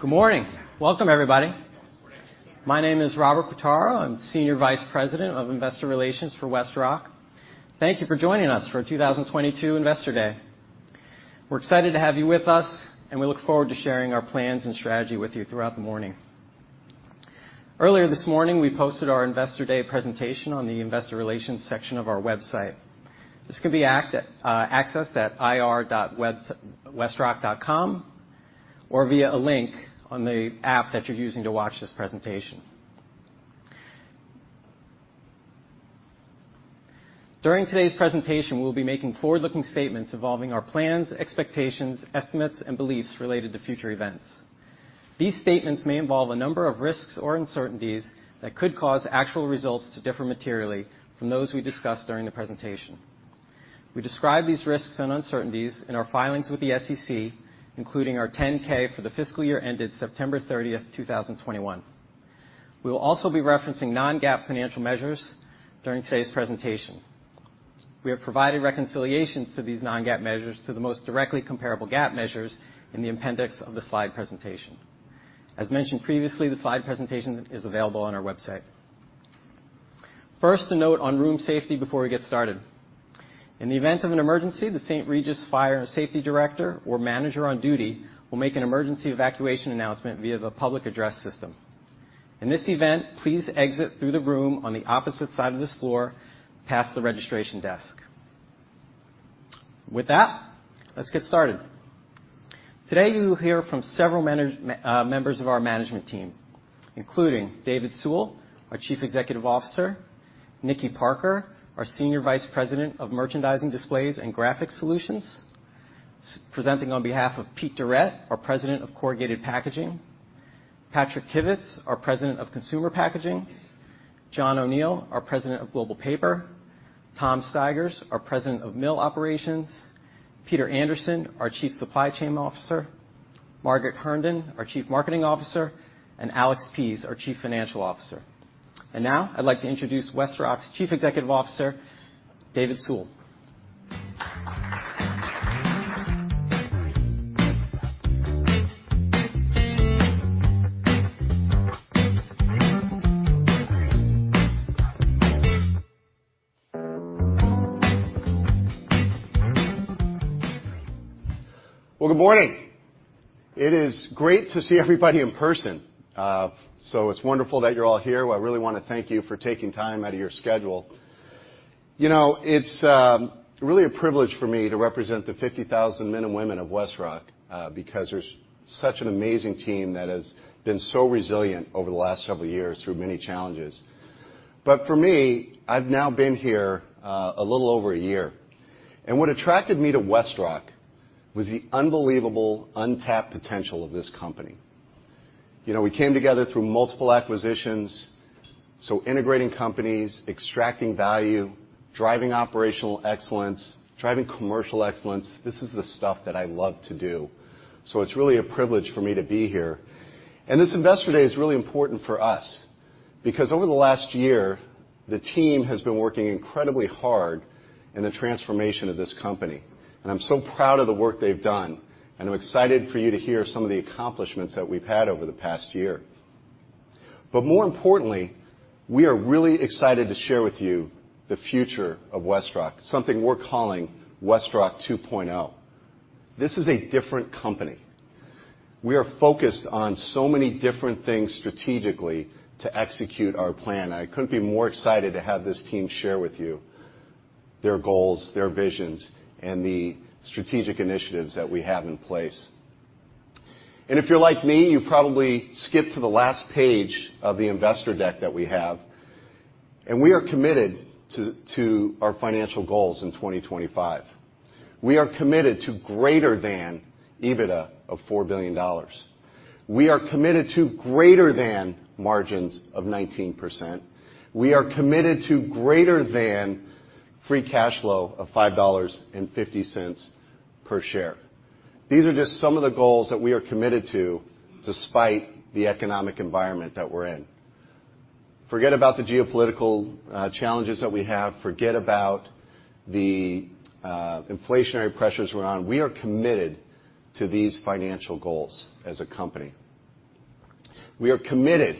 Good morning. Welcome everybody. My name is Robert Quartaro. I'm Senior Vice President of Investor Relations for WestRock. Thank you for joining us for our 2022 Investor Day. We're excited to have you with us, and we look forward to sharing our plans and strategy with you throughout the morning. Earlier this morning, we posted our Investor Day presentation on the investor relations section of our website. This can be accessed at ir.westrock.com, or via a link on the app that you're using to watch this presentation. During today's presentation, we'll be making forward-looking statements involving our plans, expectations, estimates, and beliefs related to future events. These statements may involve a number of risks or uncertainties that could cause actual results to differ materially from those we discuss during the presentation. We describe these risks and uncertainties in our filings with the SEC, including our 10-K for the fiscal year ended September 30th, 2021. We will also be referencing non-GAAP financial measures during today's presentation. We have provided reconciliations to these non-GAAP measures to the most directly comparable GAAP measures in the appendix of the slide presentation. As mentioned previously, the slide presentation is available on our website. First, a note on room safety before we get started. In the event of an emergency, the St. Regis Fire and Safety director or manager on duty will make an emergency evacuation announcement via the public address system. In this event, please exit through the room on the opposite side of this floor, past the registration desk. With that, let's get started. Today you will hear from several members of our management team, including David Sewell, our Chief Executive Officer, Nickie Parker, our Senior Vice President of Merchandising, Displays, and Graphic Solutions, presenting on behalf of Pete Durette, our President of Corrugated Packaging, Patrick Kivits, our President of Consumer Packaging, John O'Neal, our President of Global Paper, Tom Stigers, our President of Mill Operations, Peter Anderson, our Chief Supply Chain Officer, Margaret Herndon, our Chief Marketing Officer, and Alex Pease, our Chief Financial Officer. Now I'd like to introduce WestRock's Chief Executive Officer, David Sewell. Well, good morning. It is great to see everybody in person. It's wonderful that you're all here. Well, I really wanna thank you for taking time out of your schedule. You know, it's really a privilege for me to represent the 50,000 men and women of WestRock, because there's such an amazing team that has been so resilient over the last several years through many challenges. For me, I've now been here a little over a year, and what attracted me to WestRock was the unbelievable untapped potential of this company. You know, we came together through multiple acquisitions, so integrating companies, extracting value, driving operational excellence, driving commercial excellence, this is the stuff that I love to do. It's really a privilege for me to be here. This Investor Day is really important for us because over the last year, the team has been working incredibly hard in the transformation of this company, and I'm so proud of the work they've done, and I'm excited for you to hear some of the accomplishments that we've had over the past year. But more importantly, we are really excited to share with you the future of WestRock, something we're calling WestRock 2.0. This is a different company. We are focused on so many different things strategically to execute our plan. I couldn't be more excited to have this team share with you their goals, their visions, and the strategic initiatives that we have in place. If you're like me, you probably skipped to the last page of the investor deck that we have. We are committed to our financial goals in 2025. We are committed to greater than EBITDA of $4 billion. We are committed to greater than margins of 19%. We are committed to greater than free cash flow of $5.50 per share. These are just some of the goals that we are committed to despite the economic environment that we're in. Forget about the geopolitical challenges that we have. Forget about the inflationary pressures we're on. We are committed to these financial goals as a company. We are committed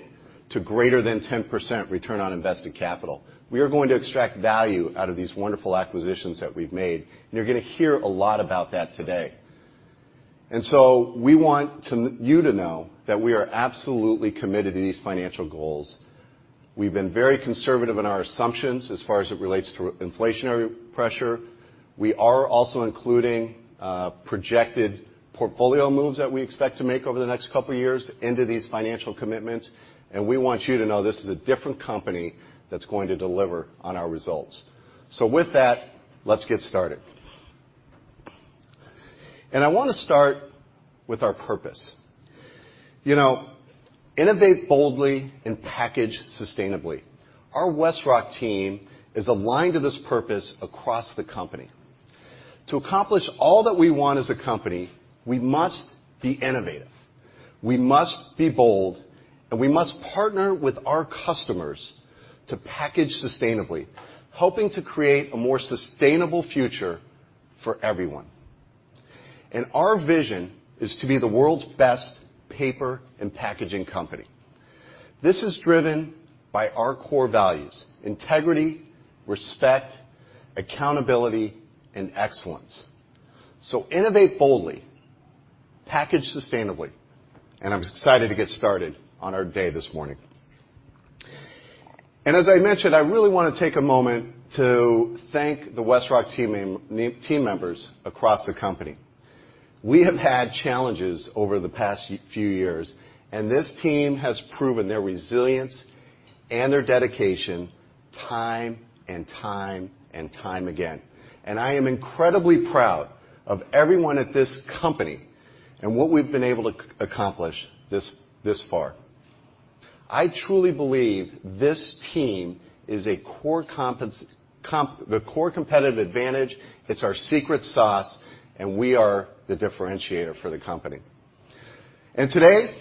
to greater than 10% return on invested capital. We are going to extract value out of these wonderful acquisitions that we've made, and you're gonna hear a lot about that today. We want you to know that we are absolutely committed to these financial goals. We've been very conservative in our assumptions as far as it relates to inflationary pressure. We are also including projected portfolio moves that we expect to make over the next couple years into these financial commitments, and we want you to know this is a different company that's going to deliver on our results. With that, let's get started. I wanna start with our purpose. You know, innovate boldly and package sustainably. Our WestRock team is aligned to this purpose across the company. To accomplish all that we want as a company, we must be innovative. We must be bold, and we must partner with our customers to package sustainably, helping to create a more sustainable future for everyone. Our vision is to be the world's best paper and packaging company. This is driven by our core values, integrity, respect, accountability, and excellence. Innovate boldly, package sustainably, and I'm excited to get started on our day this morning. As I mentioned, I really wanna take a moment to thank the WestRock team members across the company. We have had challenges over the past few years, and this team has proven their resilience and their dedication time and time again. I am incredibly proud of everyone at this company and what we've been able to accomplish this far. I truly believe this team is the core competitive advantage. It's our secret sauce, and we are the differentiator for the company. Today,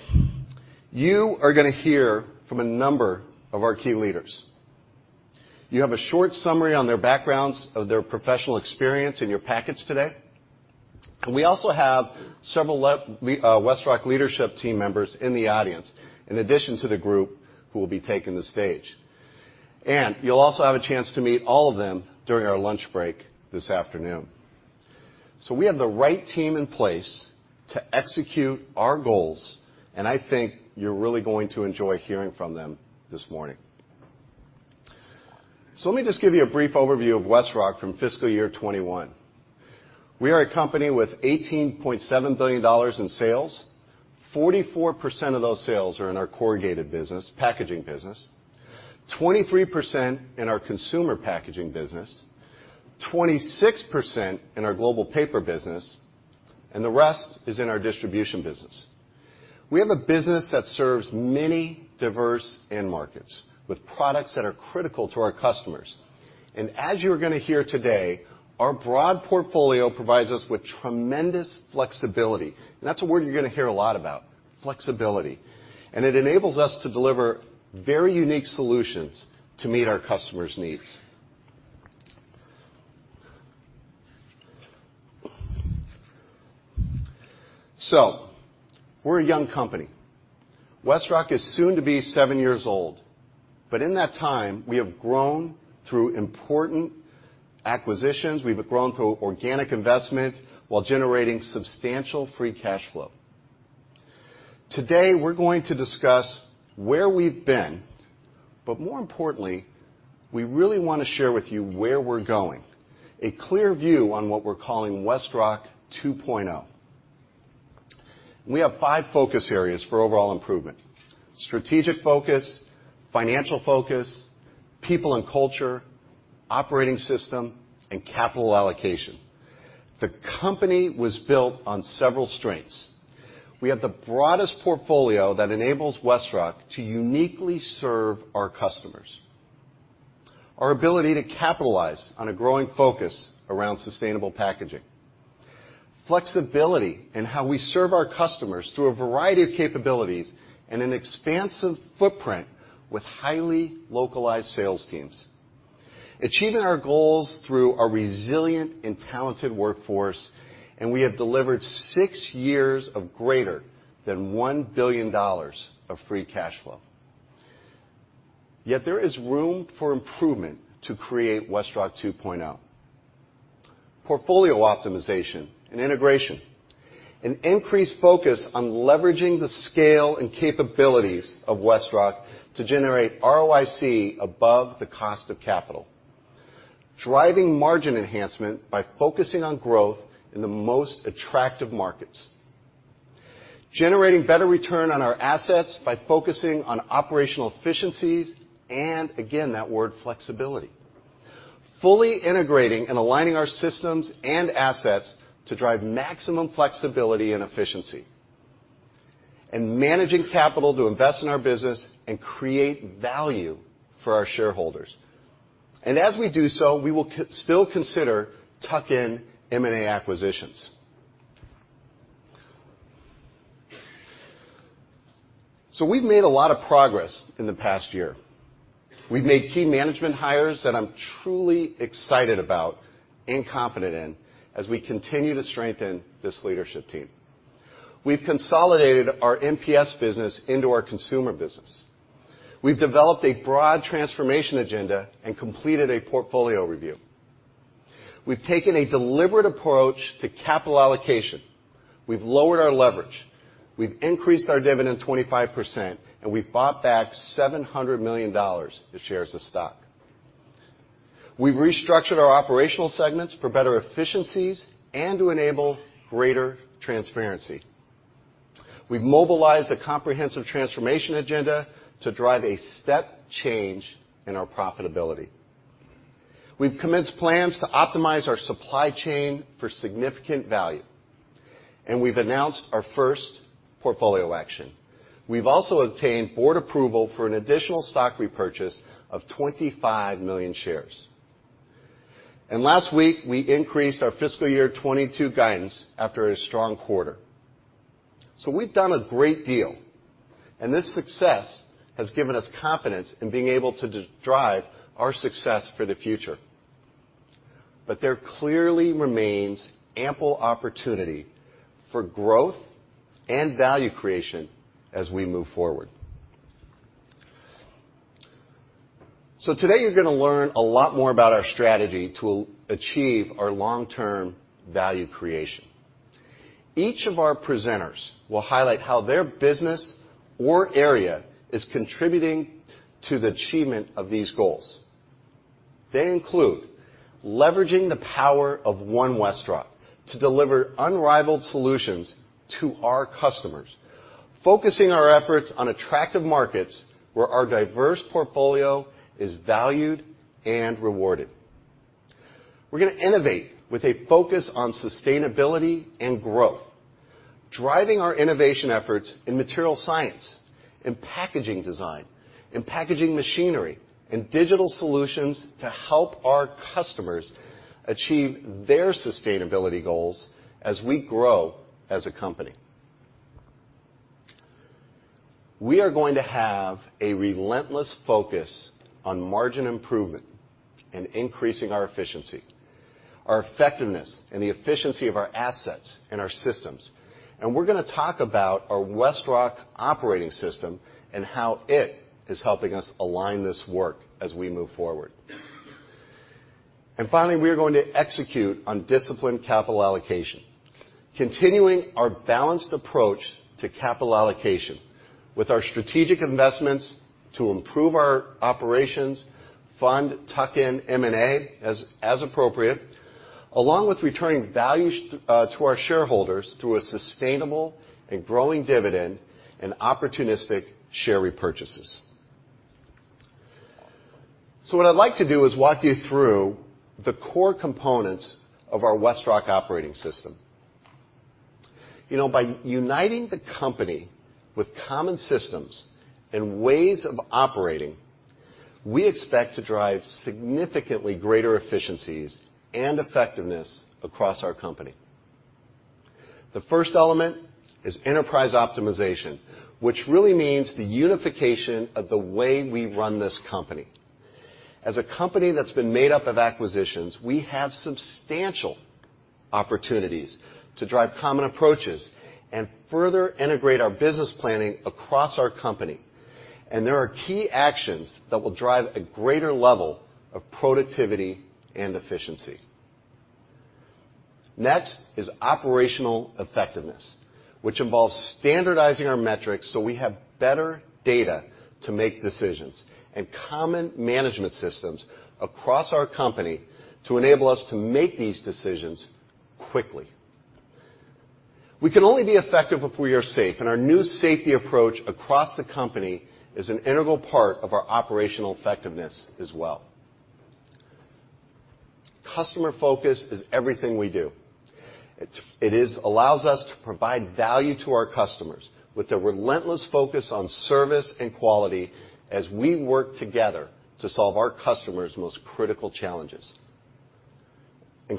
you are gonna hear from a number of our key leaders. You have a short summary on their backgrounds of their professional experience in your packets today. We also have several WestRock leadership team members in the audience, in addition to the group who will be taking the stage. You'll also have a chance to meet all of them during our lunch break this afternoon. We have the right team in place to execute our goals, and I think you're really going to enjoy hearing from them this morning. Let me just give you a brief overview of WestRock from fiscal year 2021. We are a company with $18.7 billion in sales. 44% of those sales are in our corrugated business, packaging business. 23% in our consumer packaging business, 26% in our global paper business, and the rest is in our distribution business. We have a business that serves many diverse end markets with products that are critical to our customers. As you're gonna hear today, our broad portfolio provides us with tremendous flexibility. That's a word you're gonna hear a lot about, flexibility. It enables us to deliver very unique solutions to meet our customers' needs. We're a young company. WestRock is soon to be seven years old. In that time, we have grown through important acquisitions. We've grown through organic investment while generating substantial free cash flow. Today, we're going to discuss where we've been, but more importantly, we really wanna share with you where we're going, a clear view on what we're calling WestRock 2.0. We have five focus areas for overall improvement, strategic focus, financial focus, people and culture, operating system, and capital allocation. The company was built on several strengths. We have the broadest portfolio that enables WestRock to uniquely serve our customers. Our ability to capitalize on a growing focus around sustainable packaging. Flexibility in how we serve our customers through a variety of capabilities, and an expansive footprint with highly localized sales teams. Achieving our goals through a resilient and talented workforce, and we have delivered six years of greater than $1 billion of free cash flow. Yet there is room for improvement to create WestRock 2.0. Portfolio optimization and integration. An increased focus on leveraging the scale and capabilities of WestRock to generate ROIC above the cost of capital. Driving margin enhancement by focusing on growth in the most attractive markets. Generating better return on our assets by focusing on operational efficiencies and again, that word flexibility. Fully integrating and aligning our systems and assets to drive maximum flexibility and efficiency. Managing capital to invest in our business and create value for our shareholders. As we do so, we will still consider tuck-in M&A acquisitions. We've made a lot of progress in the past year. We've made key management hires that I'm truly excited about and confident in as we continue to strengthen this leadership team. We've consolidated our MPS business into our consumer business. We've developed a broad transformation agenda and completed a portfolio review. We've taken a deliberate approach to capital allocation. We've lowered our leverage. We've increased our dividend 25%, and we've bought back $700 million of shares of stock. We've restructured our operational segments for better efficiencies and to enable greater transparency. We've mobilized a comprehensive transformation agenda to drive a step change in our profitability. We've commenced plans to optimize our supply chain for significant value, and we've announced our first portfolio action. We've also obtained board approval for an additional stock repurchase of 25 million shares. Last week, we increased our fiscal year 2022 guidance after a strong quarter. We've done a great deal, and this success has given us confidence in being able to drive our success for the future. There clearly remains ample opportunity for growth and value creation as we move forward. Today, you're gonna learn a lot more about our strategy to achieve our long-term value creation. Each of our presenters will highlight how their business or area is contributing to the achievement of these goals. They include leveraging the power of One WestRock to deliver unrivaled solutions to our customers, focusing our efforts on attractive markets where our diverse portfolio is valued and rewarded. We're gonna innovate with a focus on sustainability and growth, driving our innovation efforts in material science, in packaging design, in packaging machinery, in digital solutions to help our customers achieve their sustainability goals as we grow as a company. We are going to have a relentless focus on margin improvement and increasing our efficiency, our effectiveness, and the efficiency of our assets and our systems. We're gonna talk about our WestRock operating system and how it is helping us align this work as we move forward. Finally, we are going to execute on disciplined capital allocation, continuing our balanced approach to capital allocation with our strategic investments to improve our operations, fund tuck-in M&A as appropriate, along with returning value to our shareholders through a sustainable and growing dividend and opportunistic share repurchases. What I'd like to do is walk you through the core components of our WestRock operating system. You know, by uniting the company with common systems and ways of operating, we expect to drive significantly greater efficiencies and effectiveness across our company. The first element is enterprise optimization, which really means the unification of the way we run this company. As a company that's been made up of acquisitions, we have substantial opportunities to drive common approaches and further integrate our business planning across our company, and there are key actions that will drive a greater level of productivity and efficiency. Next is operational effectiveness, which involves standardizing our metrics so we have better data to make decisions and common management systems across our company to enable us to make these decisions quickly. We can only be effective if we are safe, and our new safety approach across the company is an integral part of our operational effectiveness as well. Customer focus is everything we do. It allows us to provide value to our customers with a relentless focus on service and quality as we work together to solve our customers' most critical challenges.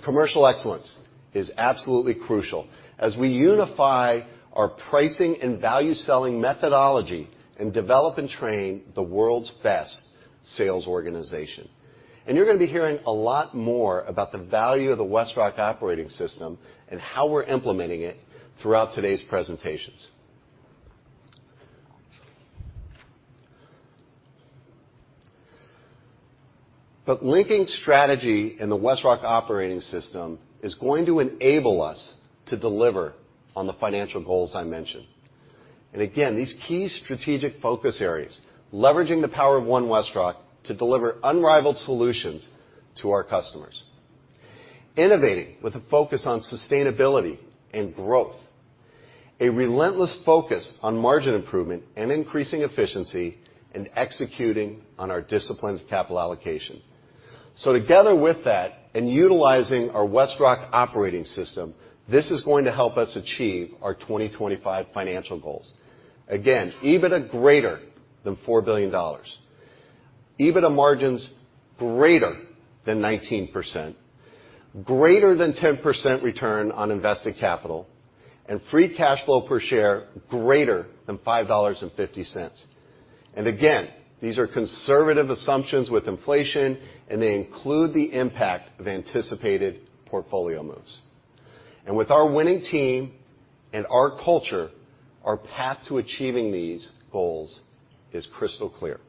Commercial excellence is absolutely crucial as we unify our pricing and value-selling methodology and develop and train the world's best sales organization. You're gonna be hearing a lot more about the value of the WestRock operating system and how we're implementing it throughout today's presentations. Linking strategy in the WestRock operating system is going to enable us to deliver on the financial goals I mentioned. Again, these key strategic focus areas, leveraging the power of One WestRock to deliver unrivaled solutions to our customers, innovating with a focus on sustainability and growth, a relentless focus on margin improvement and increasing efficiency, and executing on our disciplined capital allocation. Together with that and utilizing our WestRock operating system, this is going to help us achieve our 2025 financial goals. Again, EBITDA greater than $4 billion, EBITDA margins greater than 19%, greater than 10% return on invested capital, and free cash flow per share greater than $5.50. Again, these are conservative assumptions with inflation, and they include the impact of anticipated portfolio moves. With our winning team and our culture, our path to achieving these goals is crystal clear.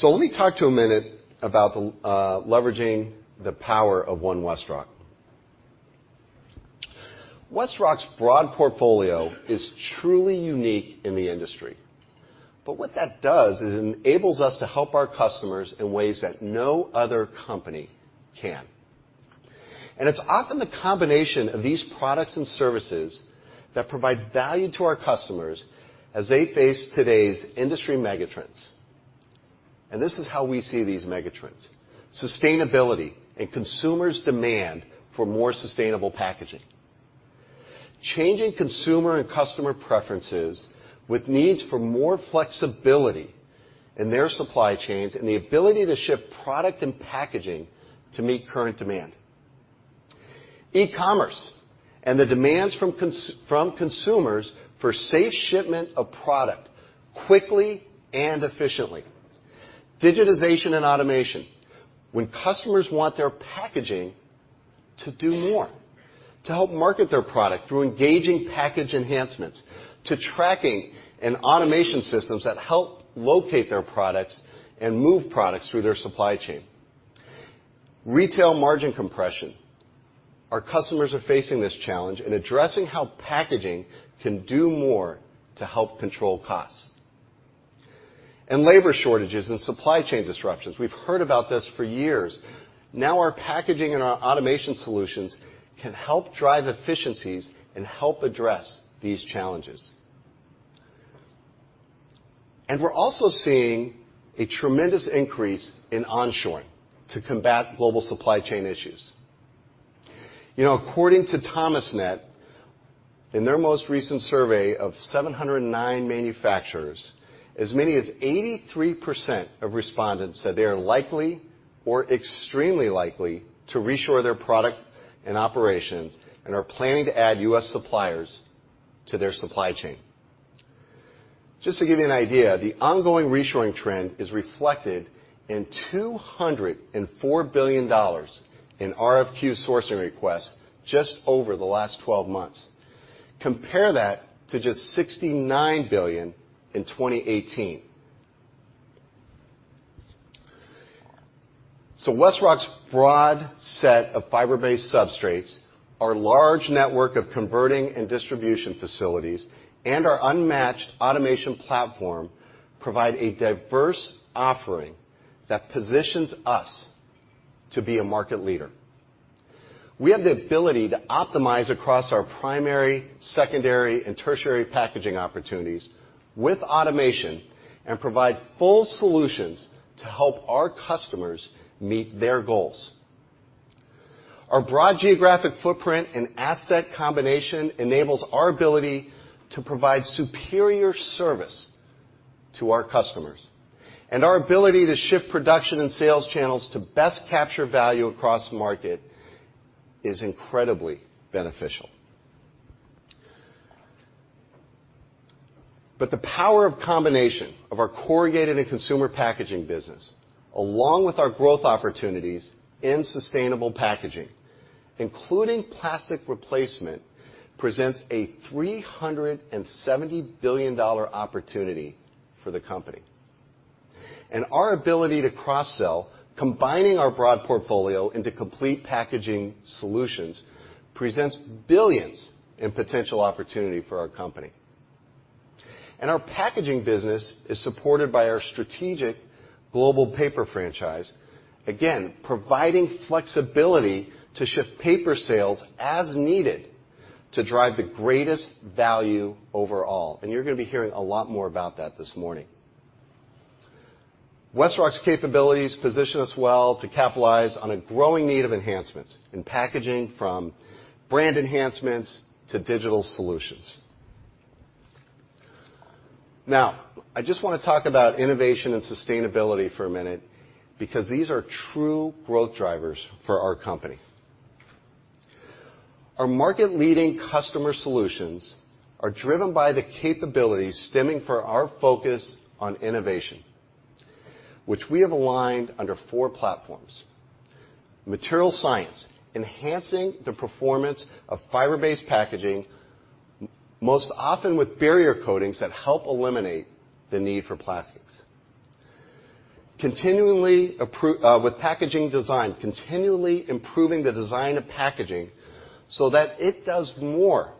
Let me talk for a minute about leveraging the power of One WestRock. WestRock's broad portfolio is truly unique in the industry. What that does is enables us to help our customers in ways that no other company can. It's often the combination of these products and services that provide value to our customers as they face today's industry megatrends. This is how we see these megatrends, sustainability and consumers' demand for more sustainable packaging. Changing consumer and customer preferences with needs for more flexibility in their supply chains and the ability to ship product and packaging to meet current demand. E-commerce and the demands from consumers for safe shipment of product quickly and efficiently. Digitization and automation. When customers want their packaging to do more, to help market their product through engaging package enhancements, to tracking and automation systems that help locate their products and move products through their supply chain. Retail margin compression. Our customers are facing this challenge in addressing how packaging can do more to help control costs. Labor shortages and supply chain disruptions. We've heard about this for years. Now, our packaging and our automation solutions can help drive efficiencies and help address these challenges. We're also seeing a tremendous increase in onshoring to combat global supply chain issues. You know, according to Thomasnet, in their most recent survey of 709 manufacturers, as many as 83% of respondents said they are likely or extremely likely to reshore their product and operations and are planning to add U.S. suppliers to their supply chain. Just to give you an idea, the ongoing reshoring trend is reflected in $204 billion in RFQ sourcing requests just over the last 12 months. Compare that to just $69 billion in 2018. WestRock's broad set of fiber-based substrates, our large network of converting and distribution facilities, and our unmatched automation platform provide a diverse offering that positions us to be a market leader. We have the ability to optimize across our primary, secondary, and tertiary packaging opportunities with automation and provide full solutions to help our customers meet their goals. Our broad geographic footprint and asset combination enables our ability to provide superior service to our customers, and our ability to shift production and sales channels to best capture value across market is incredibly beneficial. The power of combination of our corrugated and consumer packaging business, along with our growth opportunities in sustainable packaging, including plastic replacement, presents a $370 billion opportunity for the company. Our ability to cross-sell, combining our broad portfolio into complete packaging solutions, presents billions in potential opportunity for our company. Our packaging business is supported by our strategic global paper franchise, again, providing flexibility to ship paper sales as needed to drive the greatest value overall. You're gonna be hearing a lot more about that this morning. WestRock's capabilities position us well to capitalize on a growing need of enhancements in packaging from brand enhancements to digital solutions. Now, I just wanna talk about innovation and sustainability for a minute because these are true growth drivers for our company. Our market-leading customer solutions are driven by the capabilities stemming from our focus on innovation, which we have aligned under four platforms. Material science, enhancing the performance of fiber-based packaging, most often with barrier coatings that help eliminate the need for plastics. With packaging design, continually improving the design of packaging so that it does more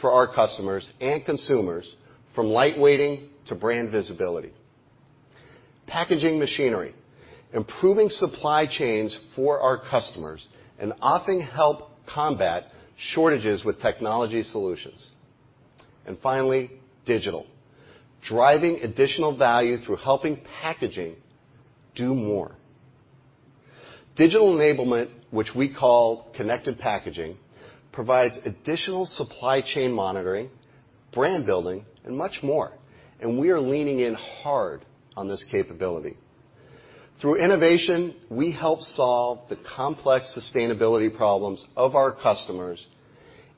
for our customers and consumers from lightweighting to brand visibility. Packaging machinery, improving supply chains for our customers and often help combat shortages with technology solutions. Finally, digital. Driving additional value through helping packaging do more. Digital enablement, which we call Connected Packaging, provides additional supply chain monitoring, brand building, and much more, and we are leaning in hard on this capability. Through innovation, we help solve the complex sustainability problems of our customers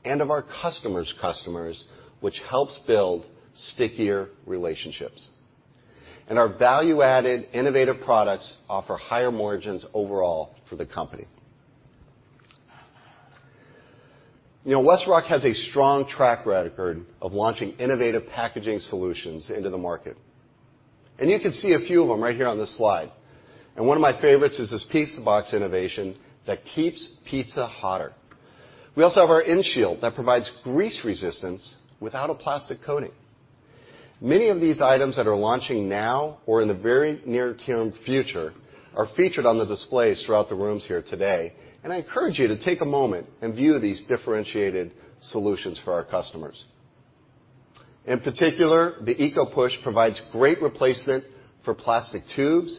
and of our customers' customers, which helps build stickier relationships. Our value-added innovative products offer higher margins overall for the company. You know, WestRock has a strong track record of launching innovative packaging solutions into the market, and you can see a few of them right here on this slide. One of my favorites is this pizza box innovation that keeps pizza hotter. We also have our EnShield that provides grease resistance without a plastic coating. Many of these items that are launching now or in the very near-term future are featured on the displays throughout the rooms here today, and I encourage you to take a moment and view these differentiated solutions for our customers. In particular, the EcoPush provides great replacement for plastic tubes,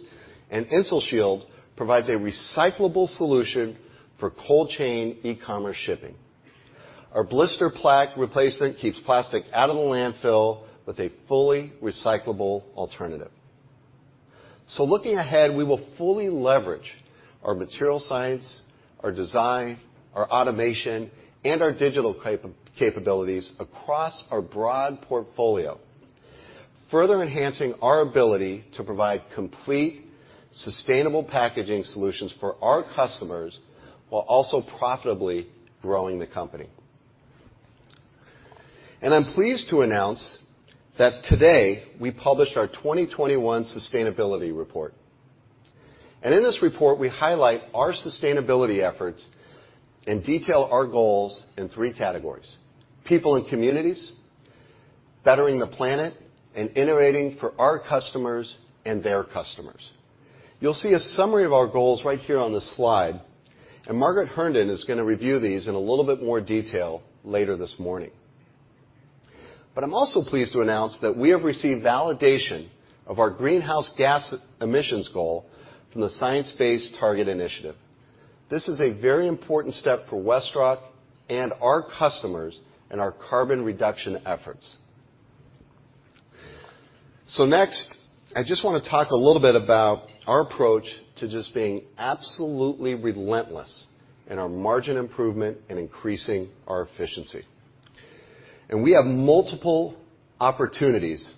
and InsulShield provides a recyclable solution for cold chain e-commerce shipping. Our blister pack replacement keeps plastic out of the landfill with a fully recyclable alternative. Looking ahead, we will fully leverage our material science, our design, our automation, and our digital capabilities across our broad portfolio, further enhancing our ability to provide complete sustainable packaging solutions for our customers while also profitably growing the company. I'm pleased to announce that today, we published our 2021 sustainability report. In this report, we highlight our sustainability efforts and detail our goals in three categories: people and communities, bettering the planet, and innovating for our customers and their customers. You'll see a summary of our goals right here on this slide, and Margaret Herndon is gonna review these in a little bit more detail later this morning. I'm also pleased to announce that we have received validation of our greenhouse gas emissions goal from the Science Based Targets initiative. This is a very important step for WestRock and our customers in our carbon reduction efforts. Next, I just wanna talk a little bit about our approach to just being absolutely relentless in our margin improvement and increasing our efficiency. We have multiple opportunities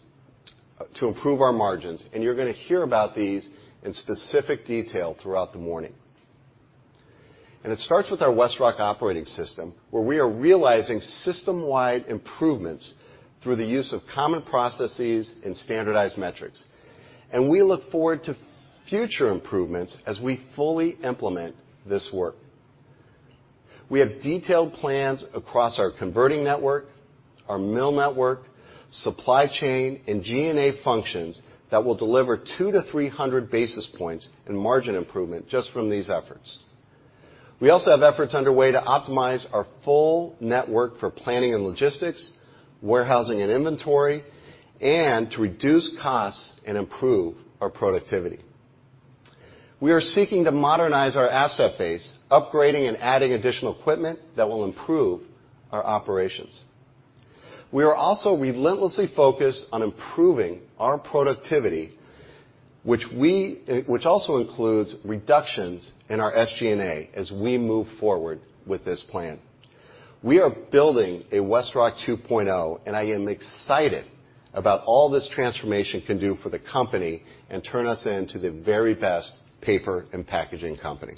to improve our margins, and you're gonna hear about these in specific detail throughout the morning. It starts with our WestRock operating system, where we are realizing system-wide improvements through the use of common processes and standardized metrics. We look forward to future improvements as we fully implement this work. We have detailed plans across our converting network, our mill network, supply chain, and G&A functions that will deliver 200-300 basis points in margin improvement just from these efforts. We also have efforts underway to optimize our full network for planning and logistics, warehousing and inventory, and to reduce costs and improve our productivity. We are seeking to modernize our asset base, upgrading and adding additional equipment that will improve our operations. We are also relentlessly focused on improving our productivity, which also includes reductions in our SG&A as we move forward with this plan. We are building a WestRock 2.0, and I am excited about all this transformation can do for the company and turn us into the very best paper and packaging company.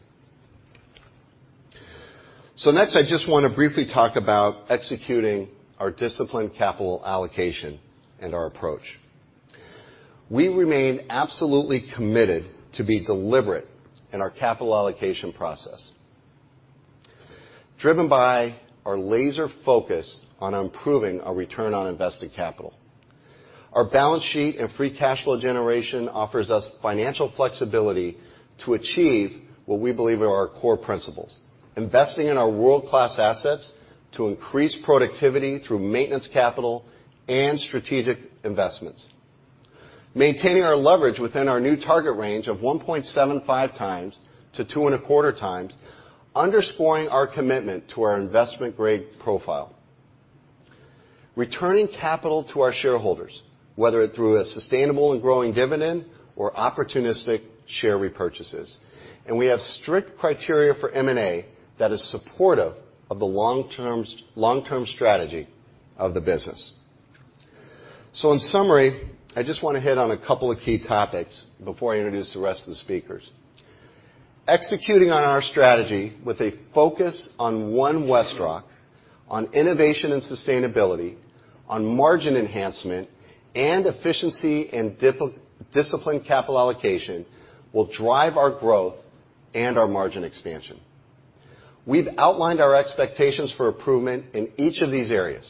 Next, I just wanna briefly talk about executing our disciplined capital allocation and our approach. We remain absolutely committed to be deliberate in our capital allocation process, driven by our laser focus on improving our return on invested capital. Our balance sheet and free cash flow generation offers us financial flexibility to achieve what we believe are our core principles, investing in our world-class assets to increase productivity through maintenance capital and strategic investments. Maintaining our leverage within our new target range of 1.75x to 2.25x, underscoring our commitment to our investment-grade profile. Returning capital to our shareholders, whether through a sustainable and growing dividend or opportunistic share repurchases. We have strict criteria for M&A that is supportive of the long-term strategy of the business. In summary, I just wanna hit on a couple of key topics before I introduce the rest of the speakers. Executing on our strategy with a focus on One WestRock, on innovation and sustainability, on margin enhancement and efficiency and discipline capital allocation, will drive our growth and our margin expansion. We've outlined our expectations for improvement in each of these areas,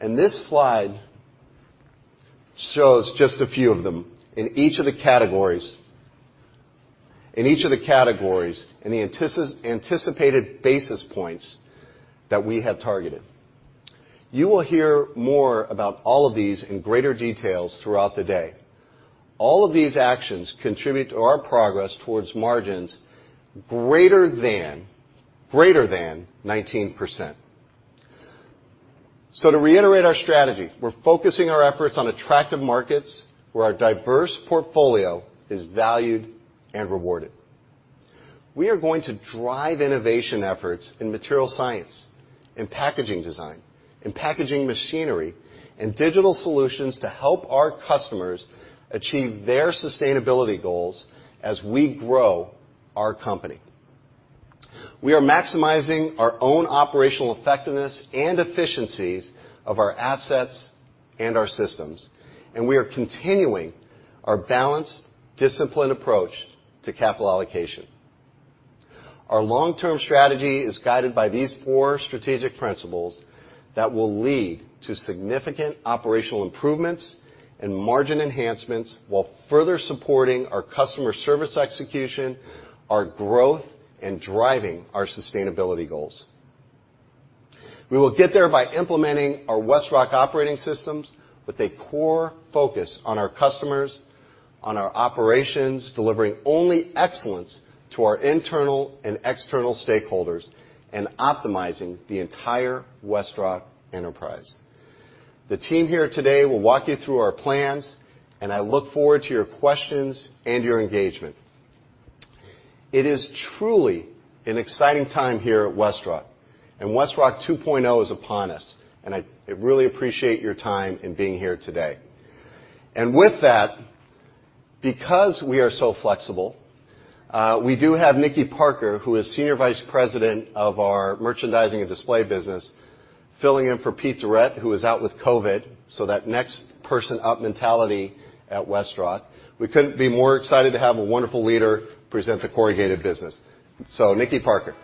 and this slide shows just a few of them in each of the categories in the anticipated basis points that we have targeted. You will hear more about all of these in greater details throughout the day. All of these actions contribute to our progress towards margins greater than 19%. To reiterate our strategy, we're focusing our efforts on attractive markets where our diverse portfolio is valued and rewarded. We are going to drive innovation efforts in material science, in packaging design, in packaging machinery, and digital solutions to help our customers achieve their sustainability goals as we grow our company. We are maximizing our own operational effectiveness and efficiencies of our assets and our systems, and we are continuing our balanced, disciplined approach to capital allocation. Our long-term strategy is guided by these four strategic principles that will lead to significant operational improvements and margin enhancements while further supporting our customer service execution, our growth, and driving our sustainability goals. We will get there by implementing our WestRock operating systems with a core focus on our customers, on our operations, delivering only excellence to our internal and external stakeholders, and optimizing the entire WestRock enterprise. The team here today will walk you through our plans, and I look forward to your questions and your engagement. It is truly an exciting time here at WestRock, and WestRock 2.0 is upon us, and I really appreciate your time in being here today. With that, because we are so flexible, we do have Nickie Parker, who is Senior Vice President of our Merchandising and Display business, filling in for Pete Durette, who is out with COVID, so that next person up mentality at WestRock. We couldn't be more excited to have a wonderful leader present the corrugated business. Nickie Parker.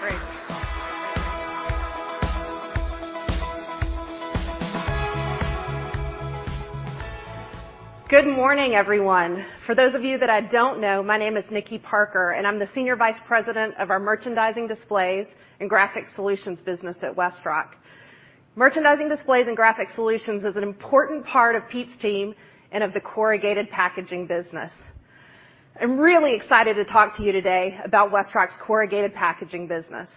Great. Good morning, everyone. For those of you that I don't know, my name is Nickie Parker, and I'm the Senior Vice President of our Merchandising Displays and Graphic Solutions business at WestRock. Merchandising Displays and Graphic Solutions is an important part of Pete's team and of the corrugated packaging business. I'm really excited to talk to you today about WestRock's corrugated packaging business.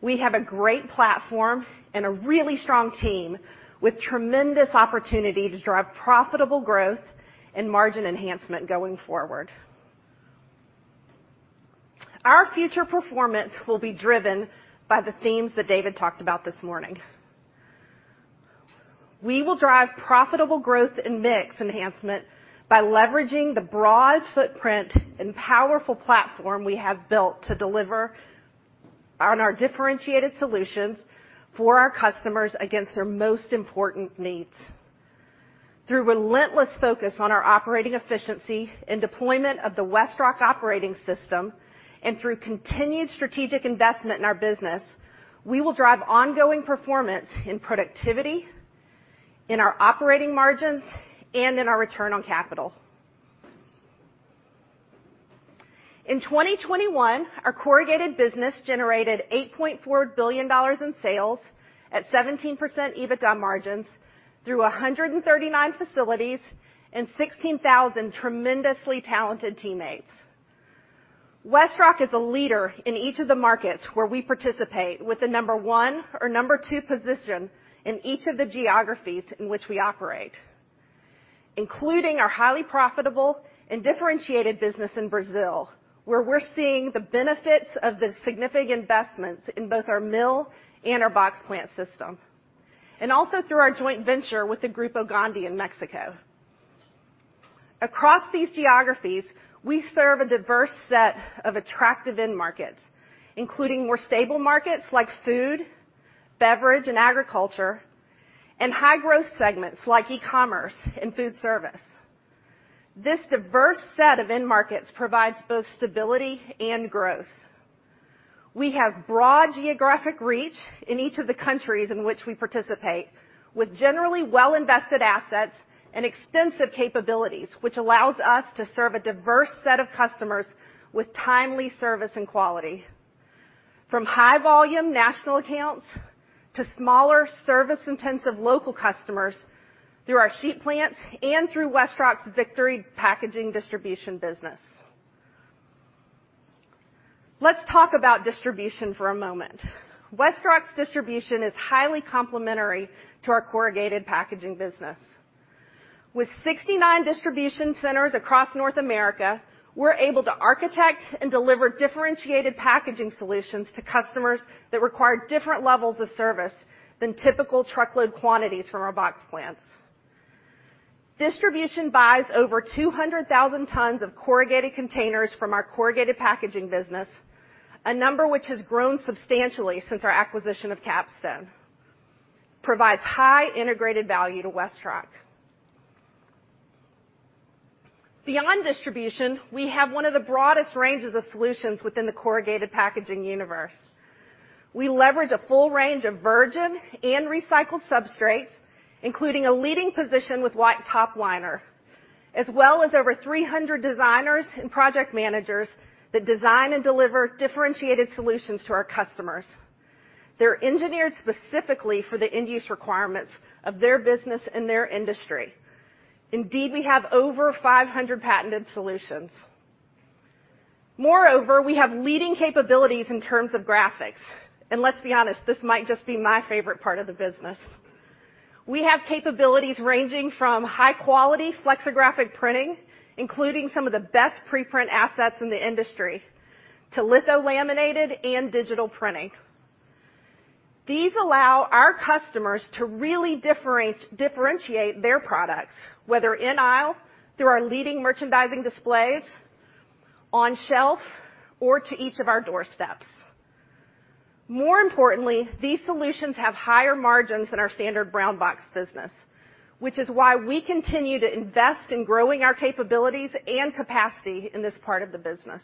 We have a great platform and a really strong team with tremendous opportunity to drive profitable growth and margin enhancement going forward. Our future performance will be driven by the themes that David talked about this morning. We will drive profitable growth and mix enhancement by leveraging the broad footprint and powerful platform we have built to deliver on our differentiated solutions for our customers against their most important needs. Through relentless focus on our operating efficiency and deployment of the WestRock operating system and through continued strategic investment in our business, we will drive ongoing performance in productivity, in our operating margins, and in our return on capital. In 2021, our corrugated business generated $8.4 billion in sales at 17% EBITDA margins through 139 facilities and 16,000 tremendously talented teammates. WestRock is a leader in each of the markets where we participate with the number one or number two position in each of the geographies in which we operate, including our highly profitable and differentiated business in Brazil, where we're seeing the benefits of the significant investments in both our mill and our box plant system, and also through our joint venture with the Grupo Gondi in Mexico. Across these geographies, we serve a diverse set of attractive end markets, including more stable markets like food, beverage, and agriculture, and high-growth segments like e-commerce and food service. This diverse set of end markets provides both stability and growth. We have broad geographic reach in each of the countries in which we participate, with generally well-invested assets and extensive capabilities, which allows us to serve a diverse set of customers with timely service and quality, from high-volume national accounts to smaller service-intensive local customers through our sheet plants and through WestRock's Victory Packaging Distribution business. Let's talk about distribution for a moment. WestRock's distribution is highly complementary to our corrugated packaging business. With 69 distribution centers across North America, we're able to architect and deliver differentiated packaging solutions to customers that require different levels of service than typical truckload quantities from our box plants. Distribution buys over 200,000 tons of corrugated containers from our corrugated packaging business, a number which has grown substantially since our acquisition of KapStone. Provides high integrated value to WestRock. Beyond distribution, we have one of the broadest ranges of solutions within the corrugated packaging universe. We leverage a full range of virgin and recycled substrates, including a leading position with white top liner, as well as over 300 designers and project managers that design and deliver differentiated solutions to our customers. They're engineered specifically for the end-use requirements of their business and their industry. Indeed, we have over 500 patented solutions. Moreover, we have leading capabilities in terms of graphics, and let's be honest, this might just be my favorite part of the business. We have capabilities ranging from high-quality flexographic printing, including some of the best preprint assets in the industry, to litho-laminated and digital printing. These allow our customers to really differentiate their products, whether in-aisle, through our leading merchandising displays, on shelf, or to each of our doorsteps. More importantly, these solutions have higher margins than our standard brown box business, which is why we continue to invest in growing our capabilities and capacity in this part of the business.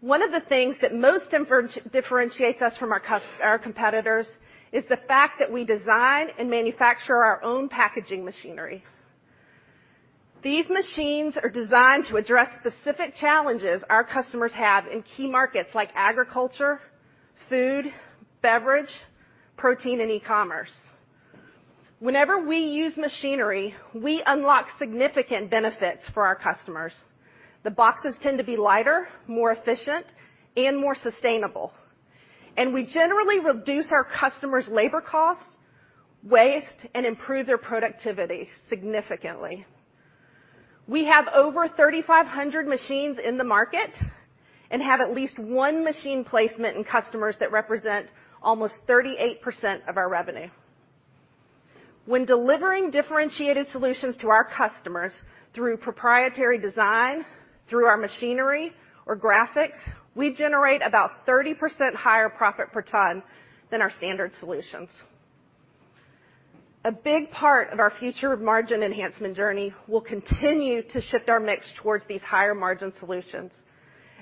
One of the things that most differentiates us from our competitors is the fact that we design and manufacture our own packaging machinery. These machines are designed to address specific challenges our customers have in key markets like agriculture, food, beverage, protein, and e-commerce. Whenever we use machinery, we unlock significant benefits for our customers. The boxes tend to be lighter, more efficient, and more sustainable. We generally reduce our customers' labor costs, waste, and improve their productivity significantly. We have over 3,500 machines in the market and have at least one machine placement in customers that represent almost 38% of our revenue. When delivering differentiated solutions to our customers through proprietary design, through our machinery or graphics, we generate about 30% higher profit per ton than our standard solutions. A big part of our future margin enhancement journey will continue to shift our mix towards these higher margin solutions,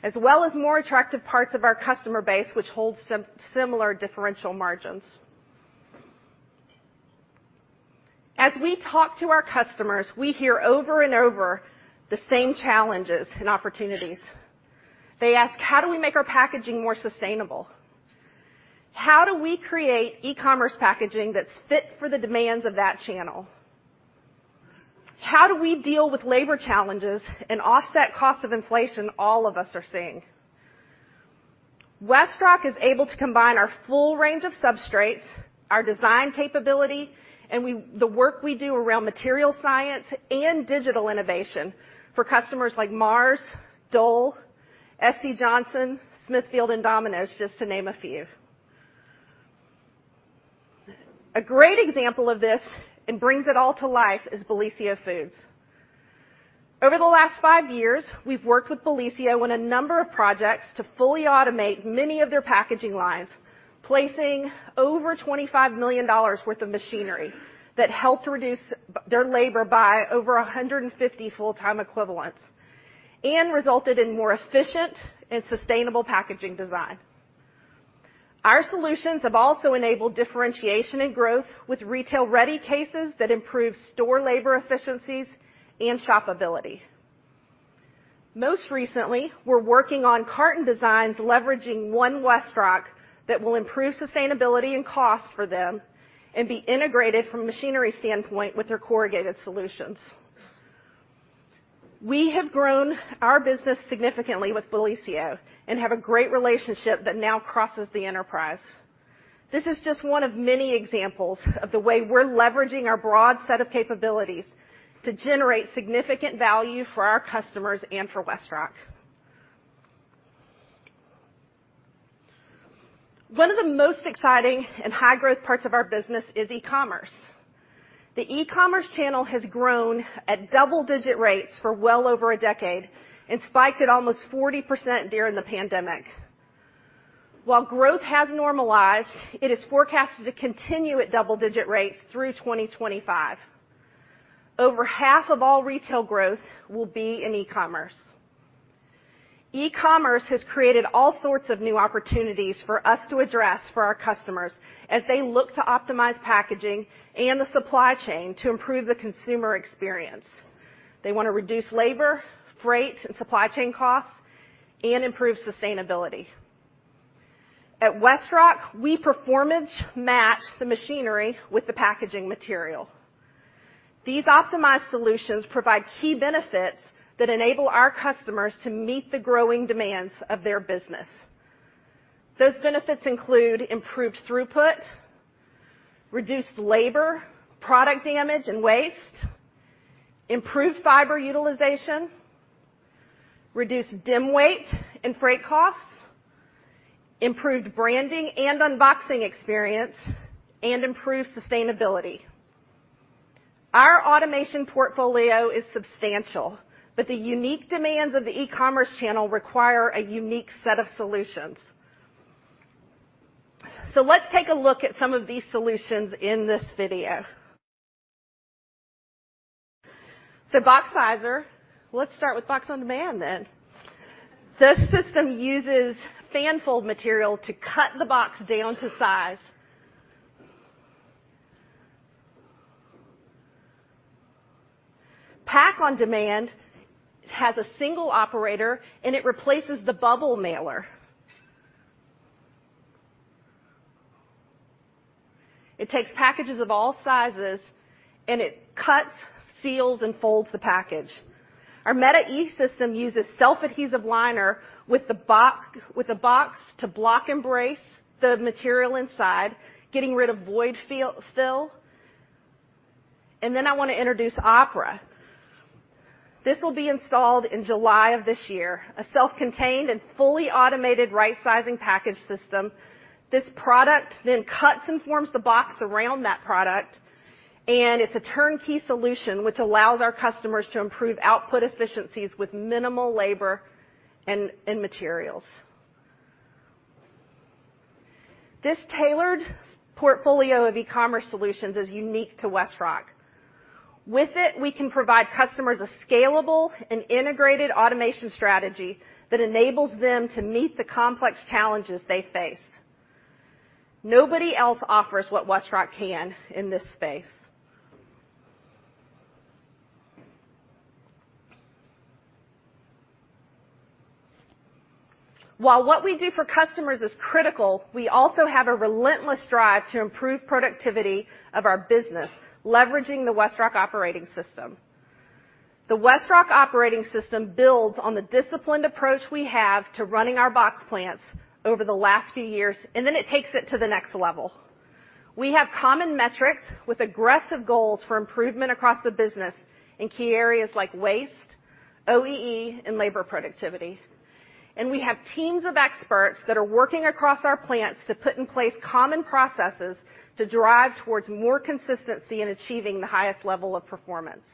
as well as more attractive parts of our customer base, which holds similar differential margins. As we talk to our customers, we hear over and over the same challenges and opportunities. They ask, "How do we make our packaging more sustainable? How do we create e-commerce packaging that's fit for the demands of that channel? How do we deal with labor challenges and offset cost of inflation all of us are seeing?" WestRock is able to combine our full range of substrates, our design capability, the work we do around material science and digital innovation for customers like Mars, Dole, SC Johnson, Smithfield, and Domino's, just to name a few. A great example of this, and brings it all to life, is Bellisio Foods. Over the last five years, we've worked with Bellisio on a number of projects to fully automate many of their packaging lines, placing over $25 million worth of machinery that helped reduce their labor by over 150 full-time equivalents and resulted in more efficient and sustainable packaging design. Our solutions have also enabled differentiation and growth with retail-ready cases that improve store labor efficiencies and shopability. Most recently, we're working on carton designs leveraging One WestRock that will improve sustainability and cost for them and be integrated from a machinery standpoint with their corrugated solutions. We have grown our business significantly with Bellisio and have a great relationship that now crosses the enterprise. This is just one of many examples of the way we're leveraging our broad set of capabilities to generate significant value for our customers and for WestRock. One of the most exciting and high-growth parts of our business is e-commerce. The e-commerce channel has grown at double-digit rates for well over a decade and spiked at almost 40% during the pandemic. While growth has normalized, it is forecasted to continue at double-digit rates through 2025. Over half of all retail growth will be in e-commerce. E-commerce has created all sorts of new opportunities for us to address for our customers as they look to optimize packaging and the supply chain to improve the consumer experience. They wanna reduce labor, freight, and supply chain costs and improve sustainability. At WestRock, we performance match the machinery with the packaging material. These optimized solutions provide key benefits that enable our customers to meet the growing demands of their business. Those benefits include improved throughput, reduced labor, product damage, and waste, improved fiber utilization, reduced DIM weight and freight costs, improved branding and unboxing experience, and improved sustainability. Our automation portfolio is substantial, but the unique demands of the e-commerce channel require a unique set of solutions. Let's take a look at some of these solutions in this video. BoxSizer. Let's start with Box On Demand then. This system uses fanfold material to cut the box down to size. Pak on Demand has a single operator, and it replaces the bubble mailer. It takes packages of all sizes, and it cuts, seals, and folds the package. Our MetaE system uses self-adhesive liner with the box to block and brace the material inside, getting rid of void fill. I wanna introduce Opera. This will be installed in July of this year, a self-contained and fully automated right-sizing package system. This product then cuts and forms the box around that product, and it's a turnkey solution which allows our customers to improve output efficiencies with minimal labor and materials. This tailored S-portfolio of e-commerce solutions is unique to WestRock. With it, we can provide customers a scalable and integrated automation strategy that enables them to meet the complex challenges they face. Nobody else offers what WestRock can in this space. While what we do for customers is critical, we also have a relentless drive to improve productivity of our business, leveraging the WestRock operating system. The WestRock operating system builds on the disciplined approach we have to running our box plants over the last few years, and then it takes it to the next level. We have common metrics with aggressive goals for improvement across the business in key areas like waste, OEE, and labor productivity. We have teams of experts that are working across our plants to put in place common processes to drive towards more consistency in achieving the highest level of performance.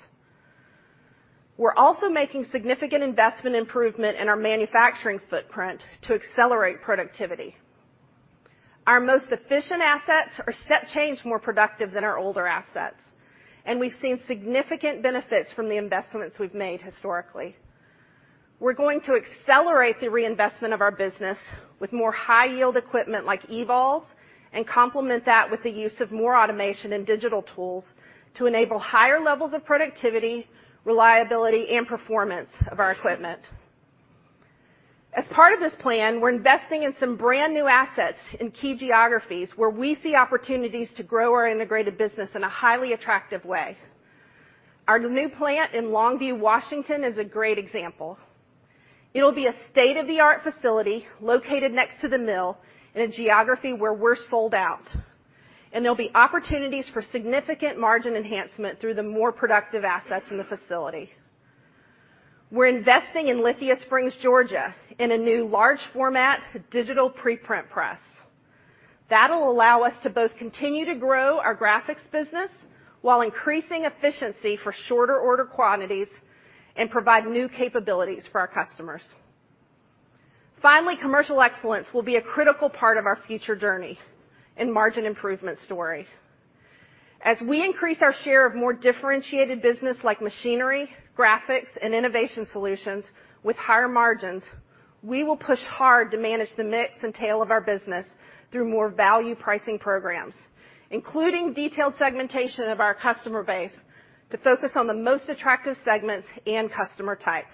We're also making significant investment improvement in our manufacturing footprint to accelerate productivity. Our most efficient assets are step change more productive than our older assets, and we've seen significant benefits from the investments we've made historically. We're going to accelerate the reinvestment of our business with more high-yield equipment like EVOs, and complement that with the use of more automation and digital tools to enable higher levels of productivity, reliability, and performance of our equipment. As part of this plan, we're investing in some brand-new assets in key geographies where we see opportunities to grow our integrated business in a highly attractive way. Our new plant in Longview, Washington is a great example. It'll be a state-of-the-art facility located next to the mill in a geography where we're sold out, and there'll be opportunities for significant margin enhancement through the more productive assets in the facility. We're investing in Lithia Springs, Georgia in a new large format digital pre-print press. That'll allow us to both continue to grow our graphics business while increasing efficiency for shorter order quantities and provide new capabilities for our customers. Finally, commercial excellence will be a critical part of our future journey and margin improvement story. As we increase our share of more differentiated business like machinery, graphics, and innovation solutions with higher margins, we will push hard to manage the mix and tail of our business through more value pricing programs, including detailed segmentation of our customer base to focus on the most attractive segments and customer types.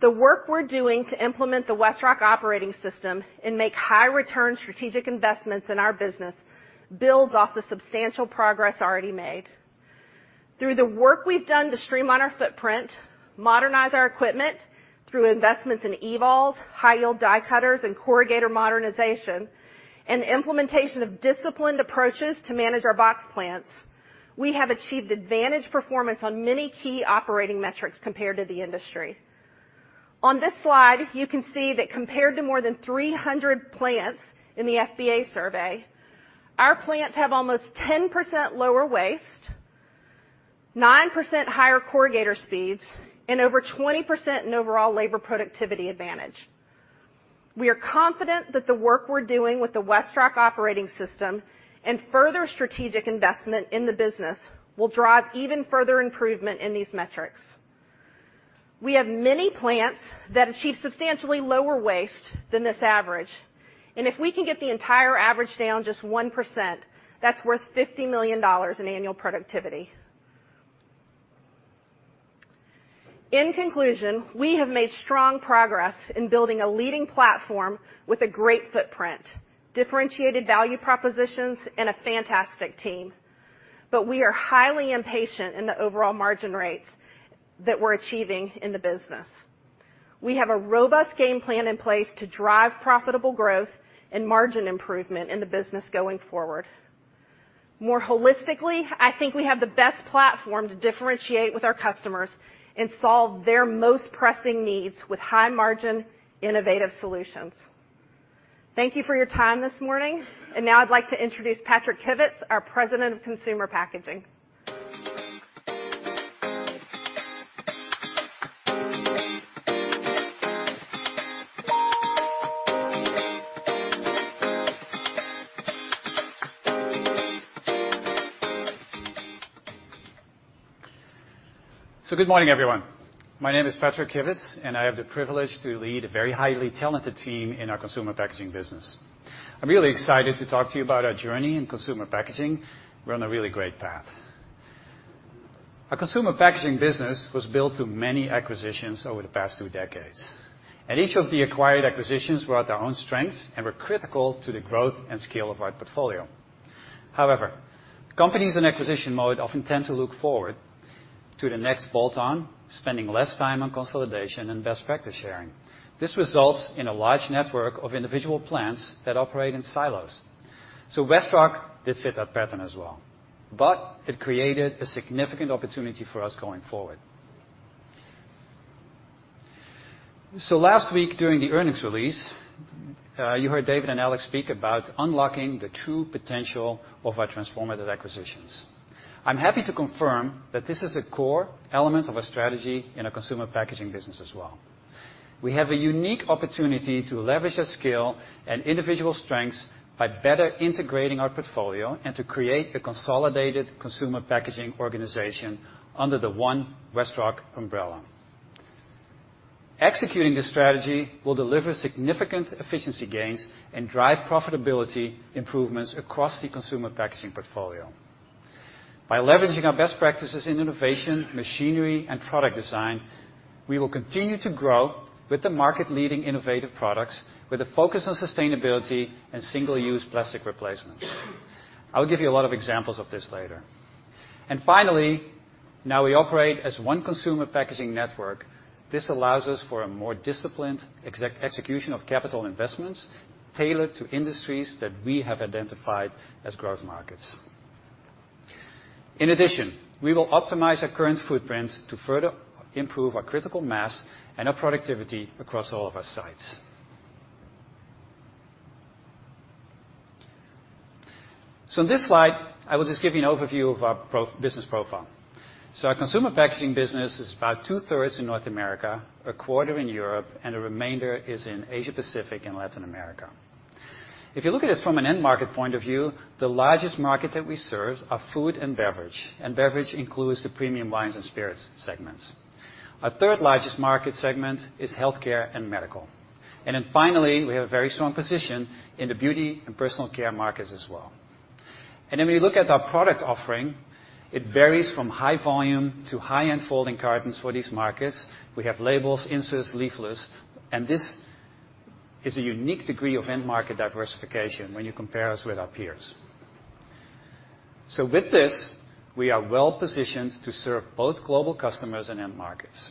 The work we're doing to implement the WestRock operating system and make high return strategic investments in our business builds off the substantial progress already made. Through the work we've done to streamline our footprint, modernize our equipment through investments in EVO, high-yield die cutters, and corrugator modernization, and the implementation of disciplined approaches to manage our box plants, we have achieved advantage performance on many key operating metrics compared to the industry. On this slide, you can see that compared to more than 300 plants in the FBA survey, our plants have almost 10% lower waste, 9% higher corrugator speeds, and over 20% in overall labor productivity advantage. We are confident that the work we're doing with the WestRock operating system and further strategic investment in the business will drive even further improvement in these metrics. We have many plants that achieve substantially lower waste than this average, and if we can get the entire average down just 1%, that's worth $50 million in annual productivity. In conclusion, we have made strong progress in building a leading platform with a great footprint, differentiated value propositions, and a fantastic team. We are highly impatient in the overall margin rates that we're achieving in the business. We have a robust game plan in place to drive profitable growth and margin improvement in the business going forward. More holistically, I think we have the best platform to differentiate with our customers and solve their most pressing needs with high-margin, innovative solutions. Thank you for your time this morning. Now I'd like to introduce Patrick Kivits, our President of Consumer Packaging. Good morning, everyone. My name is Patrick Kivits, and I have the privilege to lead a very highly talented team in our consumer packaging business. I'm really excited to talk to you about our journey in consumer packaging. We're on a really great path. Our consumer packaging business was built through many acquisitions over the past two decades, and each of the acquisitions brought their own strengths and were critical to the growth and scale of our portfolio. However, companies in acquisition mode often tend to look forward to the next bolt-on, spending less time on consolidation and best practice sharing. This results in a large network of individual plants that operate in silos. WestRock fit that pattern as well, but it created a significant opportunity for us going forward. Last week during the earnings release, you heard David and Alex speak about unlocking the true potential of our transformative acquisitions. I'm happy to confirm that this is a core element of our strategy in our consumer packaging business as well. We have a unique opportunity to leverage our scale and individual strengths by better integrating our portfolio and to create a consolidated consumer packaging organization under the One WestRock umbrella. Executing this strategy will deliver significant efficiency gains and drive profitability improvements across the consumer packaging portfolio. By leveraging our best practices in innovation, machinery, and product design, we will continue to grow with the market-leading innovative products with a focus on sustainability and single-use plastic replacements. I'll give you a lot of examples of this later. Finally, now we operate as one consumer packaging network. This allows us for a more disciplined execution of capital investments tailored to industries that we have identified as growth markets. In addition, we will optimize our current footprint to further improve our critical mass and our productivity across all of our sites. In this slide, I will just give you an overview of our business profile. Our consumer packaging business is about 2/3 in North America, 1/4 in Europe, and a remainder is in Asia-Pacific and Latin America. If you look at it from an end market point of view, the largest market that we serve are food and beverage, and beverage includes the premium wines and spirits segments. Our third largest market segment is healthcare and medical. Finally, we have a very strong position in the beauty and personal care markets as well. Then when you look at our product offering, it varies from high volume to high-end folding cartons for these markets. We have labels, inserts, leaflets, and this is a unique degree of end market diversification when you compare us with our peers. With this, we are well-positioned to serve both global customers and end markets.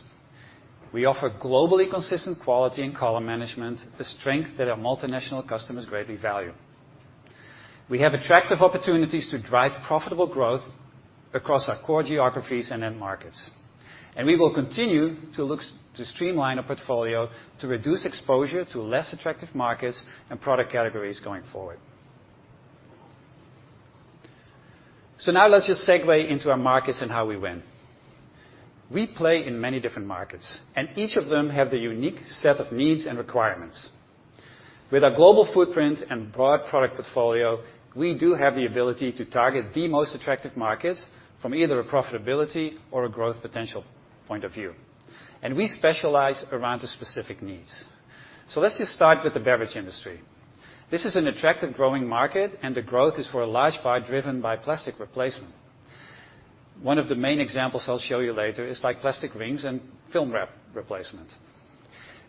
We offer globally consistent quality and color management, the strength that our multinational customers greatly value. We have attractive opportunities to drive profitable growth across our core geographies and end markets, and we will continue to look to streamline our portfolio to reduce exposure to less attractive markets and product categories going forward. Now let's just segue into our markets and how we win. We play in many different markets, and each of them have the unique set of needs and requirements. With our global footprint and broad product portfolio, we do have the ability to target the most attractive markets from either a profitability or a growth potential point of view, and we specialize around the specific needs. Let's just start with the beverage industry. This is an attractive growing market, and the growth is for a large part driven by plastic replacement. One of the main examples I'll show you later is like plastic rings and film wrap replacement.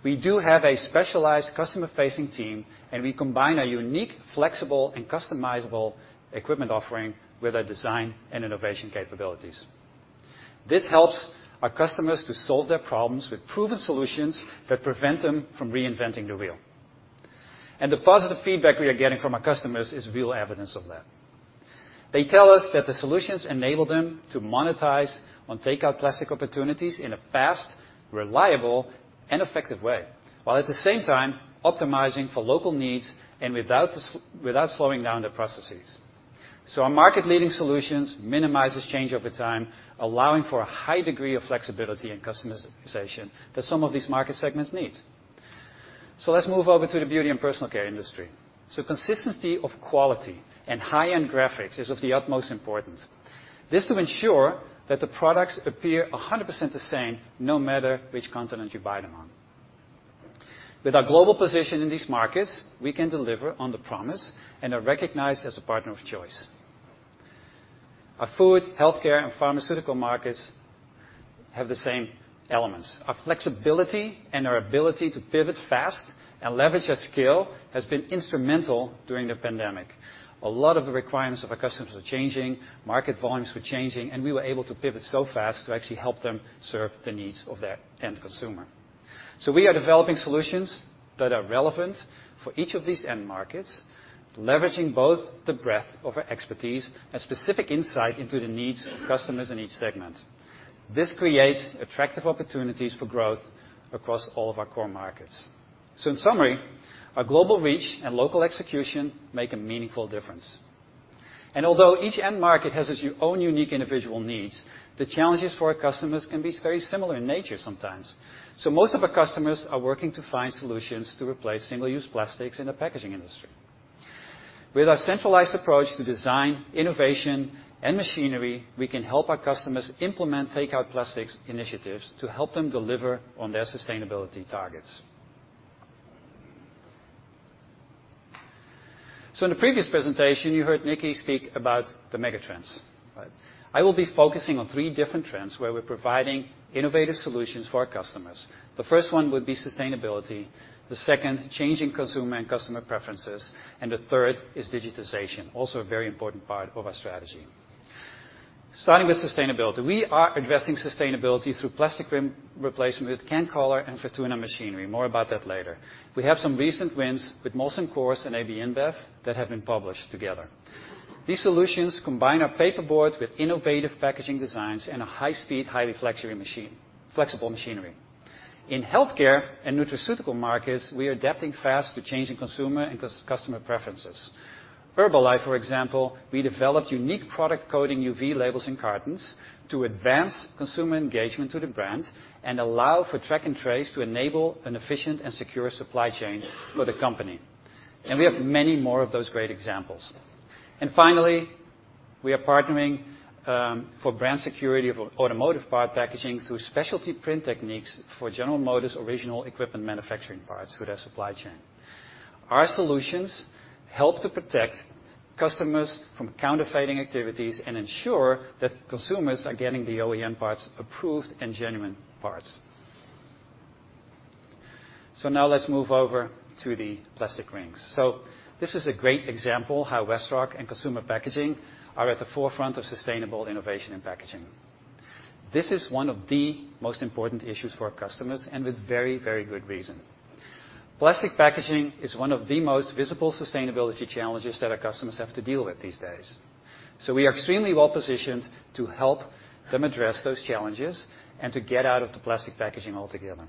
We do have a specialized customer-facing team, and we combine a unique, flexible, and customizable equipment offering with our design and innovation capabilities. This helps our customers to solve their problems with proven solutions that prevent them from reinventing the wheel. The positive feedback we are getting from our customers is real evidence of that. They tell us that the solutions enable them to monetize on takeout plastic opportunities in a fast, reliable, and effective way, while at the same time optimizing for local needs and without slowing down their processes. Our market-leading solutions minimizes change over time, allowing for a high degree of flexibility and customization that some of these market segments need. Let's move over to the beauty and personal care industry. Consistency of quality and high-end graphics is of the utmost importance. This to ensure that the products appear 100% the same, no matter which continent you buy them on. With our global position in these markets, we can deliver on the promise and are recognized as a partner of choice. Our food, healthcare, and pharmaceutical markets have the same elements. Our flexibility and our ability to pivot fast and leverage our scale has been instrumental during the pandemic. A lot of the requirements of our customers were changing, market volumes were changing, and we were able to pivot so fast to actually help them serve the needs of their end consumer. We are developing solutions that are relevant for each of these end markets, leveraging both the breadth of our expertise and specific insight into the needs of customers in each segment. This creates attractive opportunities for growth across all of our core markets. In summary, our global reach and local execution make a meaningful difference. Although each end market has its own unique individual needs, the challenges for our customers can be very similar in nature sometimes. Most of our customers are working to find solutions to replace single-use plastics in the packaging industry. With our centralized approach to design, innovation, and machinery, we can help our customers implement takeout plastics initiatives to help them deliver on their sustainability targets. In the previous presentation, you heard Nickie speak about the mega trends, right? I will be focusing on three different trends where we're providing innovative solutions for our customers. The first one would be sustainability, the second, changing consumer and customer preferences, and the third is digitization, also a very important part of our strategy. Starting with sustainability. We are addressing sustainability through plastic ring replacement with CanCollar and Fortuna machinery. More about that later. We have some recent wins with Molson Coors and AB InBev that have been published together. These solutions combine our paperboard with innovative packaging designs and a high-speed, highly flexible machinery. In healthcare and nutraceutical markets, we are adapting fast to changing consumer and customer preferences. Herbalife, for example, we developed unique product coding, UV labels, and cartons to advance consumer engagement to the brand and allow for track and trace to enable an efficient and secure supply chain for the company. We have many more of those great examples. We are partnering for brand security of automotive part packaging through specialty print techniques for General Motors original equipment manufacturing parts through their supply chain. Our solutions help to protect customers from counterfeiting activities and ensure that consumers are getting the OEM parts approved and genuine parts. Now let's move over to the plastic rings. This is a great example how WestRock and consumer packaging are at the forefront of sustainable innovation in packaging. This is one of the most important issues for our customers, and with very, very good reason. Plastic packaging is one of the most visible sustainability challenges that our customers have to deal with these days. We are extremely well-positioned to help them address those challenges and to get out of the plastic packaging altogether.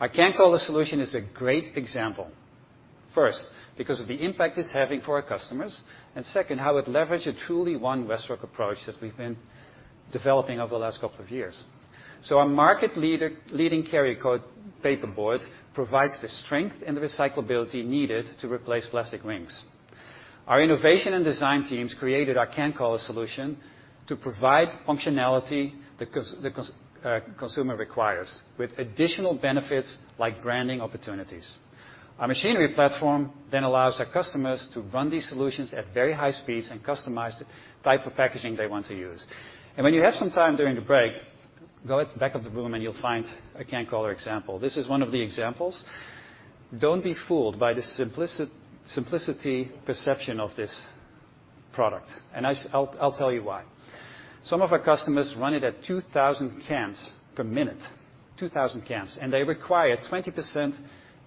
Our CanCollar solution is a great example, first, because of the impact it's having for our customers, and second, how it leveraged a truly One WestRock approach that we've been developing over the last couple of years. Our market leading CarrierKote paperboard provides the strength and the recyclability needed to replace plastic rings. Our innovation and design teams created our CanCollar solution to provide functionality the consumer requires, with additional benefits like branding opportunities. Our machinery platform then allows our customers to run these solutions at very high speeds and customize the type of packaging they want to use. When you have some time during the break, go at the back of the room and you'll find a CanCollar example. This is one of the examples. Don't be fooled by the simplicity perception of this product, and I'll tell you why. Some of our customers run it at 2,000 cans per minute, 2,000 cans, and they require 20%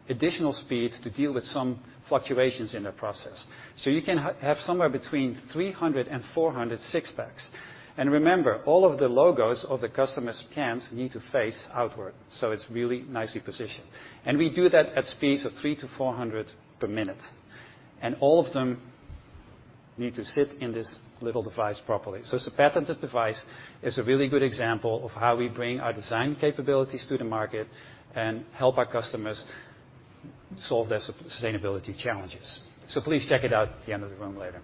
additional speed to deal with some fluctuations in their process. You can have somewhere between 300-400 six-packs. Remember, all of the logos of the customer's cans need to face outward, so it's really nicely positioned. We do that at speeds of 300-400 per minute, and all of them need to sit in this little device properly. It's a patented device. It's a really good example of how we bring our design capabilities to the market and help our customers solve their sustainability challenges. Please check it out at the end of the room later.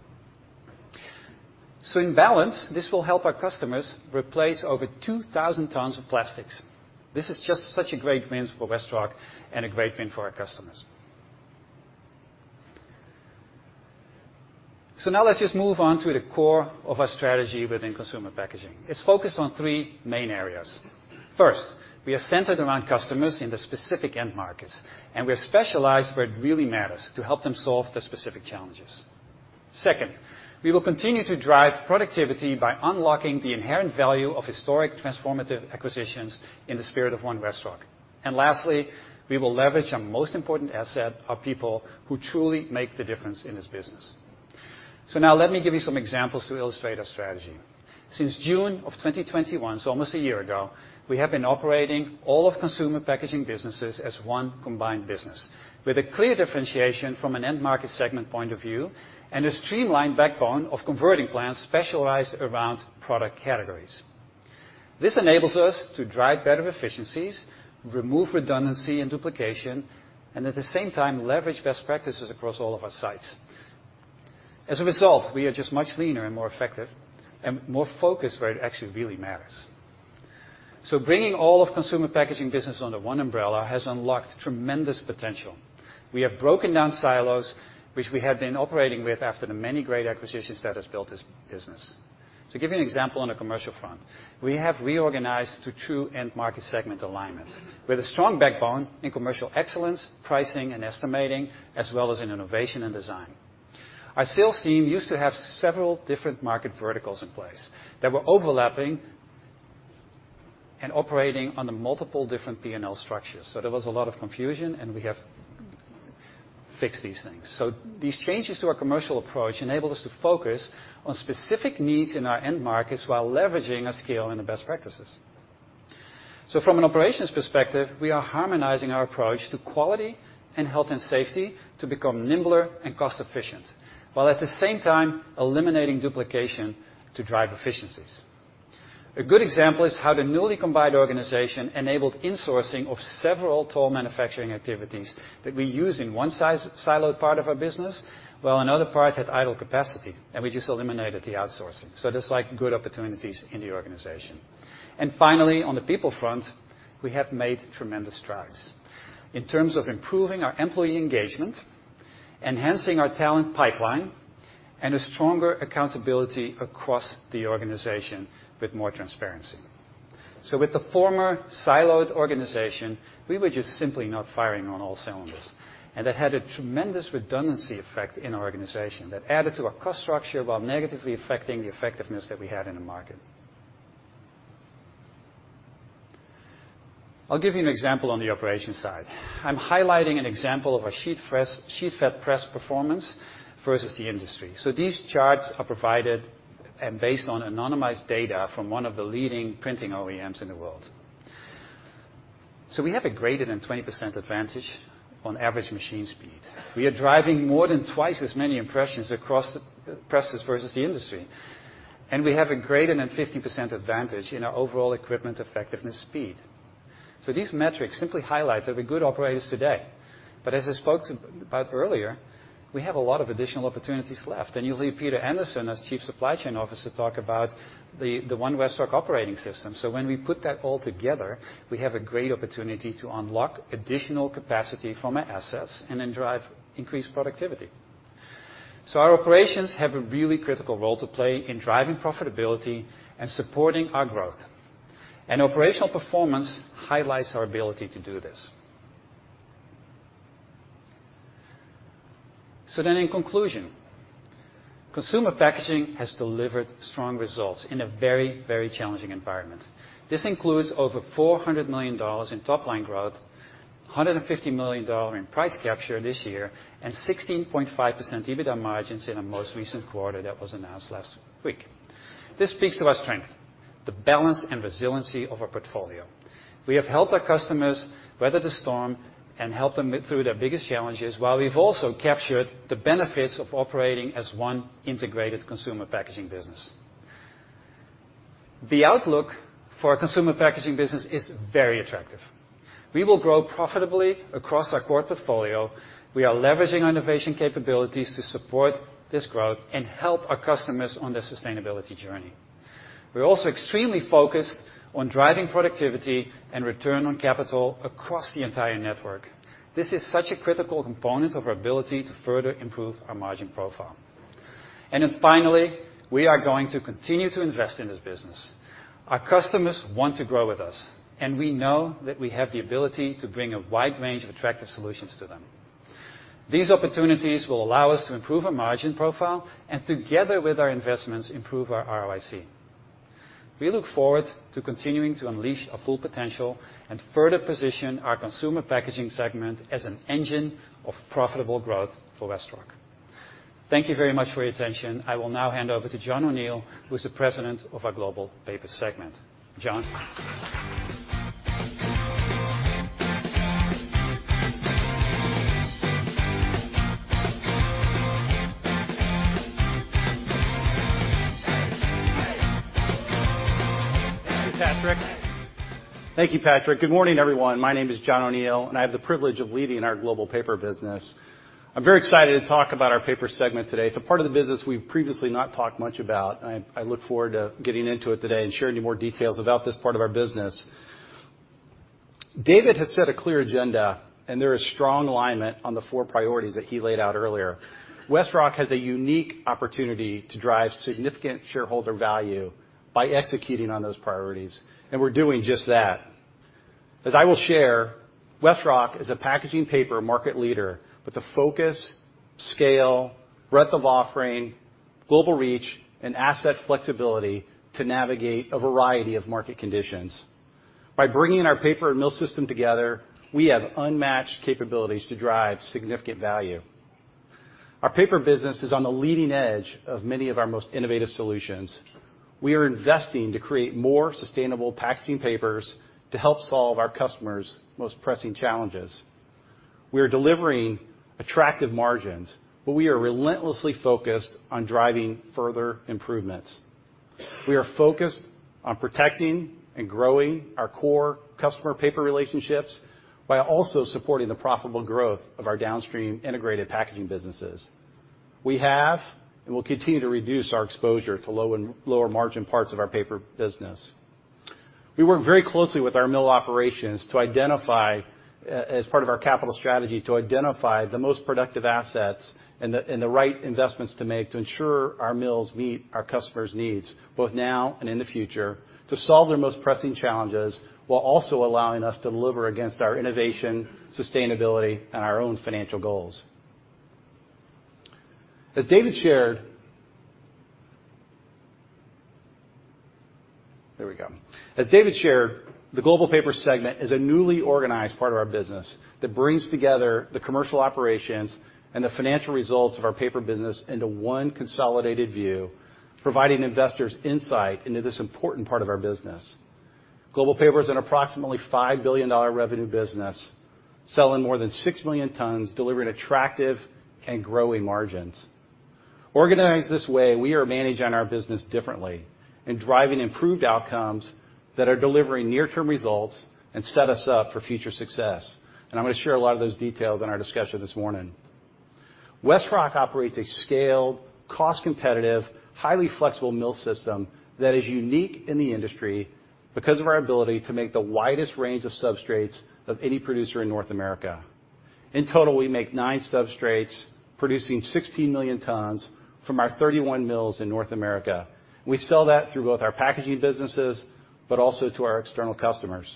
In balance, this will help our customers replace over 2,000 tons of plastics. This is just such a great win for WestRock and a great win for our customers. Now let's just move on to the core of our strategy within consumer packaging. It's focused on three main areas. First, we are centered around customers in the specific end markets, and we are specialized where it really matters to help them solve the specific challenges. Second, we will continue to drive productivity by unlocking the inherent value of historic transformative acquisitions in the spirit of One WestRock. Lastly, we will leverage our most important asset, our people, who truly make the difference in this business. Now let me give you some examples to illustrate our strategy. Since June of 2021, so almost a year ago, we have been operating all of consumer packaging businesses as one combined business with a clear differentiation from an end market segment point of view and a streamlined backbone of converting plants specialized around product categories. This enables us to drive better efficiencies, remove redundancy and duplication, and at the same time, leverage best practices across all of our sites. As a result, we are just much leaner and more effective and more focused where it actually really matters. Bringing all of consumer packaging business under one umbrella has unlocked tremendous potential. We have broken down silos which we have been operating with after the many great acquisitions that has built this business. To give you an example on the commercial front, we have reorganized to true end market segment alignment with a strong backbone in commercial excellence, pricing, and estimating, as well as in innovation and design. Our sales team used to have several different market verticals in place that were overlapping and operating under multiple different P&L structures. There was a lot of confusion, and we have fixed these things. These changes to our commercial approach enable us to focus on specific needs in our end markets while leveraging our scale and the best practices. From an operations perspective, we are harmonizing our approach to quality and health and safety to become nimbler and cost-efficient, while at the same time eliminating duplication to drive efficiencies. A good example is how the newly combined organization enabled insourcing of several tool manufacturing activities that we use in one siloed part of our business, while another part had idle capacity, and we just eliminated the outsourcing. There's, like, good opportunities in the organization. Finally, on the people front, we have made tremendous strides in terms of improving our employee engagement, enhancing our talent pipeline, and a stronger accountability across the organization with more transparency. With the former siloed organization, we were just simply not firing on all cylinders, and that had a tremendous redundancy effect in our organization that added to our cost structure while negatively affecting the effectiveness that we had in the market. I'll give you an example on the operations side. I'm highlighting an example of our sheet fed press performance versus the industry. These charts are provided based on anonymized data from one of the leading printing OEMs in the world. We have a greater than 20% advantage on average machine speed. We are driving more than twice as many impressions across the presses versus the industry, and we have a greater than 50% advantage in our overall equipment effectiveness speed. These metrics simply highlight that we're good operators today. As I spoke about earlier, we have a lot of additional opportunities left. You'll hear Peter Anderson as Chief Supply Chain Officer talk about the One WestRock operating system. When we put that all together, we have a great opportunity to unlock additional capacity from our assets and then drive increased productivity. Our operations have a really critical role to play in driving profitability and supporting our growth. Operational performance highlights our ability to do this. In conclusion, Consumer Packaging has delivered strong results in a very, very challenging environment. This includes over $400 million in top line growth, $150 million in price capture this year, and 16.5% EBITDA margins in our most recent quarter that was announced last week. This speaks to our strength, the balance and resiliency of our portfolio. We have helped our customers weather the storm and help them move through their biggest challenges, while we've also captured the benefits of operating as one integrated Consumer Packaging business. The outlook for our Consumer Packaging business is very attractive. We will grow profitably across our core portfolio. We are leveraging our innovation capabilities to support this growth and help our customers on their sustainability journey. We're also extremely focused on driving productivity and return on capital across the entire network. This is such a critical component of our ability to further improve our margin profile. Finally, we are going to continue to invest in this business. Our customers want to grow with us, and we know that we have the ability to bring a wide range of attractive solutions to them. These opportunities will allow us to improve our margin profile and together with our investments, improve our ROIC. We look forward to continuing to unleash our full potential and further position our Consumer Packaging segment as an engine of profitable growth for WestRock. Thank you very much for your attention. I will now hand over to John O'Neal, who's the President of our Global Paper segment. John? Thank you, Patrick. Good morning, everyone. My name is John O'Neal, and I have the privilege of leading our global Paper business. I'm very excited to talk about our Paper segment today. It's a part of the business we've previously not talked much about, and I look forward to getting into it today and sharing you more details about this part of our business. David has set a clear agenda, and there is strong alignment on the four priorities that he laid out earlier. WestRock has a unique opportunity to drive significant shareholder value by executing on those priorities, and we're doing just that. As I will share, WestRock is a packaging paper market leader with the focus, scale, breadth of offering, global reach, and asset flexibility to navigate a variety of market conditions. By bringing our paper and mill system together, we have unmatched capabilities to drive significant value. Our Paper business is on the leading edge of many of our most innovative solutions. We are investing to create more sustainable packaging papers to help solve our customers' most pressing challenges. We are delivering attractive margins, but we are relentlessly focused on driving further improvements. We are focused on protecting and growing our core customer paper relationships while also supporting the profitable growth of our downstream integrated packaging businesses. We have, and will continue, to reduce our exposure to low and lower-margin parts of our Paper business. We work very closely with our mill operations to identify, as part of our capital strategy, the most productive assets and the right investments to make to ensure our mills meet our customers' needs, both now and in the future, to solve their most pressing challenges, while also allowing us to deliver against our innovation, sustainability, and our own financial goals. As David shared, the Global Paper segment is a newly organized part of our business that brings together the commercial operations and the financial results of our Paper business into one consolidated view, providing investors insight into this important part of our business. Global Paper is an approximately $5 billion revenue business, selling more than 6 million tons, delivering attractive and growing margins. Organized this way, we are managing our business differently and driving improved outcomes that are delivering near-term results and set us up for future success. I'm gonna share a lot of those details in our discussion this morning. WestRock operates a scaled, cost-competitive, highly flexible mill system that is unique in the industry because of our ability to make the widest range of substrates of any producer in North America. In total, we make nine substrates, producing 16 million tons from our 31 mills in North America. We sell that through both our packaging businesses, but also to our external customers.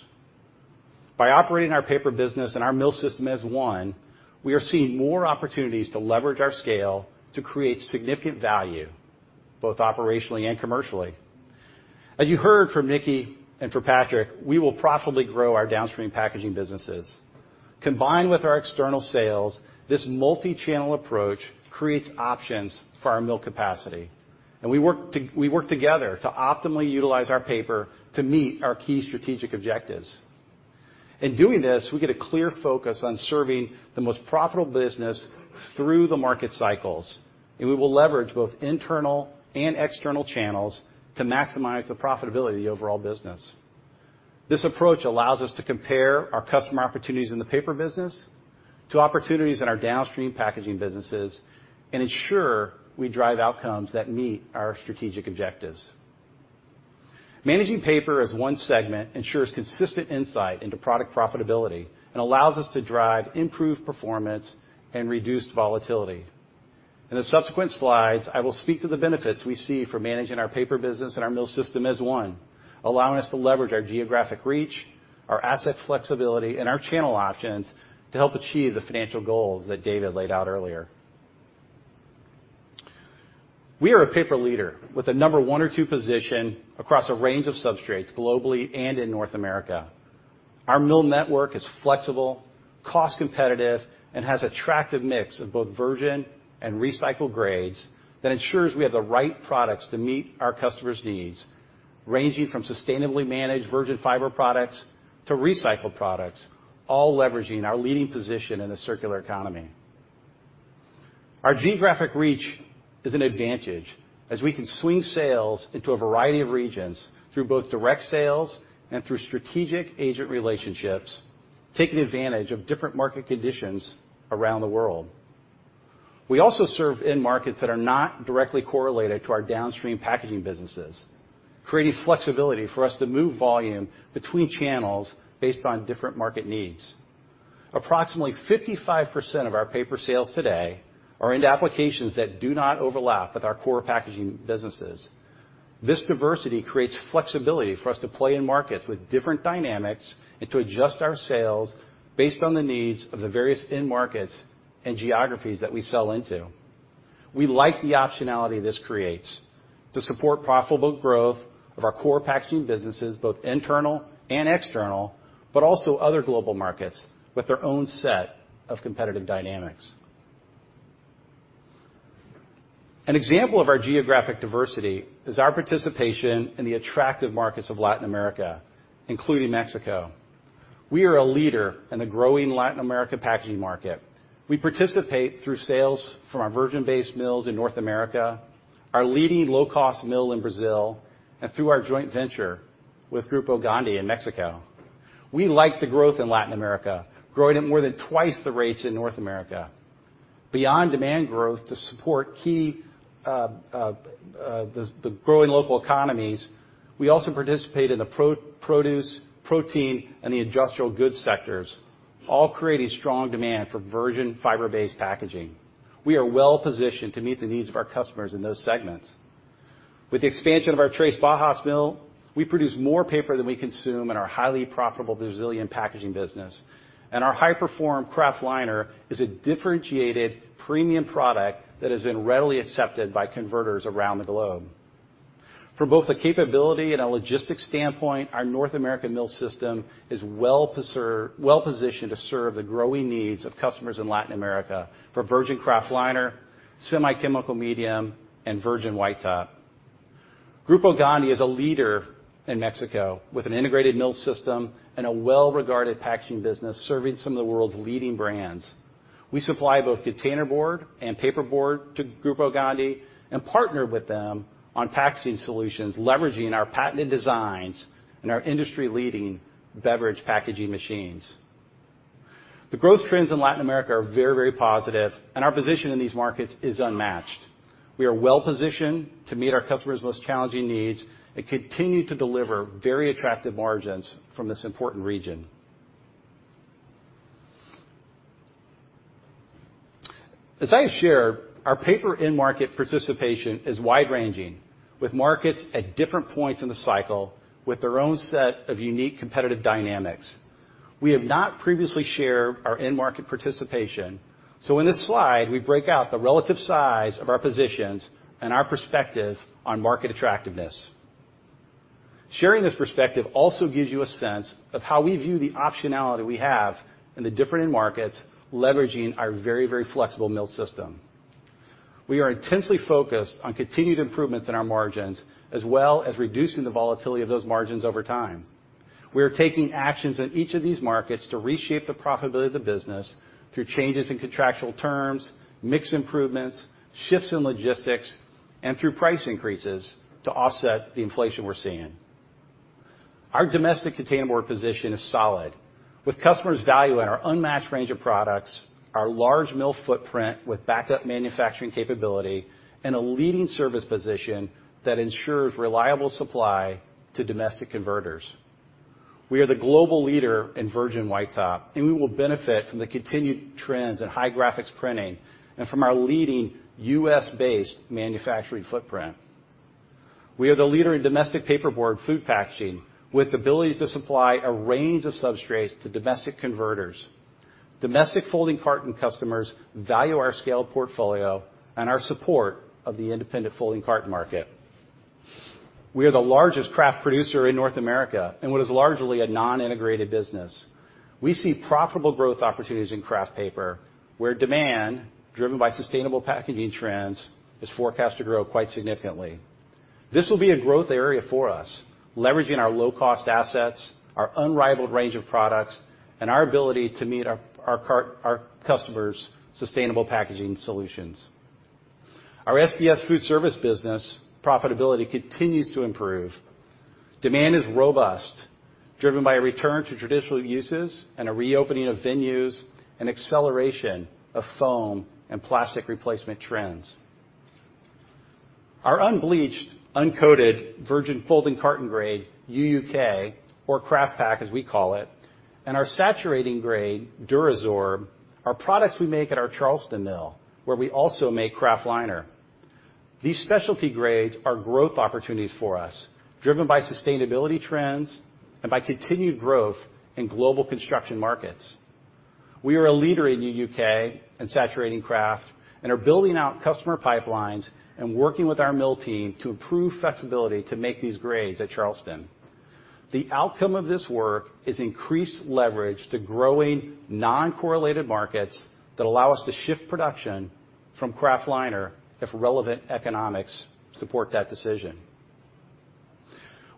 By operating our Paper business and our mill system as one, we are seeing more opportunities to leverage our scale to create significant value, both operationally and commercially. As you heard from Nickie and from Patrick, we will profitably grow our downstream packaging businesses. Combined with our external sales, this multi-channel approach creates options for our mill capacity. We work together to optimally utilize our paper to meet our key strategic objectives. In doing this, we get a clear focus on serving the most profitable business through the market cycles. We will leverage both internal and external channels to maximize the profitability of the overall business. This approach allows us to compare our customer opportunities in the paper business to opportunities in our downstream packaging businesses and ensure we drive outcomes that meet our strategic objectives. Managing paper as one segment ensures consistent insight into product profitability and allows us to drive improved performance and reduced volatility. In the subsequent slides, I will speak to the benefits we see for managing our paper business and our mill system as one, allowing us to leverage our geographic reach, our asset flexibility, and our channel options to help achieve the financial goals that David laid out earlier. We are a paper leader with a number one or two position across a range of substrates globally and in North America. Our mill network is flexible, cost competitive, and has attractive mix of both virgin and recycled grades that ensures we have the right products to meet our customers' needs, ranging from sustainably managed virgin fiber products to recycled products, all leveraging our leading position in the circular economy. Our geographic reach is an advantage as we can swing sales into a variety of regions through both direct sales and through strategic agent relationships, taking advantage of different market conditions around the world. We also serve end markets that are not directly correlated to our downstream packaging businesses, creating flexibility for us to move volume between channels based on different market needs. Approximately 55% of our paper sales today are into applications that do not overlap with our core packaging businesses. This diversity creates flexibility for us to play in markets with different dynamics and to adjust our sales based on the needs of the various end markets and geographies that we sell into. We like the optionality this creates to support profitable growth of our core packaging businesses, both internal and external, but also other global markets with their own set of competitive dynamics. An example of our geographic diversity is our participation in the attractive markets of Latin America, including Mexico. We are a leader in the growing Latin America packaging market. We participate through sales from our virgin-based mills in North America, our leading low-cost mill in Brazil, and through our joint venture with Grupo Gondi in Mexico. We like the growth in Latin America, growing at more than twice the rates in North America. Beyond demand growth to support the growing local economies, we also participate in the produce, protein, and the industrial goods sectors, all creating strong demand for virgin fiber-based packaging. We are well-positioned to meet the needs of our customers in those segments. With the expansion of our Três Barras mill, we produce more paper than we consume in our highly profitable Brazilian packaging business, and our high-performance kraft liner is a differentiated premium product that has been readily accepted by converters around the globe. From both a capability and a logistics standpoint, our North American mill system is well-positioned to serve the growing needs of customers in Latin America for virgin kraft liner, semi-chemical medium, and virgin white top. Grupo Gondi is a leader in Mexico with an integrated mill system and a well-regarded packaging business serving some of the world's leading brands. We supply both containerboard and paperboard to Grupo Gondi and partner with them on packaging solutions, leveraging our patented designs and our industry-leading beverage packaging machines. The growth trends in Latin America are very, very positive, and our position in these markets is unmatched. We are well-positioned to meet our customers' most challenging needs and continue to deliver very attractive margins from this important region. As I share, our paper end market participation is wide-ranging, with markets at different points in the cycle with their own set of unique competitive dynamics. We have not previously shared our end market participation, so in this slide, we break out the relative size of our positions and our perspective on market attractiveness. Sharing this perspective also gives you a sense of how we view the optionality we have in the different end markets, leveraging our very, very flexible mill system. We are intensely focused on continued improvements in our margins, as well as reducing the volatility of those margins over time. We are taking actions in each of these markets to reshape the profitability of the business through changes in contractual terms, mix improvements, shifts in logistics, and through price increases to offset the inflation we're seeing. Our domestic containerboard position is solid, with customers valuing our unmatched range of products, our large mill footprint with backup manufacturing capability, and a leading service position that ensures reliable supply to domestic converters. We are the global leader in virgin white top, and we will benefit from the continued trends in high graphics printing and from our leading U.S.-based manufacturing footprint. We are the leader in domestic paperboard food packaging with the ability to supply a range of substrates to domestic converters. Domestic folding carton customers value our scaled portfolio and our support of the independent folding carton market. We are the largest kraft producer in North America in what is largely a non-integrated business. We see profitable growth opportunities in kraft paper, where demand, driven by sustainable packaging trends, is forecast to grow quite significantly. This will be a growth area for us, leveraging our low-cost assets, our unrivaled range of products, and our ability to meet our customers' sustainable packaging solutions. Our SBS food service business profitability continues to improve. Demand is robust, driven by a return to traditional uses and a reopening of venues and acceleration of foam and plastic replacement trends. Our unbleached, uncoated, virgin folding carton grade, UUK, or KraftPak as we call it, and our saturating grade, DuraSorb, are products we make at our Charleston mill, where we also make kraft liner. These specialty grades are growth opportunities for us, driven by sustainability trends and by continued growth in global construction markets. We are a leader in UUK and saturating kraft and are building out customer pipelines and working with our mill team to improve flexibility to make these grades at Charleston. The outcome of this work is increased leverage to growing non-correlated markets that allow us to shift production from kraft liner if relevant economics support that decision.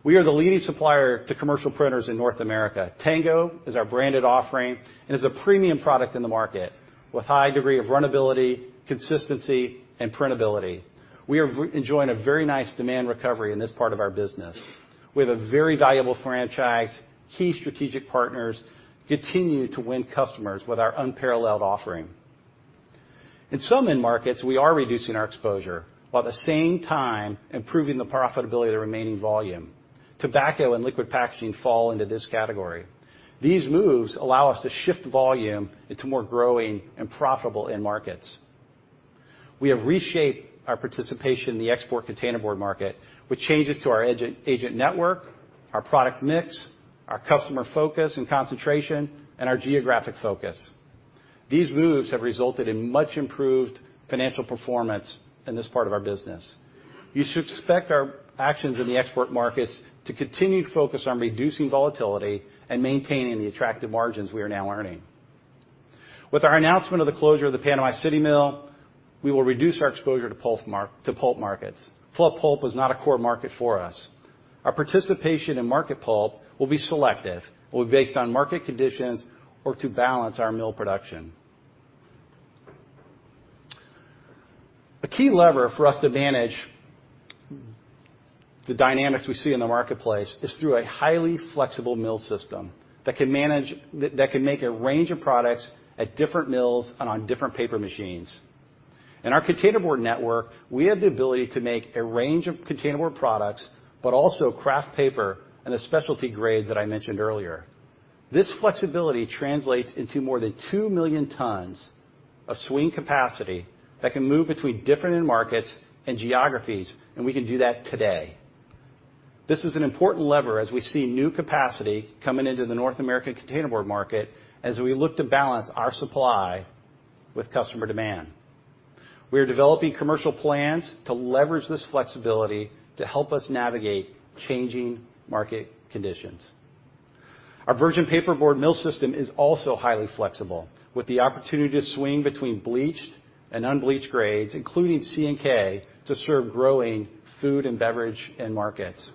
We are the leading supplier to commercial printers in North America. Tango is our branded offering and is a premium product in the market with high degree of runnability, consistency, and printability. We are enjoying a very nice demand recovery in this part of our business. We have a very valuable franchise. Key strategic partners continue to win customers with our unparalleled offering. In some end markets, we are reducing our exposure, while at the same time improving the profitability of the remaining volume. Tobacco and liquid packaging fall into this category. These moves allow us to shift volume into more growing and profitable end markets. We have reshaped our participation in the export containerboard market with changes to our agent network, our product mix, our customer focus and concentration, and our geographic focus. These moves have resulted in much improved financial performance in this part of our business. You should expect our actions in the export markets to continue to focus on reducing volatility and maintaining the attractive margins we are now earning. With our announcement of the closure of the Panama City mill, we will reduce our exposure to pulp markets. Fluff pulp is not a core market for us. Our participation in market pulp will be selective, will be based on market conditions or to balance our mill production. A key lever for us to manage the dynamics we see in the marketplace is through a highly flexible mill system that can make a range of products at different mills and on different paper machines. In our containerboard network, we have the ability to make a range of containerboard products, but also kraft paper and the specialty grades that I mentioned earlier. This flexibility translates into more than 2 million tons of swing capacity that can move between different end markets and geographies, and we can do that today. This is an important lever as we see new capacity coming into the North American containerboard market as we look to balance our supply with customer demand. We are developing commercial plans to leverage this flexibility to help us navigate changing market conditions. Our virgin paperboard mill system is also highly flexible, with the opportunity to swing between bleached and unbleached grades, including CNK, to serve growing food and beverage end markets.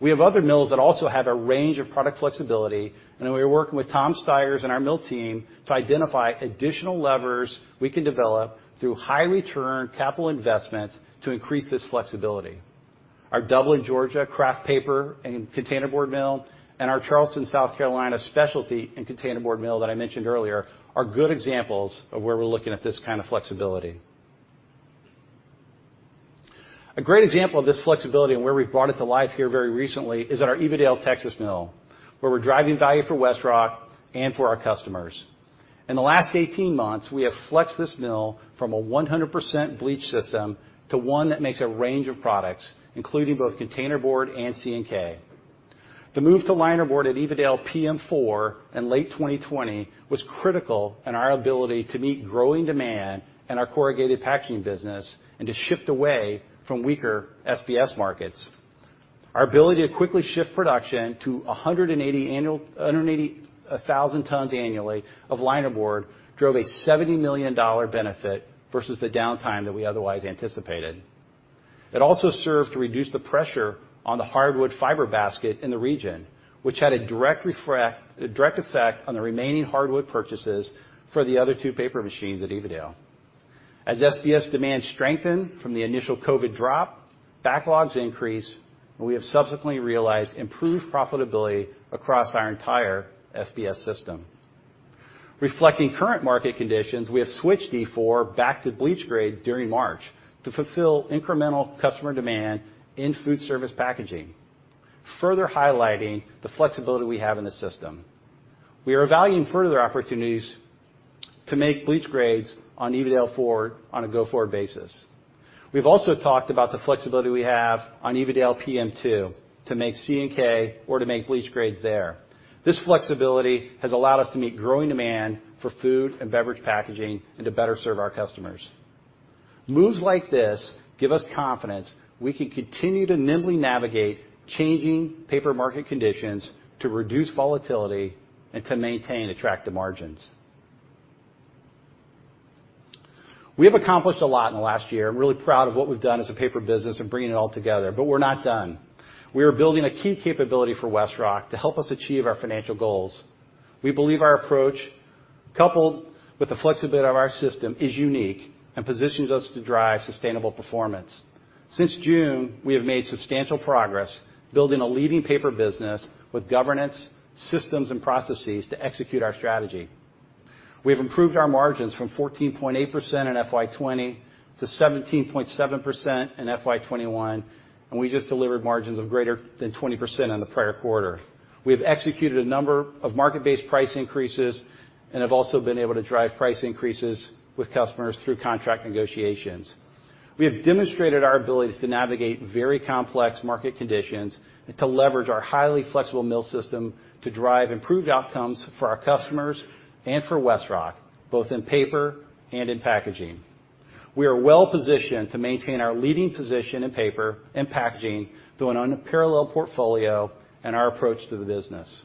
We have other mills that also have a range of product flexibility, and we are working with Tom Stigers and our mill team to identify additional levers we can develop through high-return capital investments to increase this flexibility. Our Dublin, Georgia, kraft paper and containerboard mill and our Charleston, South Carolina, specialty and containerboard mill that I mentioned earlier are good examples of where we're looking at this kind of flexibility. A great example of this flexibility and where we've brought it to life here very recently is at our Evadale, Texas mill, where we're driving value for WestRock and for our customers. In the last 18 months, we have flexed this mill from a 100% bleach system to one that makes a range of products, including both container board and C and K. The move to liner board at Evadale PM 4 in late 2020 was critical in our ability to meet growing demand in our corrugated packaging business and to shift away from weaker SBS markets. Our ability to quickly shift production to 180,000 tons annually of liner board drove a $70 million benefit versus the downtime that we otherwise anticipated. It also served to reduce the pressure on the hardwood fiber basket in the region, which had a direct effect on the remaining hardwood purchases for the other two paper machines at Evadale. As SBS demand strengthened from the initial COVID drop, backlogs increased, and we have subsequently realized improved profitability across our entire SBS system. Reflecting current market conditions, we have switched D4 back to bleach grades during March to fulfill incremental customer demand in food service packaging, further highlighting the flexibility we have in the system. We are evaluating further opportunities to make bleach grades on Evadale 4 on a go-forward basis. We've also talked about the flexibility we have on Evadale PM 2 to make C and K or to make bleach grades there. This flexibility has allowed us to meet growing demand for food and beverage packaging and to better serve our customers. Moves like this give us confidence we can continue to nimbly navigate changing paper market conditions to reduce volatility and to maintain attractive margins. We have accomplished a lot in the last year. I'm really proud of what we've done as a paper business and bringing it all together. We're not done. We are building a key capability for WestRock to help us achieve our financial goals. We believe our approach, coupled with the flexibility of our system, is unique and positions us to drive sustainable performance. Since June, we have made substantial progress building a leading paper business with governance, systems, and processes to execute our strategy. We have improved our margins from 14.8% in FY 2020 to 17.7% in FY 2021, and we just delivered margins of greater than 20% on the prior quarter. We have executed a number of market-based price increases and have also been able to drive price increases with customers through contract negotiations. We have demonstrated our ability to navigate very complex market conditions and to leverage our highly flexible mill system to drive improved outcomes for our customers and for WestRock, both in paper and in packaging. We are well-positioned to maintain our leading position in paper and packaging through an unparalleled portfolio and our approach to the business.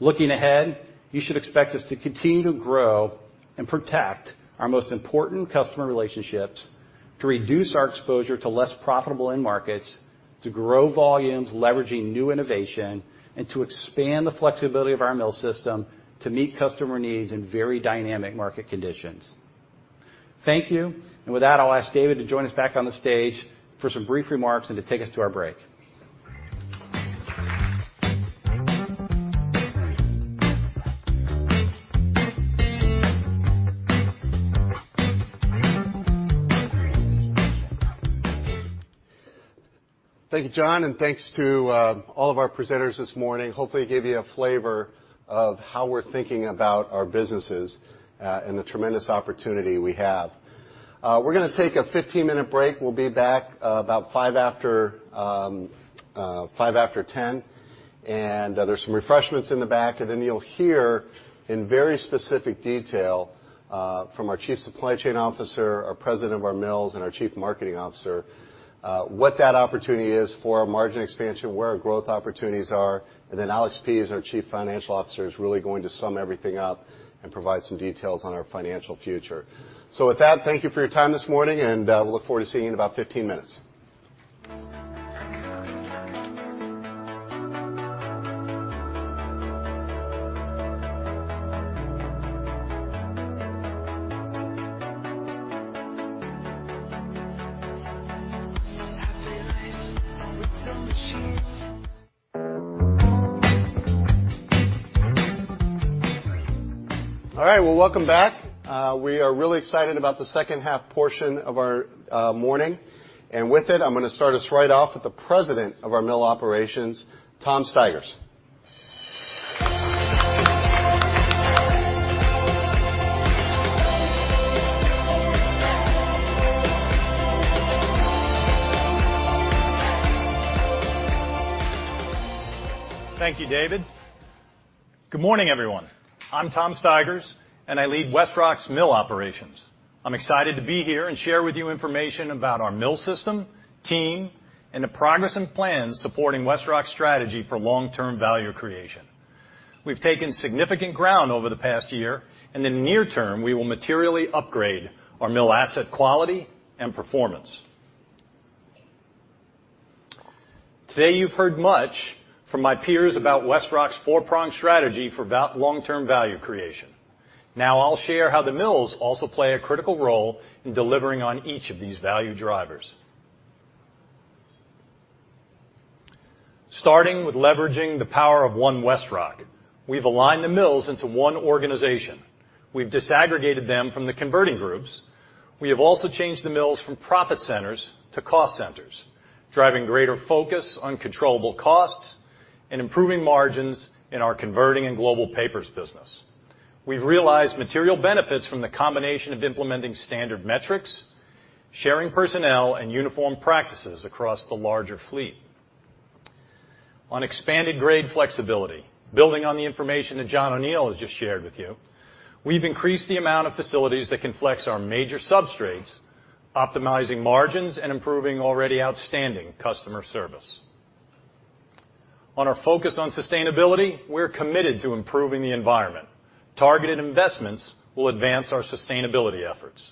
Looking ahead, you should expect us to continue to grow and protect our most important customer relationships, to reduce our exposure to less profitable end markets, to grow volumes leveraging new innovation, and to expand the flexibility of our mill system to meet customer needs in very dynamic market conditions. Thank you. With that, I'll ask David to join us back on the stage for some brief remarks and to take us to our break. Thank you, John, and thanks to all of our presenters this morning. Hopefully, it gave you a flavor of how we're thinking about our businesses and the tremendous opportunity we have. We're gonna take a 15-minute break. We'll be back about 10:05 A.M., and there's some refreshments in the back. Then you'll hear in very specific detail from our Chief Supply Chain Officer, our President of our Mills, and our Chief Marketing Officer what that opportunity is for our margin expansion, where our growth opportunities are, and then Alex Pease, our Chief Financial Officer, is really going to sum everything up and provide some details on our financial future. With that, thank you for your time this morning, and we look forward to seeing you in about 15 minutes. All right, well, welcome back. We are really excited about the second half portion of our morning. With it, I'm gonna start us right off with the President of our mill operations, Tom Stigers. Thank you, David. Good morning, everyone. I'm Tom Stigers, and I lead WestRock's mill operations. I'm excited to be here and share with you information about our mill system, team, and the progress and plans supporting WestRock's strategy for long-term value creation. We've taken significant ground over the past year, and in the near term, we will materially upgrade our mill asset quality and performance. Today, you've heard much from my peers about WestRock's four-pronged strategy for long-term value creation. Now, I'll share how the mills also play a critical role in delivering on each of these value drivers. Starting with leveraging the power of One WestRock, we've aligned the mills into one organization. We've disaggregated them from the converting groups. We have also changed the mills from profit centers to cost centers, driving greater focus on controllable costs and improving margins in our converting and global papers business. We've realized material benefits from the combination of implementing standard metrics, sharing personnel, and uniform practices across the larger fleet. On expanded grade flexibility, building on the information that John O'Neal has just shared with you, we've increased the amount of facilities that can flex our major substrates, optimizing margins and improving already outstanding customer service. On our focus on sustainability, we're committed to improving the environment. Targeted investments will advance our sustainability efforts.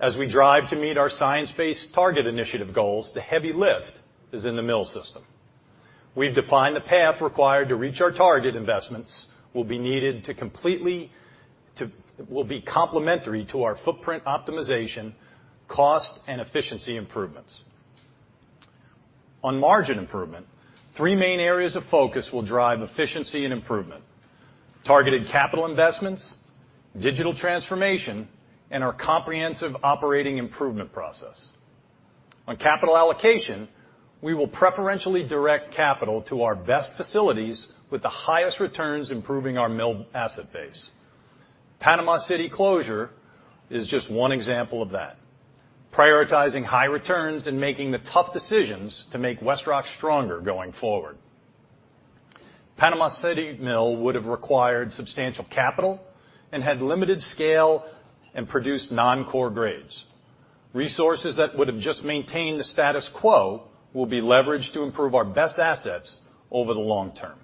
As we drive to meet our Science Based Targets initiative goals, the heavy lift is in the mill system. We've defined the path required to reach our target investments will be needed to will be complementary to our footprint optimization, cost, and efficiency improvements. On margin improvement, three main areas of focus will drive efficiency and improvement. Targeted capital investments, digital transformation, and our comprehensive operating improvement process. On capital allocation, we will preferentially direct capital to our best facilities with the highest returns improving our mill asset base. Panama City closure is just one example of that. Prioritizing high returns and making the tough decisions to make WestRock stronger going forward. Panama City mill would have required substantial capital and had limited scale and produced non-core grades. Resources that would have just maintained the status quo will be leveraged to improve our best assets over the long term.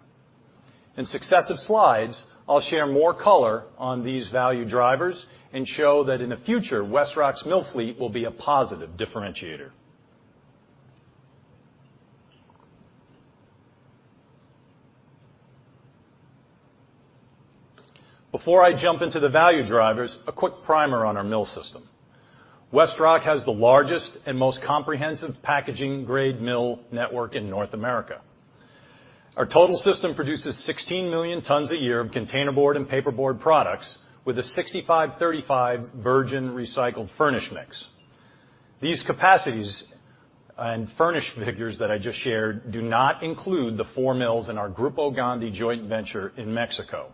In successive slides, I'll share more color on these value drivers and show that in the future, WestRock's mill fleet will be a positive differentiator. Before I jump into the value drivers, a quick primer on our mill system. WestRock has the largest and most comprehensive packaging grade mill network in North America. Our total system produces 16 million tons a year of containerboard and paperboard products with a 65/35 virgin recycled furnish mix. These capacities and furnish figures that I just shared do not include the four mills in our Grupo Gondi joint venture in Mexico.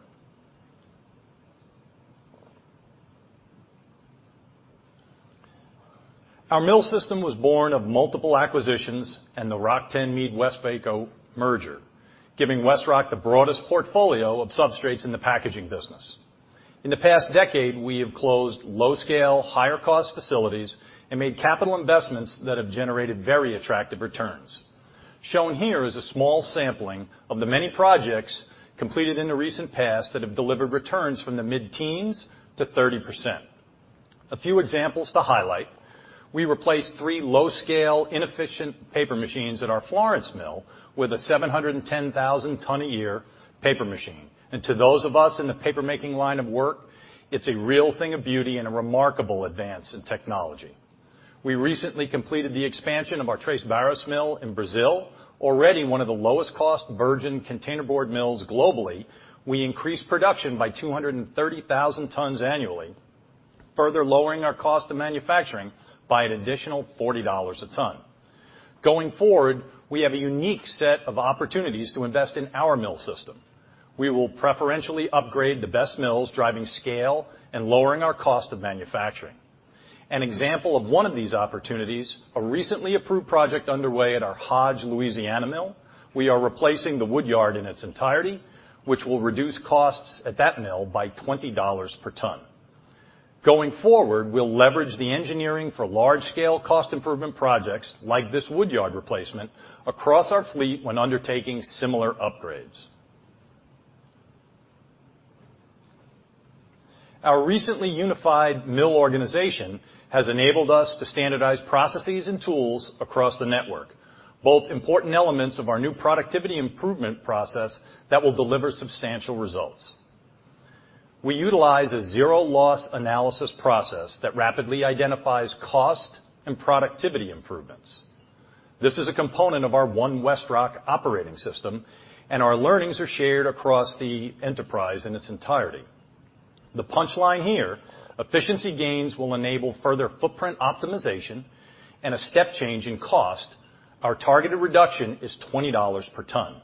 Our mill system was born of multiple acquisitions and the Rock-Tenn, MeadWestvaco merger, giving WestRock the broadest portfolio of substrates in the packaging business. In the past decade, we have closed low-scale, higher-cost facilities and made capital investments that have generated very attractive returns. Shown here is a small sampling of the many projects completed in the recent past that have delivered returns from the mid-teens to 30%. A few examples to highlight. We replaced three low-scale, inefficient paper machines at our Florence mill with a 710,000-ton-a-year paper machine. To those of us in the paper-making line of work, it's a real thing of beauty and a remarkable advance in technology. We recently completed the expansion of our Três Barras mill in Brazil. Already one of the lowest cost virgin containerboard mills globally, we increased production by 230,000 tons annually, further lowering our cost of manufacturing by an additional $40 a ton. Going forward, we have a unique set of opportunities to invest in our mill system. We will preferentially upgrade the best mills, driving scale and lowering our cost of manufacturing. An example of one of these opportunities, a recently approved project underway at our Hodge, Louisiana mill. We are replacing the wood yard in its entirety, which will reduce costs at that mill by $20 per ton. Going forward, we'll leverage the engineering for large-scale cost improvement projects like this wood yard replacement across our fleet when undertaking similar upgrades. Our recently unified mill organization has enabled us to standardize processes and tools across the network, both important elements of our new productivity improvement process that will deliver substantial results. We utilize a zero loss analysis process that rapidly identifies cost and productivity improvements. This is a component of our One WestRock operating system, and our learnings are shared across the enterprise in its entirety. The punchline here, efficiency gains will enable further footprint optimization and a step change in cost. Our targeted reduction is $20 per ton.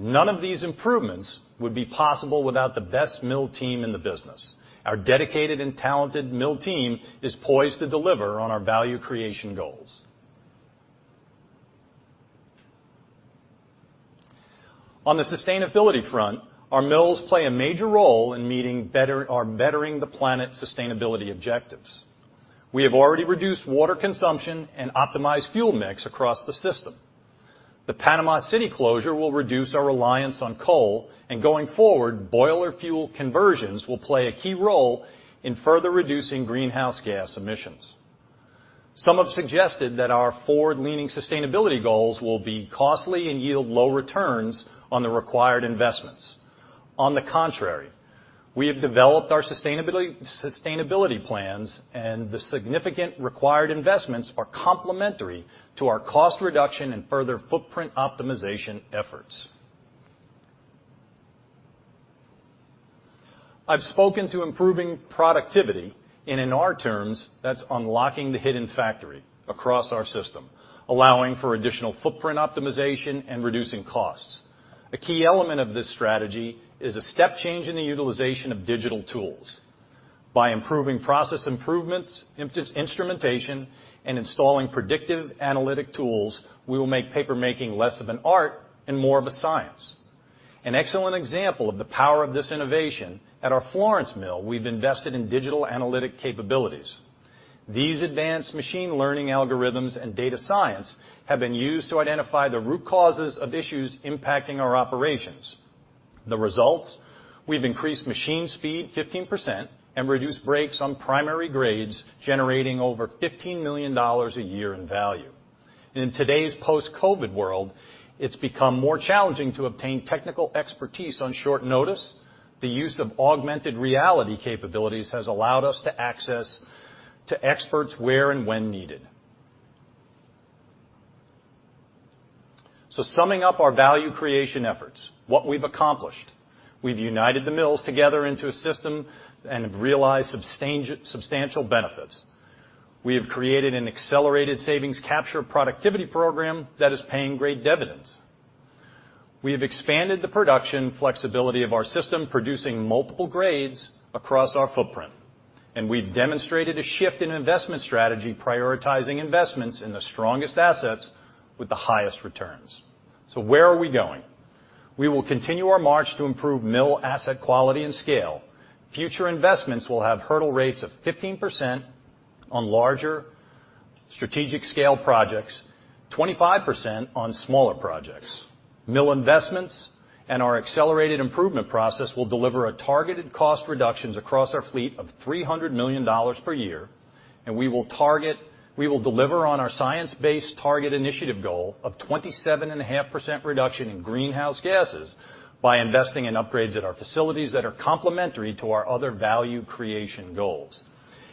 None of these improvements would be possible without the best mill team in the business. Our dedicated and talented mill team is poised to deliver on our value creation goals. On the sustainability front, our mills play a major role in meeting our bettering the planet sustainability objectives. We have already reduced water consumption and optimized fuel mix across the system. The Panama City closure will reduce our reliance on coal, and going forward, boiler fuel conversions will play a key role in further reducing greenhouse gas emissions. Some have suggested that our forward-leaning sustainability goals will be costly and yield low returns on the required investments. On the contrary, we have developed our sustainability plans, and the significant required investments are complementary to our cost reduction and further footprint optimization efforts. I've spoken to improving productivity, and in our terms, that's unlocking the hidden factory across our system, allowing for additional footprint optimization and reducing costs. A key element of this strategy is a step change in the utilization of digital tools. By improving process improvements, instrumentation, and installing predictive analytic tools, we will make paper making less of an art and more of a science. An excellent example of the power of this innovation, at our Florence mill, we've invested in digital analytic capabilities. These advanced machine learning algorithms and data science have been used to identify the root causes of issues impacting our operations. The results, we've increased machine speed 15% and reduced breaks on primary grades, generating over $15 million a year in value. In today's post-COVID world, it's become more challenging to obtain technical expertise on short notice. The use of augmented reality capabilities has allowed us to access to experts where and when needed. Summing up our value creation efforts, what we've accomplished, we've united the mills together into a system and have realized substantial benefits. We have created an accelerated savings capture productivity program that is paying great dividends. We have expanded the production flexibility of our system, producing multiple grades across our footprint. We've demonstrated a shift in investment strategy, prioritizing investments in the strongest assets with the highest returns. Where are we going? We will continue our march to improve mill asset quality and scale. Future investments will have hurdle rates of 15% on larger strategic scale projects, 25% on smaller projects. Mill investments and our accelerated improvement process will deliver a targeted cost reductions across our fleet of $300 million per year, and we will deliver on our Science Based Targets initiative goal of 27.5% reduction in greenhouse gases by investing in upgrades at our facilities that are complementary to our other value creation goals.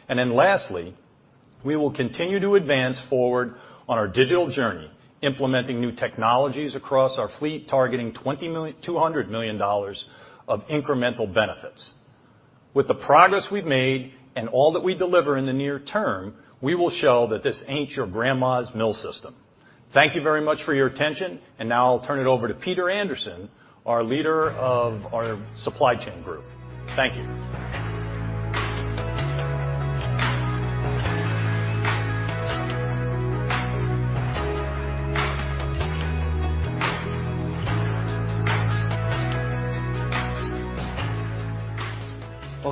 Lastly, we will continue to advance forward on our digital journey, implementing new technologies across our fleet, targeting $200 million of incremental benefits. With the progress we've made and all that we deliver in the near term, we will show that this ain't your grandma's mill system. Thank you very much for your attention. Now I'll turn it over to Peter Anderson, our leader of our supply chain group. Thank you.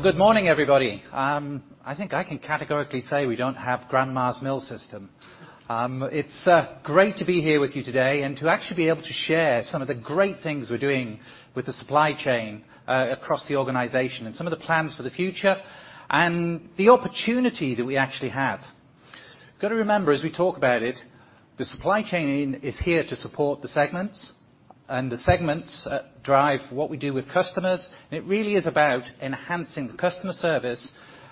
Well, good morning, everybody. I think I can categorically say we don't have grandma's mill system. It's great to be here with you today and to actually be able to share some of the great things we're doing with the supply chain across the organization and some of the plans for the future and the opportunity that we actually have. Got to remember as we talk about it, the supply chain is here to support the segments, and the segments drive what we do with customers. It really is about enhancing the customer service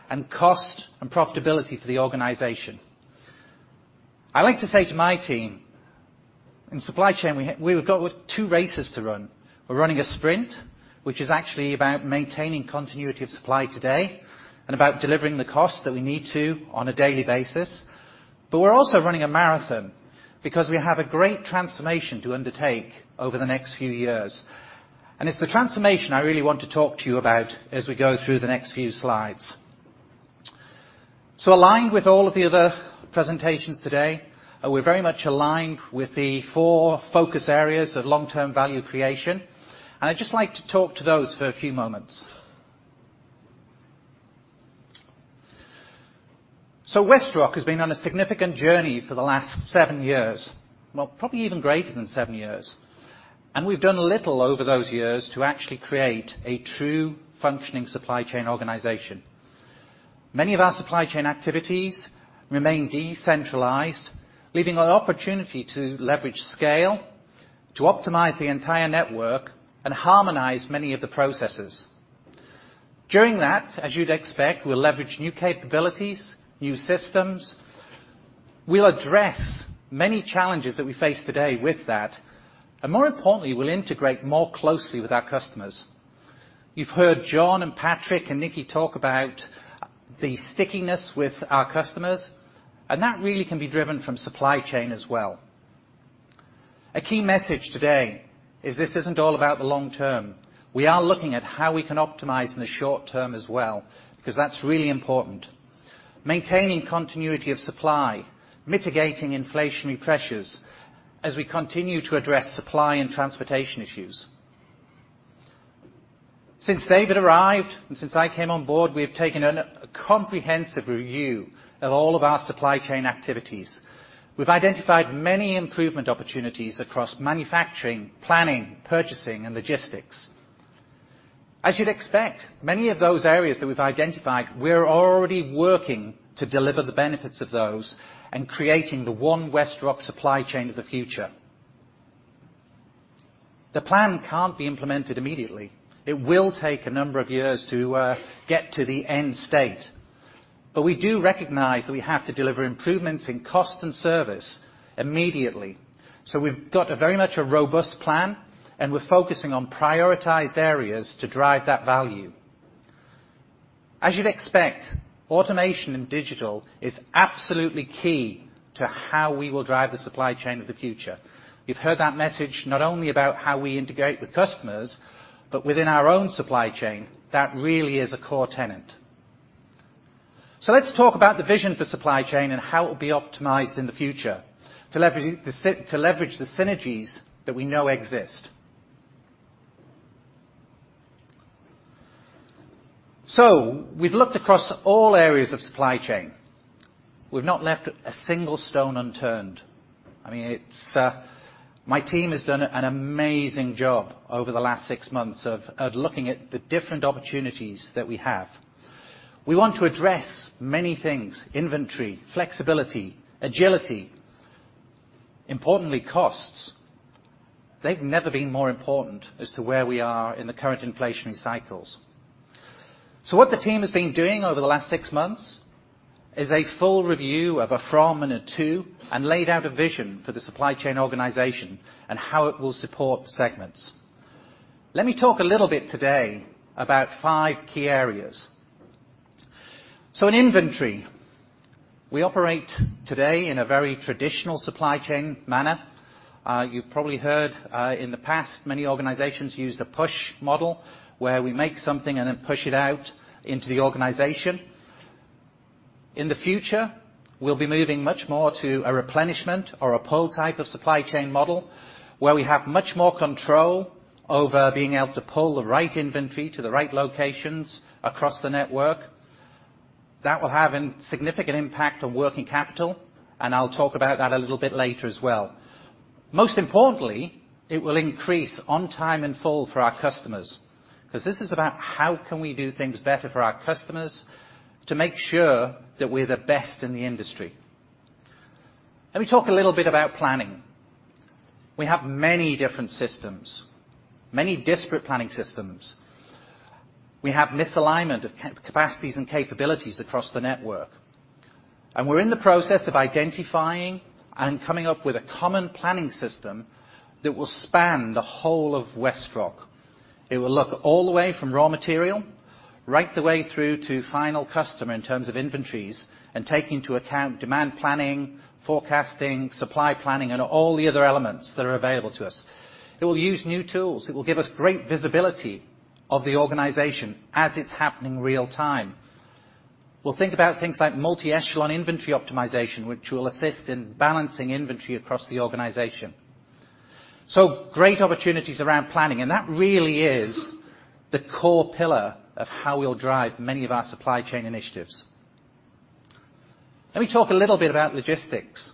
and cost and profitability for the organization. I like to say to my team, in supply chain, we've got two races to run. We're running a sprint, which is actually about maintaining continuity of supply today and about delivering the cost that we need to on a daily basis. We're also running a marathon because we have a great transformation to undertake over the next few years. It's the transformation I really want to talk to you about as we go through the next few slides. Aligned with all of the other presentations today, we're very much aligned with the four focus areas of long-term value creation. I'd just like to talk to those for a few moments. WestRock has been on a significant journey for the last seven years. Well, probably even greater than seven years. We've done little over those years to actually create a true functioning supply chain organization. Many of our supply chain activities remain decentralized, leaving an opportunity to leverage scale, to optimize the entire network and harmonize many of the processes. During that, as you'd expect, we'll leverage new capabilities, new systems. We'll address many challenges that we face today with that, and more importantly, we'll integrate more closely with our customers. You've heard John and Patrick and Nickie talk about the stickiness with our customers, and that really can be driven from supply chain as well. A key message today is this isn't all about the long term. We are looking at how we can optimize in the short term as well, because that's really important. Maintaining continuity of supply, mitigating inflationary pressures as we continue to address supply and transportation issues. Since David arrived and since I came on board, we have taken a comprehensive review of all of our supply chain activities. We've identified many improvement opportunities across manufacturing, planning, purchasing, and logistics. As you'd expect, many of those areas that we've identified, we're already working to deliver the benefits of those and creating the One WestRock supply chain of the future. The plan can't be implemented immediately. It will take a number of years to get to the end state. We do recognize that we have to deliver improvements in cost and service immediately. We've got a very much a robust plan, and we're focusing on prioritized areas to drive that value. As you'd expect, automation and digital is absolutely key to how we will drive the supply chain of the future. You've heard that message not only about how we integrate with customers, but within our own supply chain, that really is a core tenet. Let's talk about the vision for supply chain and how it will be optimized in the future to leverage the synergies that we know exist. We've looked across all areas of supply chain. We've not left a single stone unturned. I mean, my team has done an amazing job over the last six months of looking at the different opportunities that we have. We want to address many things, inventory, flexibility, agility, importantly, costs. They've never been more important as to where we are in the current inflationary cycles. What the team has been doing over the last six months is a full review of a from and a to, and laid out a vision for the supply chain organization and how it will support segments. Let me talk a little bit today about five key areas. In inventory, we operate today in a very traditional supply chain manner. You probably heard, in the past, many organizations used a push model where we make something and then push it out into the organization. In the future, we'll be moving much more to a replenishment or a pull type of supply chain model, where we have much more control over being able to pull the right inventory to the right locations across the network. That will have a significant impact on working capital, and I'll talk about that a little bit later as well. Most importantly, it will increase on time, in full for our customers, 'cause this is about how can we do things better for our customers to make sure that we're the best in the industry. Let me talk a little bit about planning. We have many different systems, many disparate planning systems. We have misalignment of capacities and capabilities across the network. We're in the process of identifying and coming up with a common planning system that will span the whole of WestRock. It will look all the way from raw material right the way through to final customer in terms of inventories and taking into account demand planning, forecasting, supply planning, and all the other elements that are available to us. It will use new tools. It will give us great visibility of the organization as it's happening real time. We'll think about things like multi-echelon inventory optimization, which will assist in balancing inventory across the organization. Great opportunities around planning, and that really is the core pillar of how we'll drive many of our supply chain initiatives. Let me talk a little bit about logistics.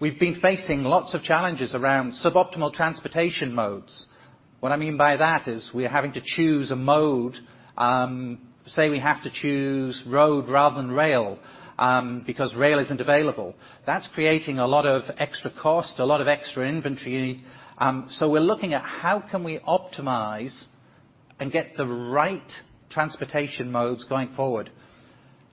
We've been facing lots of challenges around suboptimal transportation modes. What I mean by that is we're having to choose a mode, say we have to choose road rather than rail, because rail isn't available. That's creating a lot of extra cost, a lot of extra inventory. We're looking at how can we optimize and get the right transportation modes going forward?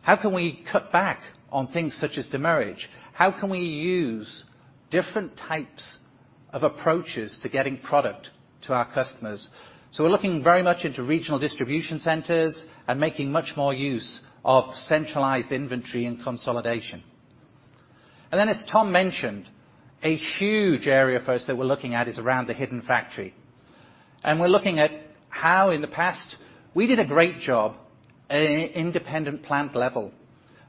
How can we cut back on things such as demurrage? How can we use different types of approaches to getting product to our customers? We're looking very much into regional distribution centers and making much more use of centralized inventory and consolidation. As Tom mentioned, a huge area for us that we're looking at is around the hidden factory. We're looking at how in the past we did a great job at an independent plant level.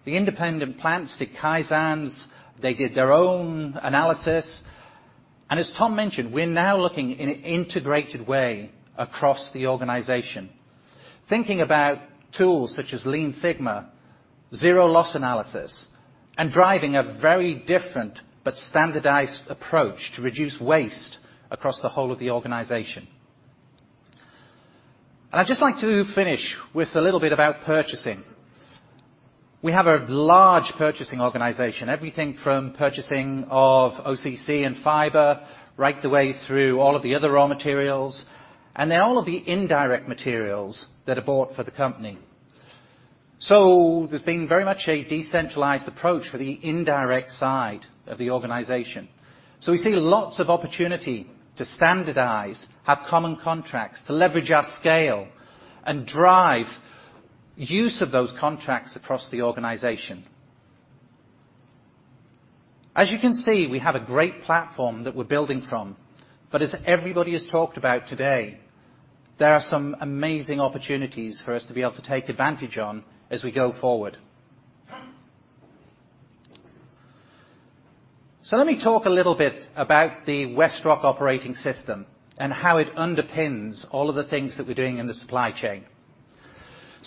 The independent plants did Kaizens, they did their own analysis, and as Tom mentioned, we're now looking in an integrated way across the organization. Thinking about tools such as Lean Six Sigma, zero loss analysis, and driving a very different but standardized approach to reduce waste across the whole of the organization. I'd just like to finish with a little bit about purchasing. We have a large purchasing organization. Everything from purchasing of OCC and fiber right the way through all of the other raw materials, and then all of the indirect materials that are bought for the company. There's been very much a decentralized approach for the indirect side of the organization. We see lots of opportunity to standardize, have common contracts, to leverage our scale and drive use of those contracts across the organization. As you can see, we have a great platform that we're building from, but as everybody has talked about today, there are some amazing opportunities for us to be able to take advantage on as we go forward. Let me talk a little bit about the WestRock operating system and how it underpins all of the things that we're doing in the supply chain.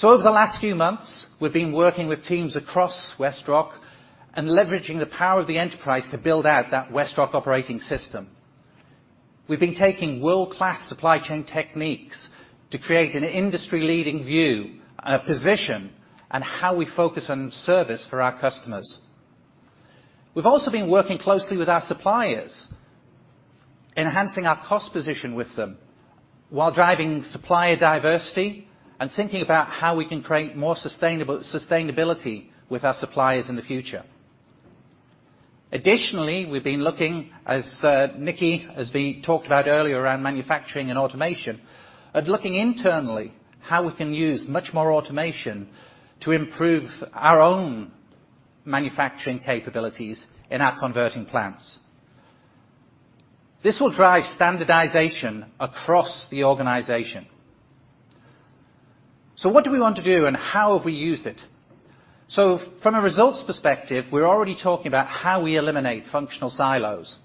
Over the last few months, we've been working with teams across WestRock and leveraging the power of the enterprise to build out that WestRock operating system. We've been taking world-class supply chain techniques to create an industry-leading view and a position on how we focus on service for our customers. We've also been working closely with our suppliers, enhancing our cost position with them while driving supplier diversity and thinking about how we can create more sustainability with our suppliers in the future. Additionally, we've been looking, Nickie, as we talked about earlier around manufacturing and automation, looking internally how we can use much more automation to improve our own manufacturing capabilities in our converting plants. This will drive standardization across the organization. What do we want to do and how have we used it? From a results perspective, we're already talking about how we eliminate functional silos.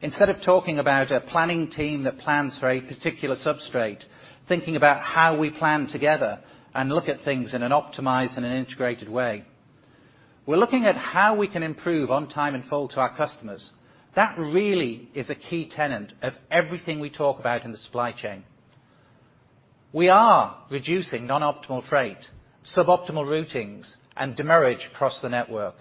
Instead of talking about a planning team that plans for a particular substrate, thinking about how we plan together and look at things in an optimized and an integrated way. We're looking at how we can improve on time, in full to our customers. That really is a key tenet of everything we talk about in the supply chain. We are reducing non-optimal freight, suboptimal routings, and demurrage across the network.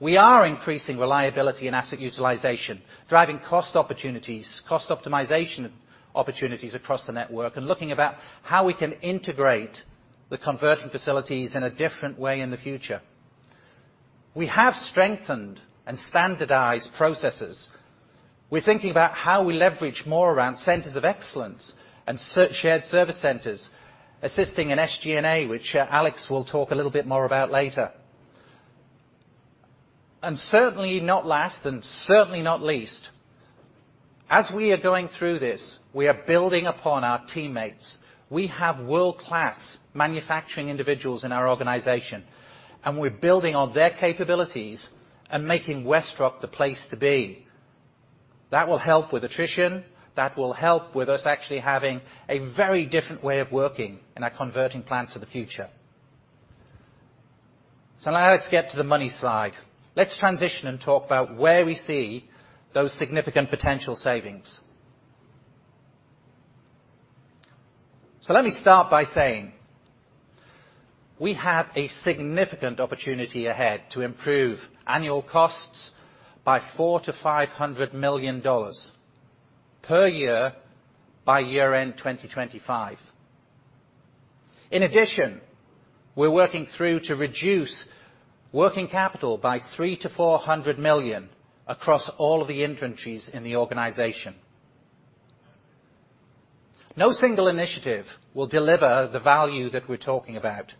We are increasing reliability and asset utilization, driving cost opportunities, cost optimization opportunities across the network, and looking about how we can integrate the converting facilities in a different way in the future. We have strengthened and standardized processes. We're thinking about how we leverage more around centers of excellence and shared service centers, assisting in SG&A, which, Alex will talk a little bit more about later. Certainly not last, and certainly not least, as we are going through this, we are building upon our teammates. We have world-class manufacturing individuals in our organization, and we're building on their capabilities. Making WestRock the place to be. That will help with attrition, that will help with us actually having a very different way of working in our converting plants of the future. Now let's get to the money slide. Let's transition and talk about where we see those significant potential savings. Let me start by saying we have a significant opportunity ahead to improve annual costs by $400 million-$500 million per year by year-end 2025. In addition, we're working through to reduce working capital by $300 million-$400 million across all of the inventories in the organization. No single initiative will deliver the value that we're talking about.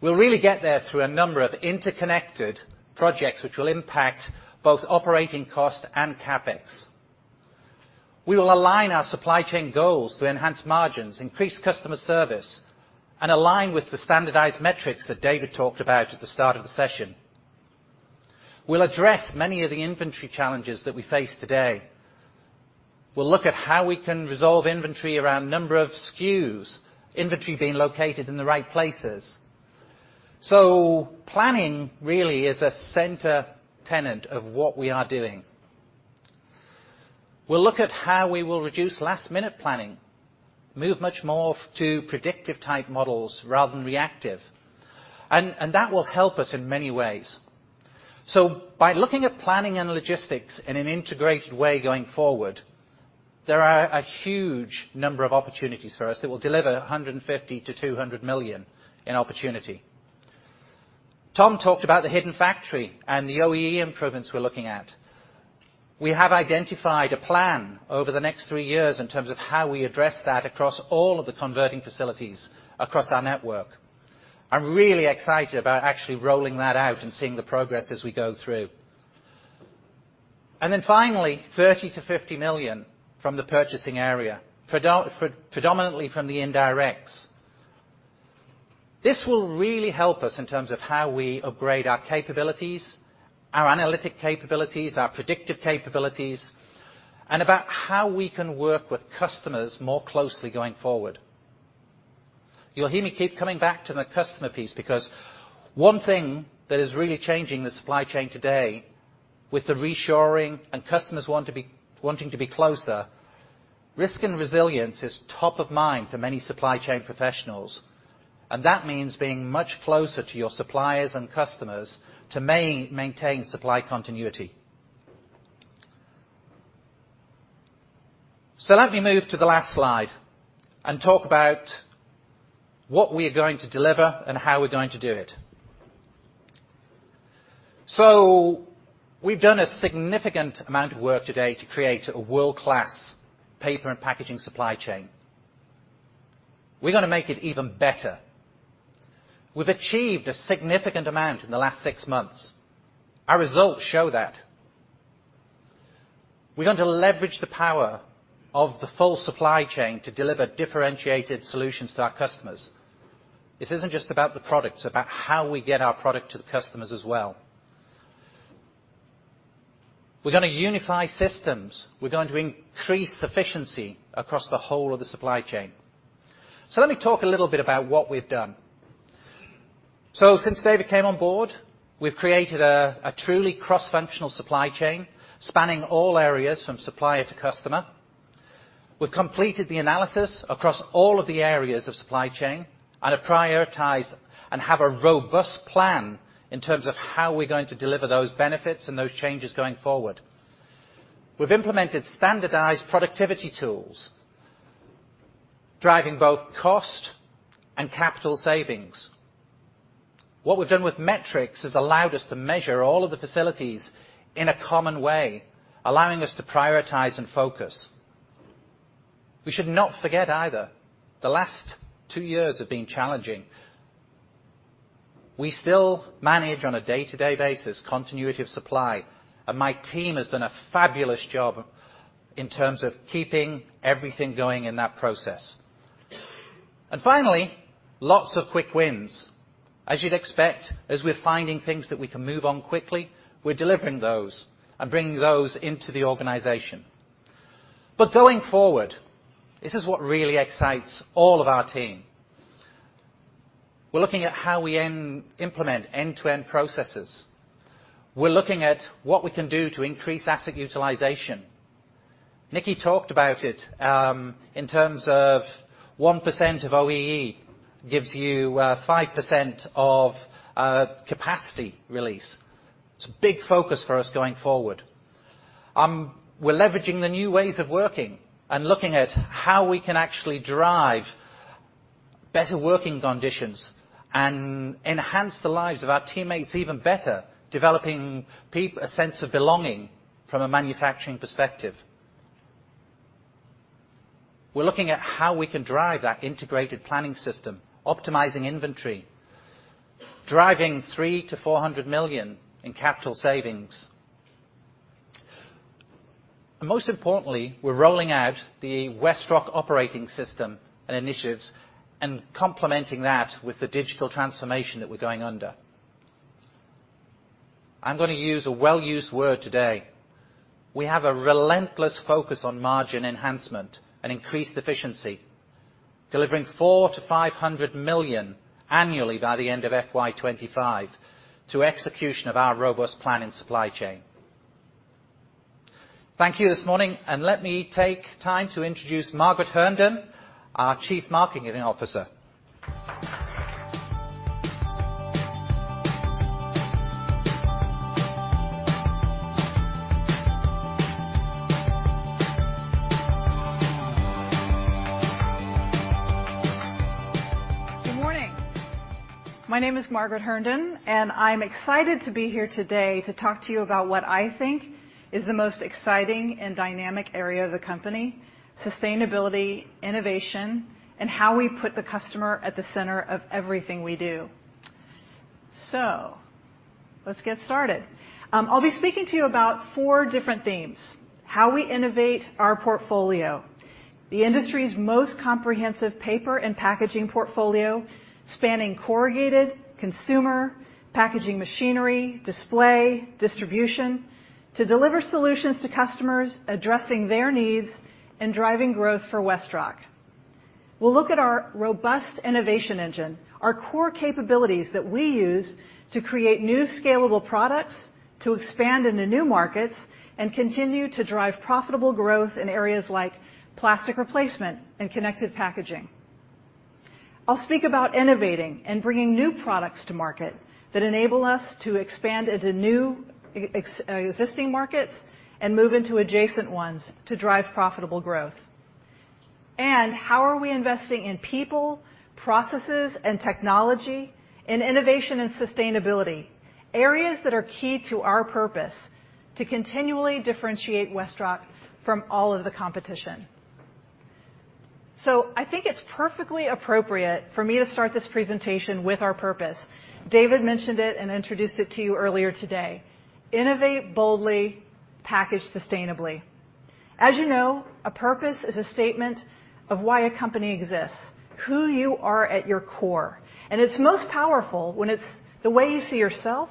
We'll really get there through a number of interconnected projects which will impact both operating cost and CapEx. We will align our supply chain goals to enhance margins, increase customer service, and align with the standardized metrics that David talked about at the start of the session. We'll address many of the inventory challenges that we face today. We'll look at how we can resolve inventory around number of SKUs, inventory being located in the right places. Planning really is a central tenet of what we are doing. We'll look at how we will reduce last-minute planning, move much more to predictive type models rather than reactive. That will help us in many ways. By looking at planning and logistics in an integrated way going forward, there are a huge number of opportunities for us that will deliver $150 million-$200 million in opportunity. Tom talked about the hidden factory and the OEE improvements we're looking at. We have identified a plan over the next three years in terms of how we address that across all of the converting facilities across our network. I'm really excited about actually rolling that out and seeing the progress as we go through. Finally, $30 million-$50 million from the purchasing area, predominantly from the indirects. This will really help us in terms of how we upgrade our capabilities, our analytical capabilities, our predictive capabilities, and about how we can work with customers more closely going forward. You'll hear me keep coming back to the customer piece because one thing that is really changing the supply chain today with the reshoring and customers wanting to be closer, risk and resilience is top of mind for many supply chain professionals, and that means being much closer to your suppliers and customers to maintain supply continuity. Let me move to the last slide and talk about what we are going to deliver and how we're going to do it. We've done a significant amount of work today to create a world-class paper and packaging supply chain. We're gonna make it even better. We've achieved a significant amount in the last six months. Our results show that. We're going to leverage the power of the full supply chain to deliver differentiated solutions to our customers. This isn't just about the product, it's about how we get our product to the customers as well. We're gonna unify systems. We're going to increase efficiency across the whole of the supply chain. Let me talk a little bit about what we've done. Since David came on board, we've created a truly cross-functional supply chain spanning all areas from supplier to customer. We've completed the analysis across all of the areas of supply chain and have prioritized and have a robust plan in terms of how we're going to deliver those benefits and those changes going forward. We've implemented standardized productivity tools driving both cost and capital savings. What we've done with metrics has allowed us to measure all of the facilities in a common way, allowing us to prioritize and focus. We should not forget either, the last two years have been challenging. We still manage on a day-to-day basis continuity of supply, and my team has done a fabulous job in terms of keeping everything going in that process. Finally, lots of quick wins. As you'd expect, as we're finding things that we can move on quickly, we're delivering those and bringing those into the organization. Going forward, this is what really excites all of our team. We're looking at how we implement end-to-end processes. We're looking at what we can do to increase asset utilization. Nickie talked about it in terms of 1% of OEE gives you 5% of capacity release. It's a big focus for us going forward. We're leveraging the new ways of working and looking at how we can actually drive better working conditions and enhance the lives of our teammates even better, developing a sense of belonging from a manufacturing perspective. We're looking at how we can drive that integrated planning system, optimizing inventory, driving $300 million-$400 million in capital savings. Most importantly, we're rolling out the WestRock operating system and initiatives and complementing that with the digital transformation that we're undergoing. I'm gonna use a well-used word today. We have a relentless focus on margin enhancement and increased efficiency, delivering $400 million-$500 million annually by the end of FY 2025 through execution of our robust plan and supply chain. Thank you this morning, and let me take time to introduce Margaret Herndon, our Chief Marketing Officer. Good morning. My name is Margaret Herndon, and I'm excited to be here today to talk to you about what I think is the most exciting and dynamic area of the company, sustainability, innovation, and how we put the customer at the center of everything we do. Let's get started. I'll be speaking to you about four different themes: how we innovate our portfolio, the industry's most comprehensive paper and packaging portfolio spanning corrugated, consumer, packaging machinery, display, distribution to deliver solutions to customers addressing their needs and driving growth for WestRock. We'll look at our robust innovation engine, our core capabilities that we use to create new scalable products to expand into new markets and continue to drive profitable growth in areas like plastic replacement and connected packaging. I'll speak about innovating and bringing new products to market that enable us to expand into new existing markets and move into adjacent ones to drive profitable growth. How are we investing in people, processes, and technology and innovation and sustainability, areas that are key to our purpose to continually differentiate WestRock from all of the competition. I think it's perfectly appropriate for me to start this presentation with our purpose. David mentioned it and introduced it to you earlier today. Innovate boldly, package sustainably. As you know, a purpose is a statement of why a company exists, who you are at your core, and it's most powerful when it's the way you see yourself,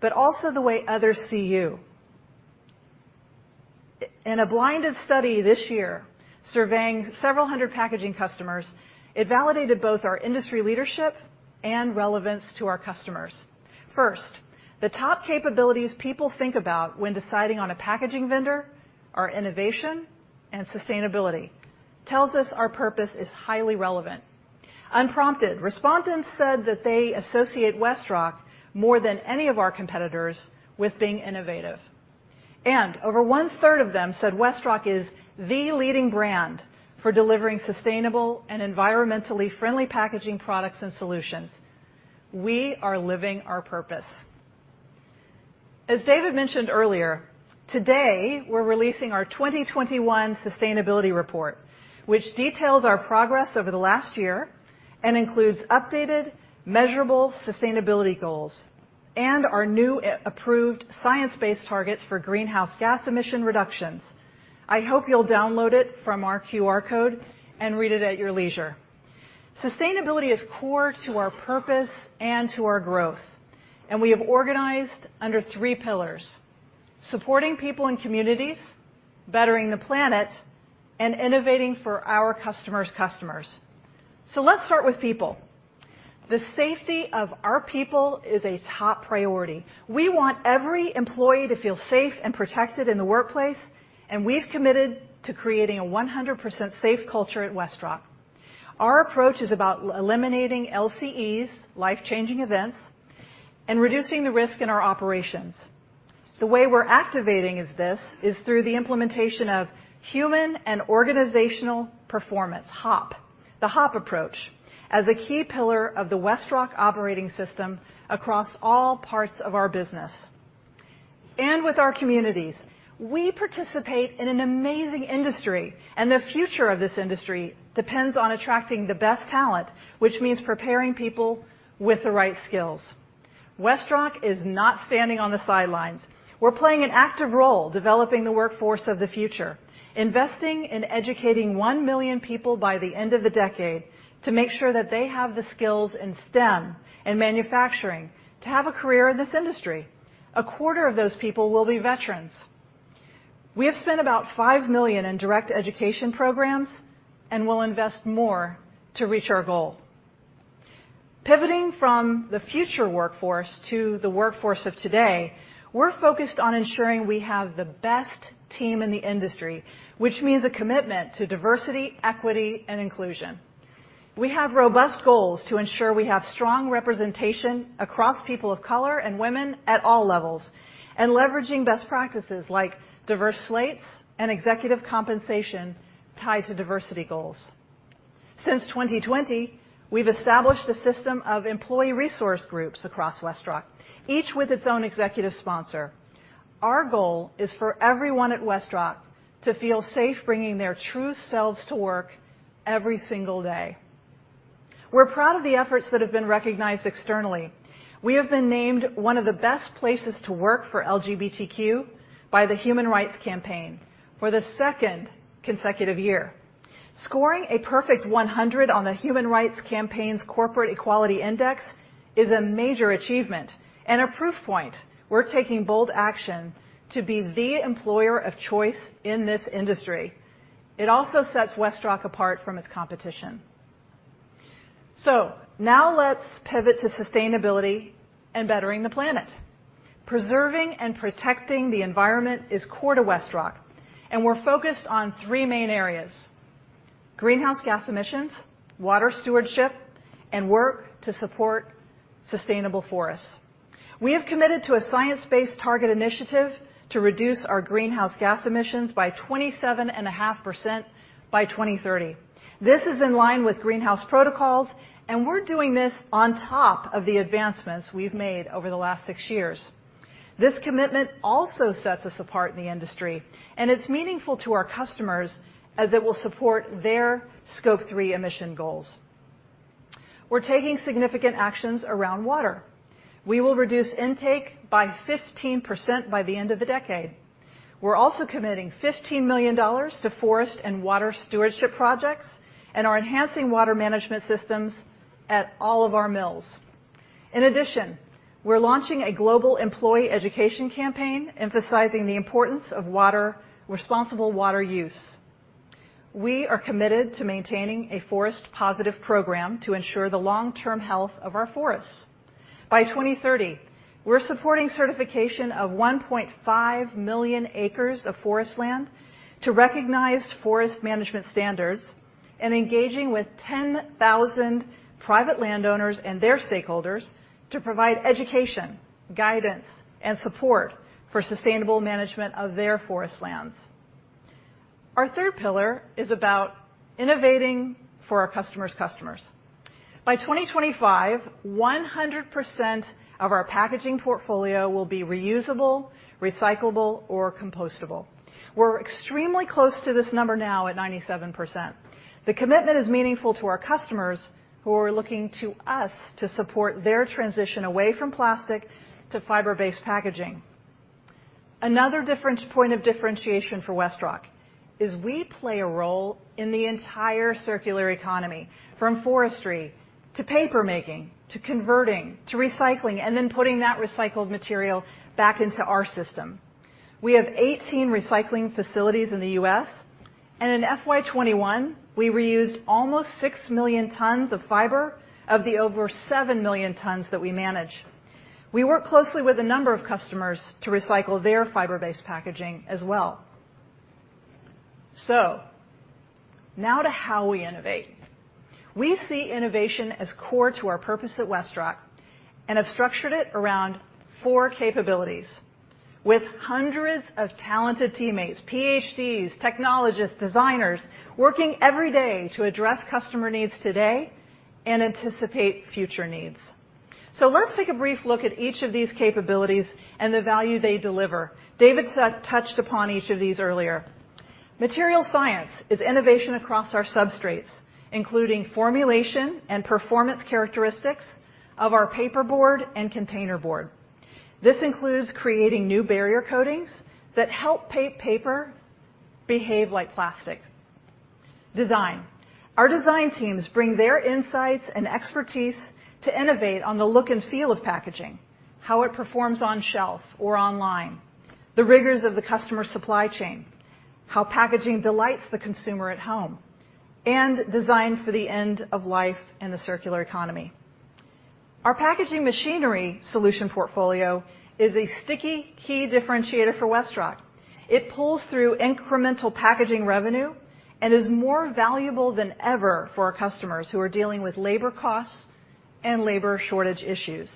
but also the way others see you. In a blinded study this year surveying several hundred packaging customers, it validated both our industry leadership and relevance to our customers. First, the top capabilities people think about when deciding on a packaging vendor are innovation and sustainability. That tells us our purpose is highly relevant. Unprompted, respondents said that they associate WestRock more than any of our competitors with being innovative. Over one-third of them said WestRock is the leading brand for delivering sustainable and environmentally friendly packaging products and solutions. We are living our purpose. As David mentioned earlier, today we're releasing our 2021 sustainability report, which details our progress over the last year and includes updated measurable sustainability goals and our new SBTi-approved science-based targets for greenhouse gas emission reductions. I hope you'll download it from our QR code and read it at your leisure. Sustainability is core to our purpose and to our growth, and we have organized under three pillars: supporting people and communities, bettering the planet, and innovating for our customer's customers. Let's start with people. The safety of our people is a top priority. We want every employee to feel safe and protected in the workplace, and we've committed to creating a 100% safe culture at WestRock. Our approach is about eliminating LCEs, life-changing events, and reducing the risk in our operations. The way we're activating is through the implementation of Human and Organizational Performance, HOP. The HOP approach as a key pillar of the WestRock operating system across all parts of our business. With our communities, we participate in an amazing industry, and the future of this industry depends on attracting the best talent, which means preparing people with the right skills. WestRock is not standing on the sidelines. We're playing an active role developing the workforce of the future, investing in educating 1 million people by the end of the decade to make sure that they have the skills in STEM and manufacturing to have a career in this industry. A quarter of those people will be veterans. We have spent about $5 million in direct education programs, and we'll invest more to reach our goal. Pivoting from the future workforce to the workforce of today, we're focused on ensuring we have the best team in the industry, which means a commitment to diversity, equity, and inclusion. We have robust goals to ensure we have strong representation across people of color and women at all levels and leveraging best practices like diverse slates and executive compensation tied to diversity goals. Since 2020, we've established a system of employee resource groups across WestRock, each with its own executive sponsor. Our goal is for everyone at WestRock to feel safe bringing their true selves to work every single day. We're proud of the efforts that have been recognized externally. We have been named one of the Best Places to Work for LGBTQ by the Human Rights Campaign for the second consecutive year. Scoring a perfect 100 on the Human Rights Campaign's Corporate Equality Index is a major achievement and a proof point we're taking bold action to be the employer of choice in this industry. It also sets WestRock apart from its competition. Now let's pivot to sustainability and bettering the planet. Preserving and protecting the environment is core to WestRock, and we're focused on three main areas, greenhouse gas emissions, water stewardship, and work to support sustainable forests. We have committed to a Science Based Targets initiative to reduce our greenhouse gas emissions by 27.5% by 2030. This is in line with GHG Protocol, and we're doing this on top of the advancements we've made over the last six years. This commitment also sets us apart in the industry, and it's meaningful to our customers as it will support their Scope 3 emission goals. We're taking significant actions around water. We will reduce intake by 15% by the end of the decade. We're also committing $15 million to forest and water stewardship projects, and are enhancing water management systems at all of our mills. In addition, we're launching a global employee education campaign emphasizing the importance of water, responsible water use. We are committed to maintaining a forest positive program to ensure the long-term health of our forests. By 2030, we're supporting certification of 1.5 million acres of forest land to recognized forest management standards, and engaging with 10,000 private landowners and their stakeholders to provide education, guidance, and support for sustainable management of their forest lands. Our third pillar is about innovating for our customer's customers. By 2025, 100% of our packaging portfolio will be reusable, recyclable, or compostable. We're extremely close to this number now at 97%. The commitment is meaningful to our customers who are looking to us to support their transition away from plastic to fiber-based packaging. Another difference, point of differentiation for WestRock is we play a role in the entire circular economy, from forestry to paper making, to converting, to recycling, and then putting that recycled material back into our system. We have 18 recycling facilities in the U.S., and in FY21, we reused almost 6 million tons of fiber of the over 7 million tons that we manage. We work closely with a number of customers to recycle their fiber-based packaging as well. Now to how we innovate. We see innovation as core to our purpose at WestRock, and have structured it around four capabilities, with hundreds of talented teammates, PhDs, technologists, designers, working every day to address customer needs today and anticipate future needs. Let's take a brief look at each of these capabilities and the value they deliver. David touched upon each of these earlier. Material science is innovation across our substrates, including formulation and performance characteristics of our paperboard and container board. This includes creating new barrier coatings that help paper behave like plastic. Design. Our design teams bring their insights and expertise to innovate on the look and feel of packaging, how it performs on shelf or online, the rigors of the customer supply chain, how packaging delights the consumer at home, and design for the end of life in the circular economy. Our packaging machinery solution portfolio is a sticky key differentiator for WestRock. It pulls through incremental packaging revenue and is more valuable than ever for our customers who are dealing with labor costs and labor shortage issues.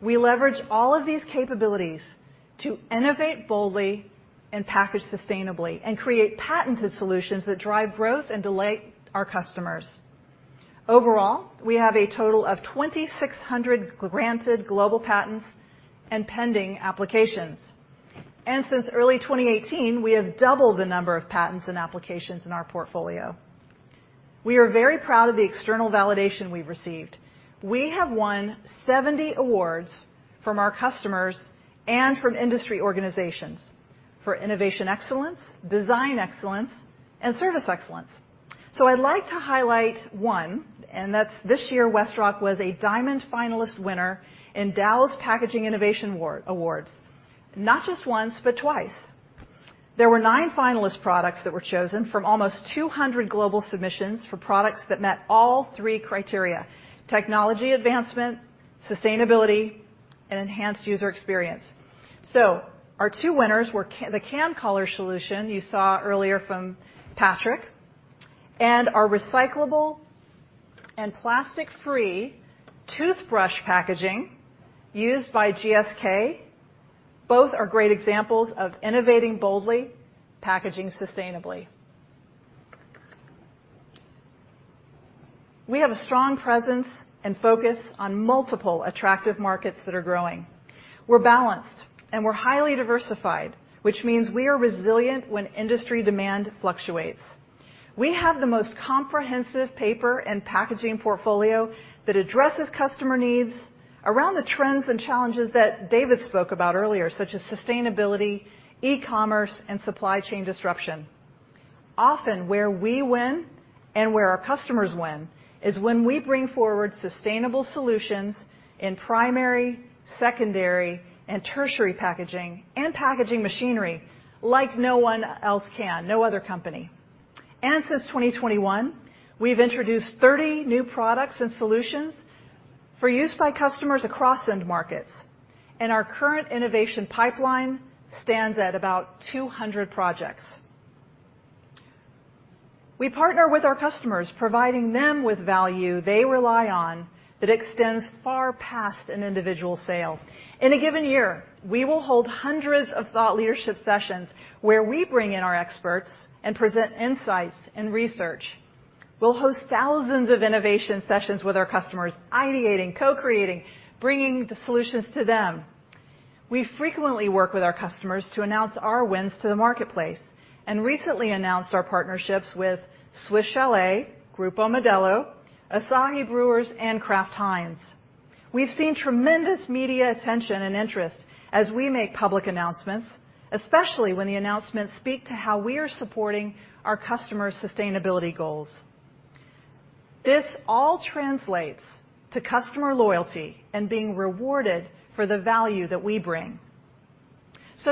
We leverage all of these capabilities to innovate boldly and package sustainably and create patented solutions that drive growth and delight our customers. Overall, we have a total of 2,600 granted global patents and pending applications. Since early 2018, we have doubled the number of patents and applications in our portfolio. We are very proud of the external validation we've received. We have won 70 awards from our customers and from industry organizations for innovation excellence, design excellence, and service excellence. I'd like to highlight one, and that's this year, WestRock was a Diamond Finalist winner in Dow's Packaging Innovation Awards, not just once, but twice. There were nine finalist products that were chosen from almost 200 global submissions for products that met all three criteria: technology advancement, sustainability, and enhanced user experience. Our two winners were the CanCollar solution you saw earlier from Patrick and our recyclable and plastic-free toothbrush packaging used by GSK. Both are great examples of innovating boldly, packaging sustainably. We have a strong presence and focus on multiple attractive markets that are growing. We're balanced and we're highly diversified, which means we are resilient when industry demand fluctuates. We have the most comprehensive paper and packaging portfolio that addresses customer needs around the trends and challenges that David spoke about earlier, such as sustainability, e-commerce, and supply chain disruption. Often where we win and where our customers win is when we bring forward sustainable solutions in primary, secondary, and tertiary packaging and packaging machinery like no one else can, no other company. Since 2021, we've introduced 30 new products and solutions for use by customers across end markets, and our current innovation pipeline stands at about 200 projects. We partner with our customers, providing them with value they rely on that extends far past an individual sale. In a given year, we will hold hundreds of thought leadership sessions where we bring in our experts and present insights and research. We'll host thousands of innovation sessions with our customers, ideating, co-creating, bringing the solutions to them. We frequently work with our customers to announce our wins to the marketplace, and recently announced our partnerships with Swiss Chalet, Grupo Modelo, Asahi Breweries, and Kraft Heinz. We've seen tremendous media attention and interest as we make public announcements, especially when the announcements speak to how we are supporting our customers' sustainability goals. This all translates to customer loyalty and being rewarded for the value that we bring.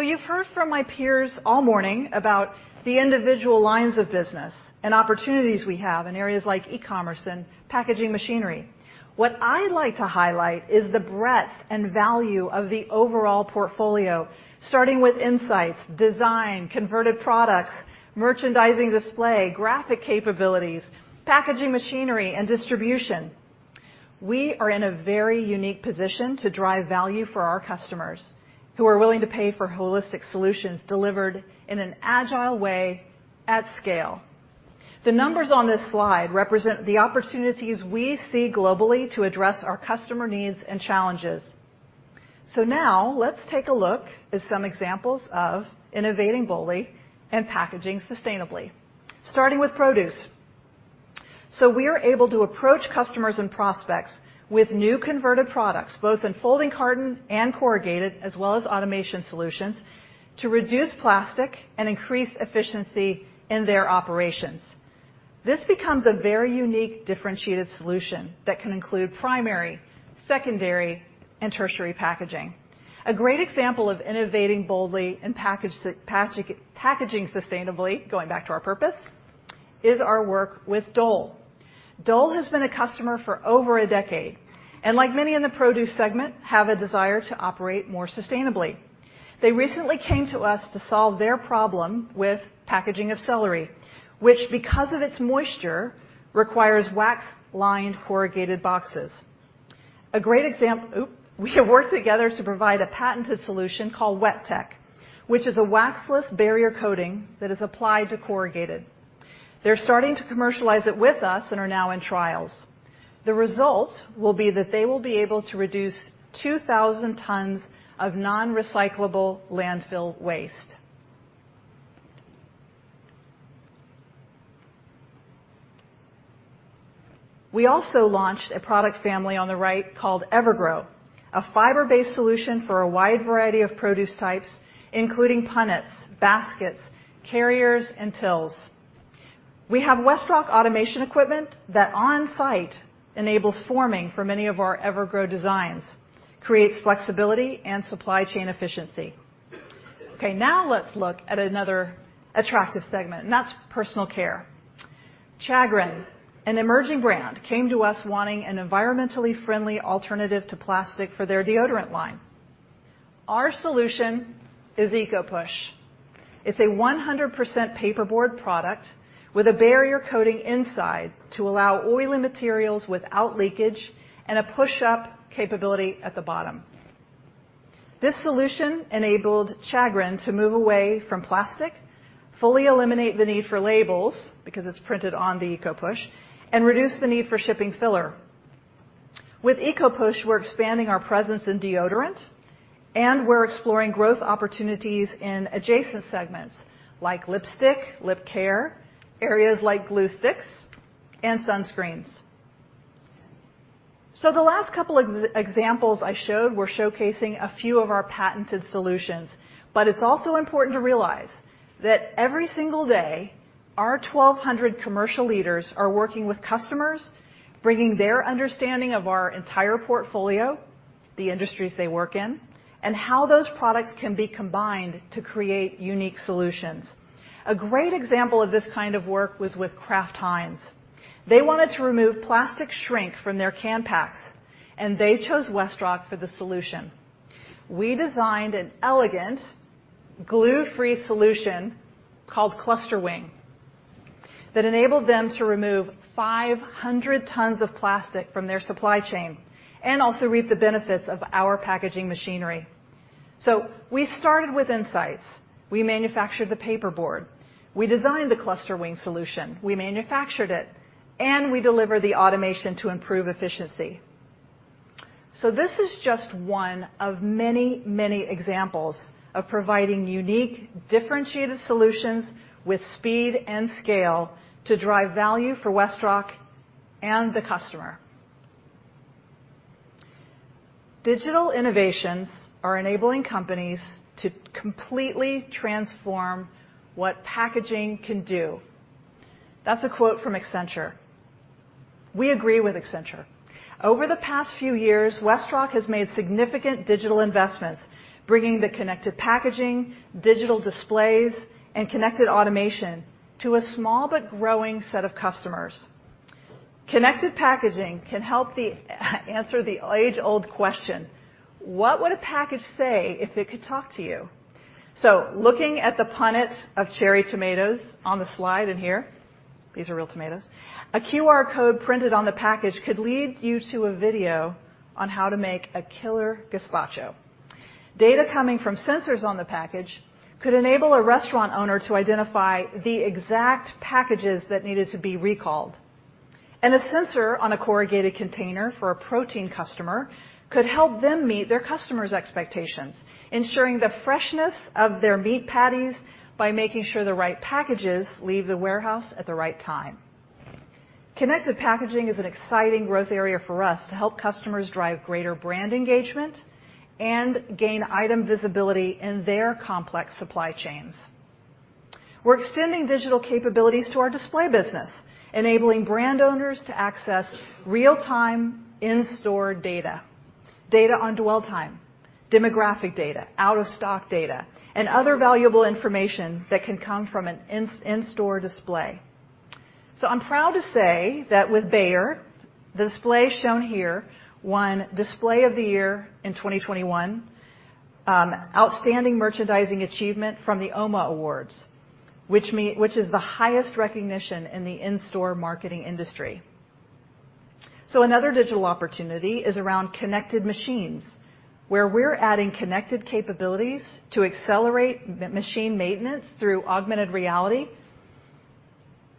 You've heard from my peers all morning about the individual lines of business and opportunities we have in areas like e-commerce and packaging machinery. What I like to highlight is the breadth and value of the overall portfolio, starting with insights, design, converted products, merchandising display, graphic capabilities, packaging machinery, and distribution. We are in a very unique position to drive value for our customers who are willing to pay for holistic solutions delivered in an agile way at scale. The numbers on this slide represent the opportunities we see globally to address our customer needs and challenges. Now let's take a look at some examples of innovating boldly and packaging sustainably, starting with produce. We are able to approach customers and prospects with new converted products, both in folding carton and corrugated, as well as automation solutions, to reduce plastic and increase efficiency in their operations. This becomes a very unique, differentiated solution that can include primary, secondary, and tertiary packaging. A great example of innovating boldly and packaging sustainably, going back to our purpose, is our work with Dole. Dole has been a customer for over a decade, and like many in the produce segment, have a desire to operate more sustainably. They recently came to us to solve their problem with packaging of celery, which, because of its moisture, requires wax-lined corrugated boxes. We have worked together to provide a patented solution called WeTek, which is a waxless barrier coating that is applied to corrugated. They're starting to commercialize it with us and are now in trials. The result will be that they will be able to reduce 2,000 tons of non-recyclable landfill waste. We also launched a product family on the right called EverGrow, a fiber-based solution for a wide variety of produce types, including punnets, baskets, carriers, and tills. We have WestRock automation equipment that on-site enables forming for many of our EverGrow designs, creates flexibility and supply chain efficiency. Okay, now let's look at another attractive segment, and that's personal care. Chagrin, an emerging brand, came to us wanting an environmentally friendly alternative to plastic for their deodorant line. Our solution is EcoPush. It's a 100% paperboard product with a barrier coating inside to allow oily materials without leakage and a push-up capability at the bottom. This solution enabled Chagrin to move away from plastic, fully eliminate the need for labels because it's printed on the EcoPush, and reduce the need for shipping filler. With EcoPush, we're expanding our presence in deodorant, and we're exploring growth opportunities in adjacent segments like lipstick, lip care, areas like glue sticks and sunscreens. The last couple examples I showed were showcasing a few of our patented solutions, but it's also important to realize that every single day, our 1,200 commercial leaders are working with customers, bringing their understanding of our entire portfolio, the industries they work in, and how those products can be combined to create unique solutions. A great example of this kind of work was with Kraft Heinz. They wanted to remove plastic shrink from their can packs, and they chose WestRock for the solution. We designed an elegant glue-free solution called ClusterWing that enabled them to remove 500 tons of plastic from their supply chain and also reap the benefits of our packaging machinery. We started with insights. We manufactured the paperboard. We designed the Cluster-Wing solution. We manufactured it, and we deliver the automation to improve efficiency. This is just one of many, many examples of providing unique, differentiated solutions with speed and scale to drive value for WestRock and the customer. "Digital innovations are enabling companies to completely transform what packaging can do." That's a quote from Accenture. We agree with Accenture. Over the past few years, WestRock has made significant digital investments, bringing the connected packaging, digital displays, and connected automation to a small but growing set of customers. Connected packaging can help the answer the age-old question: What would a package say if it could talk to you? Looking at the punnet of cherry tomatoes on the slide in here, these are real tomatoes, a QR code printed on the package could lead you to a video on how to make a killer gazpacho. Data coming from sensors on the package could enable a restaurant owner to identify the exact packages that needed to be recalled. A sensor on a corrugated container for a protein customer could help them meet their customers' expectations, ensuring the freshness of their meat patties by making sure the right packages leave the warehouse at the right time. Connected Packaging is an exciting growth area for us to help customers drive greater brand engagement and gain item visibility in their complex supply chains. We're extending digital capabilities to our display business, enabling brand owners to access real-time in-store data on dwell time, demographic data, out of stock data, and other valuable information that can come from an in-store display. I'm proud to say that with Bayer, the display shown here won Display of the Year in 2021, Outstanding Merchandising Achievement from the OMA Awards, which is the highest recognition in the in-store marketing industry. Another digital opportunity is around connected machines, where we're adding connected capabilities to accelerate machine maintenance through augmented reality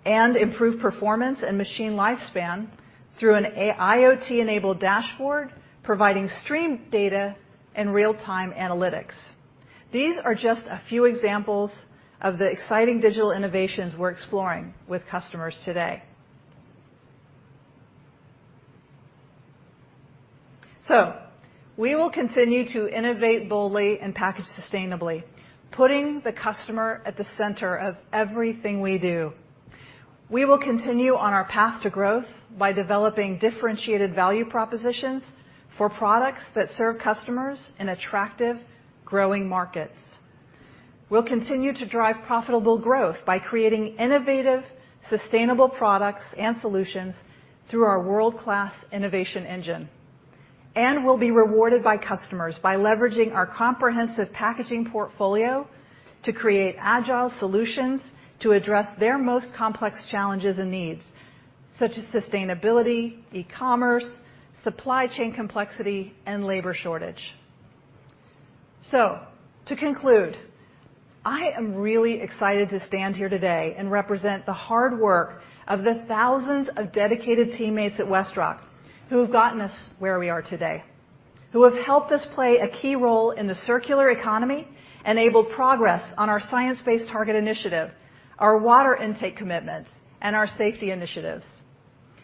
and improve performance and machine lifespan through an IoT-enabled dashboard, providing streaming data and real-time analytics. These are just a few examples of the exciting digital innovations we're exploring with customers today. We will continue to innovate boldly and package sustainably, putting the customer at the center of everything we do. We will continue on our path to growth by developing differentiated value propositions for products that serve customers in attractive, growing markets. We'll continue to drive profitable growth by creating innovative, sustainable products and solutions through our world-class innovation engine. We'll be rewarded by customers by leveraging our comprehensive packaging portfolio to create agile solutions to address their most complex challenges and needs, such as sustainability, e-commerce, supply chain complexity, and labor shortage. To conclude, I am really excited to stand here today and represent the hard work of the thousands of dedicated teammates at WestRock who have gotten us where we are today, who have helped us play a key role in the circular economy, enable progress on our Science Based Targets initiative, our water intake commitments, and our safety initiatives.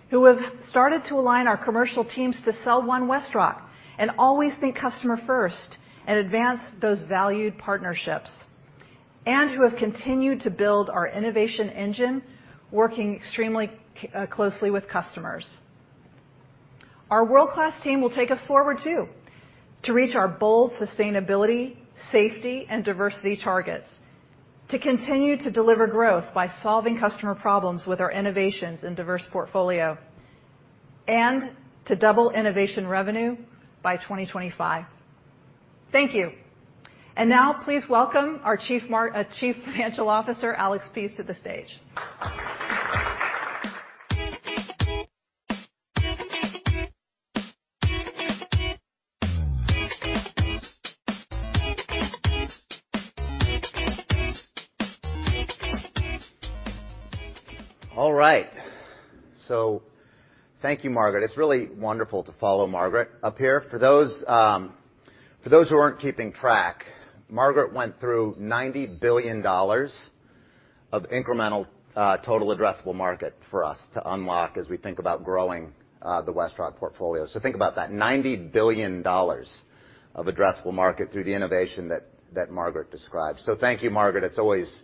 Who have started to align our commercial teams to sell One WestRock and always think customer first and advance those valued partnerships, and who have continued to build our innovation engine, working extremely closely with customers. Our world-class team will take us forward too, to reach our bold sustainability, safety, and diversity targets, to continue to deliver growth by solving customer problems with our innovations and diverse portfolio, and to double innovation revenue by 2025. Thank you. Now please welcome our Chief Financial Officer, Alex Pease, to the stage. All right. Thank you, Margaret. It's really wonderful to follow Margaret up here. For those who aren't keeping track, Margaret went through $90 billion of incremental total addressable market for us to unlock as we think about growing the WestRock portfolio. Think about that, $90 billion of addressable market through the innovation that Margaret described. Thank you, Margaret. It's always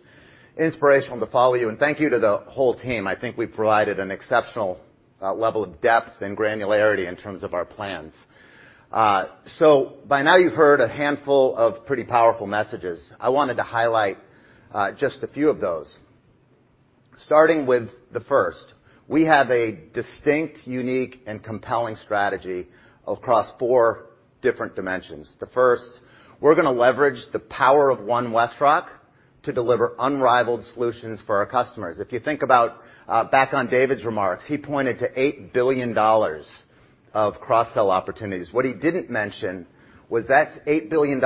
inspirational to follow you. Thank you to the whole team. I think we've provided an exceptional level of depth and granularity in terms of our plans. By now you've heard a handful of pretty powerful messages. I wanted to highlight just a few of those, starting with the first. We have a distinct, unique, and compelling strategy across four different dimensions. The first, we're gonna leverage the power of One WestRock to deliver unrivaled solutions for our customers. If you think about back on David's remarks, he pointed to $8 billion of cross-sell opportunities. What he didn't mention was that's $8 billion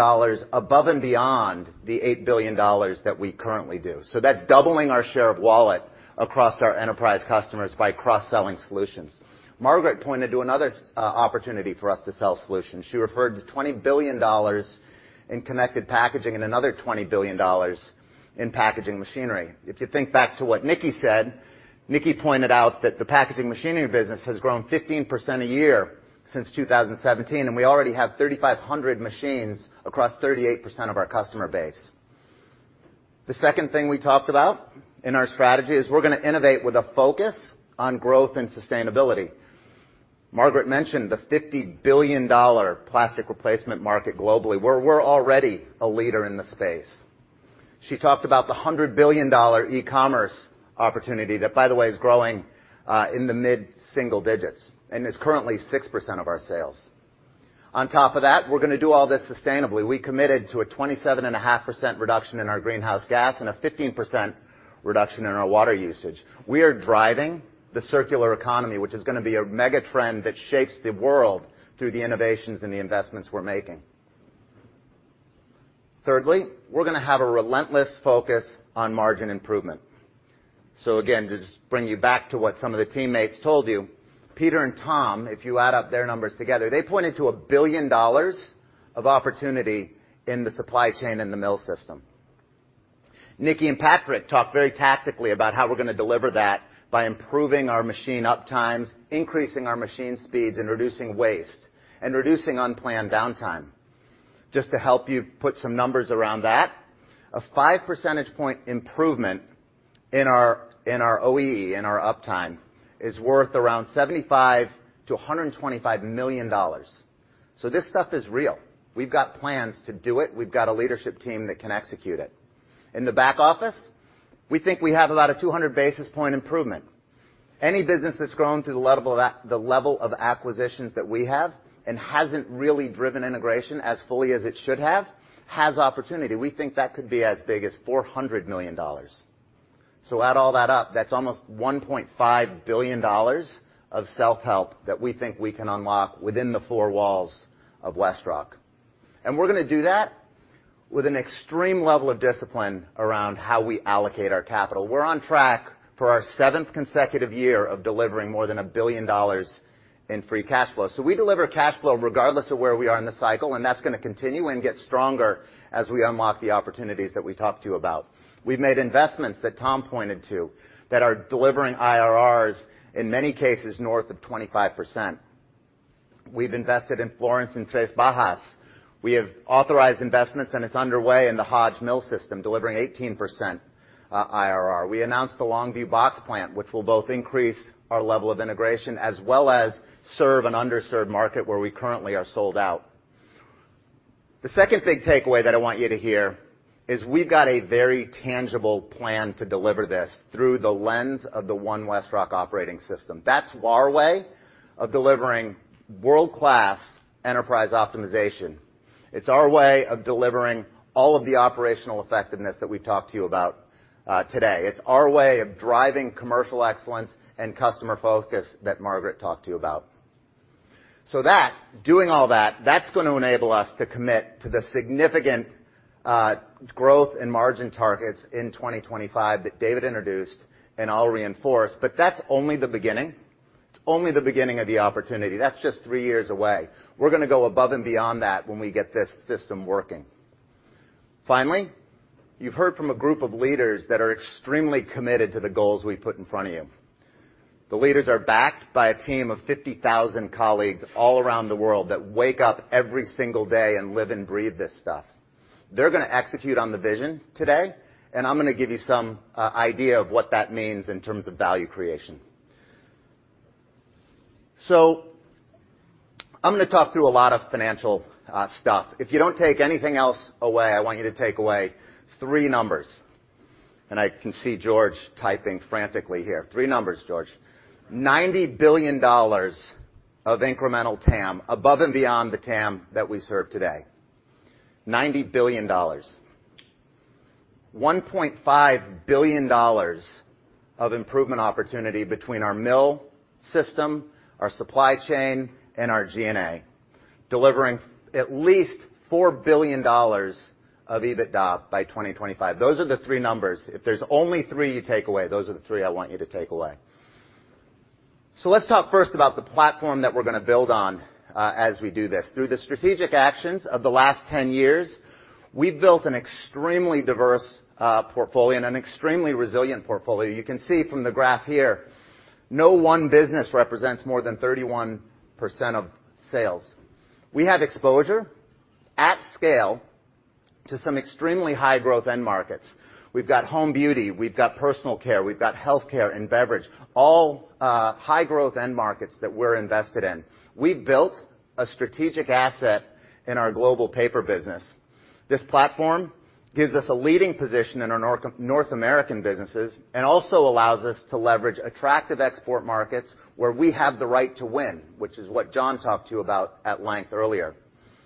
above and beyond the $8 billion that we currently do. That's doubling our share of wallet across our enterprise customers by cross-selling solutions. Margaret pointed to another opportunity for us to sell solutions. She referred to $20 billion in Connected Packaging and another $20 billion in packaging machinery. If you think back to what Nickie said, Nickie pointed out that the packaging machinery business has grown 15% a year since 2017, and we already have 3,500 machines across 38% of our customer base. The second thing we talked about in our strategy is we're gonna innovate with a focus on growth and sustainability. Margaret mentioned the $50 billion plastic replacement market globally, where we're already a leader in the space. She talked about the $100 billion e-commerce opportunity that, by the way, is growing in the mid-single digits and is currently 6% of our sales. On top of that, we're gonna do all this sustainably. We committed to a 27.5% reduction in our greenhouse gas and a 15% reduction in our water usage. We are driving the circular economy, which is gonna be a mega trend that shapes the world through the innovations and the investments we're making. Thirdly, we're gonna have a relentless focus on margin improvement. Again, to just bring you back to what some of the teammates told you, Peter and Tom, if you add up their numbers together, they pointed to $1 billion of opportunity in the supply chain in the mill system. Nickie and Patrick talked very tactically about how we're gonna deliver that by improving our machine uptimes, increasing our machine speeds, and reducing waste and reducing unplanned downtime. Just to help you put some numbers around that, a 5 percentage point improvement in our OEE and our uptime is worth around $75 million-$125 million. This stuff is real. We've got plans to do it. We've got a leadership team that can execute it. In the back office, we think we have about a 200 basis point improvement. Any business that's grown to the level of acquisitions that we have and hasn't really driven integration as fully as it should have, has opportunity. We think that could be as big as $400 million. Add all that up, that's almost $1.5 billion of self-help that we think we can unlock within the four walls of WestRock. We're gonna do that with an extreme level of discipline around how we allocate our capital. We're on track for our seventh consecutive year of delivering more than $1 billion in free cash flow. We deliver cash flow regardless of where we are in the cycle, and that's gonna continue and get stronger as we unlock the opportunities that we talked to you about. We've made investments that Tom pointed to that are delivering IRRs, in many cases, north of 25%. We've invested in Florence and Três Barras. We have authorized investments, and it's underway in the Hodge Mill system, delivering 18% IRR. We announced the Longview box plant, which will both increase our level of integration as well as serve an underserved market where we currently are sold out. The second big takeaway that I want you to hear is we've got a very tangible plan to deliver this through the lens of the One WestRock operating system. That's our way of delivering world-class enterprise optimization. It's our way of delivering all of the operational effectiveness that we've talked to you about today. It's our way of driving commercial excellence and customer focus that Margaret talked to you about. Doing all that's gonna enable us to commit to the significant growth and margin targets in 2025 that David introduced and I'll reinforce, but that's only the beginning. It's only the beginning of the opportunity. That's just three years away. We're gonna go above and beyond that when we get this system working. Finally, you've heard from a group of leaders that are extremely committed to the goals we've put in front of you. The leaders are backed by a team of 50,000 colleagues all around the world that wake up every single day and live and breathe this stuff. They're gonna execute on the vision today, and I'm gonna give you some idea of what that means in terms of value creation. I'm gonna talk through a lot of financial stuff. If you don't take anything else away, I want you to take away three numbers. I can see George typing frantically here. Three numbers, George. $90 billion of incremental TAM above and beyond the TAM that we serve today. $90 billion. $1.5 billion of improvement opportunity between our mill system, our supply chain, and our G&A, delivering at least $4 billion of EBITDA by 2025. Those are the three numbers. If there's only three you take away, those are the three I want you to take away. Let's talk first about the platform that we're gonna build on, as we do this. Through the strategic actions of the last 10 years, we've built an extremely diverse, portfolio and an extremely resilient portfolio. You can see from the graph here, no one business represents more than 31% of sales. We have exposure at scale to some extremely high-growth end markets. We've got home beauty, we've got personal care, we've got healthcare and beverage, all, high-growth end markets that we're invested in. We've built a strategic asset in our global paper business. This platform gives us a leading position in our North American businesses and also allows us to leverage attractive export markets where we have the right to win, which is what John talked to you about at length earlier.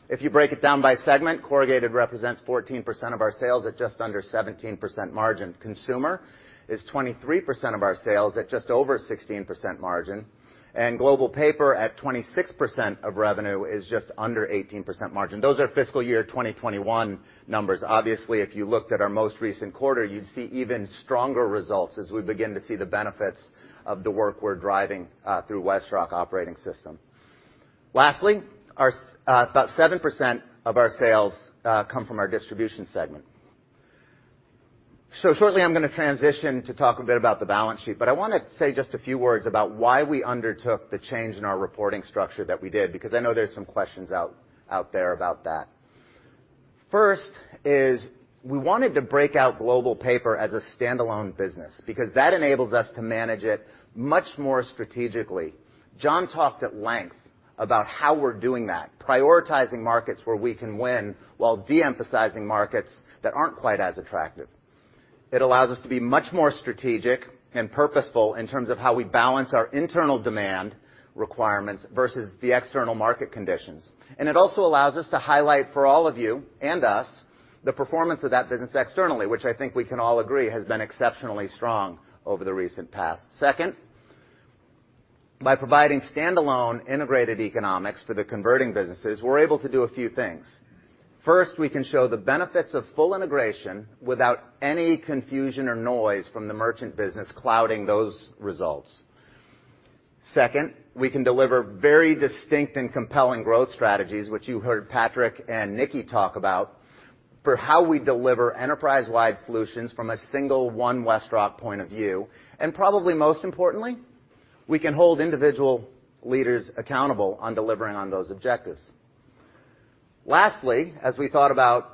If you break it down by segment, Corrugated represents 14% of our sales at just under 17% margin. Consumer is 23% of our sales at just over 16% margin. Global Paper at 26% of revenue is just under 18% margin. Those are fiscal year 2021 numbers. Obviously, if you looked at our most recent quarter, you'd see even stronger results as we begin to see the benefits of the work we're driving through WestRock operating system. Lastly, our about 7% of our sales come from our distribution segment. Shortly, I'm gonna transition to talk a bit about the balance sheet, but I wanna say just a few words about why we undertook the change in our reporting structure that we did, because I know there's some questions out there about that. First is we wanted to break out Global Paper as a standalone business because that enables us to manage it much more strategically. John talked at length about how we're doing that, prioritizing markets where we can win while de-emphasizing markets that aren't quite as attractive. It allows us to be much more strategic and purposeful in terms of how we balance our internal demand requirements versus the external market conditions. It also allows us to highlight for all of you and us the performance of that business externally, which I think we can all agree has been exceptionally strong over the recent past. Second, by providing standalone integrated economics for the converting businesses, we're able to do a few things. First, we can show the benefits of full integration without any confusion or noise from the merchant business clouding those results. Second, we can deliver very distinct and compelling growth strategies, which you heard Patrick and Nickie talk about, for how we deliver enterprise-wide solutions from a single One WestRock point of view. Probably most importantly, we can hold individual leaders accountable on delivering on those objectives. Lastly, as we thought about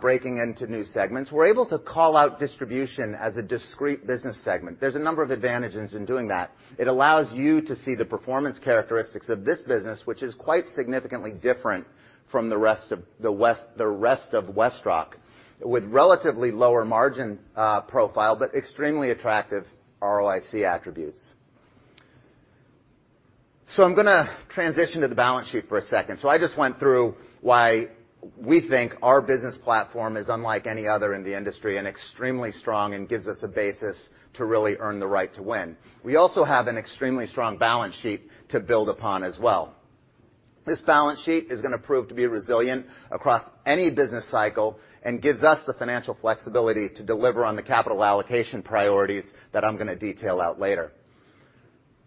breaking into new segments, we're able to call out distribution as a discrete business segment. There's a number of advantages in doing that. It allows you to see the performance characteristics of this business, which is quite significantly different from the rest of WestRock, with relatively lower margin profile, but extremely attractive ROIC attributes. I'm gonna transition to the balance sheet for a second. I just went through why we think our business platform is unlike any other in the industry and extremely strong and gives us a basis to really earn the right to win. We also have an extremely strong balance sheet to build upon as well. This balance sheet is gonna prove to be resilient across any business cycle and gives us the financial flexibility to deliver on the capital allocation priorities that I'm gonna detail out later.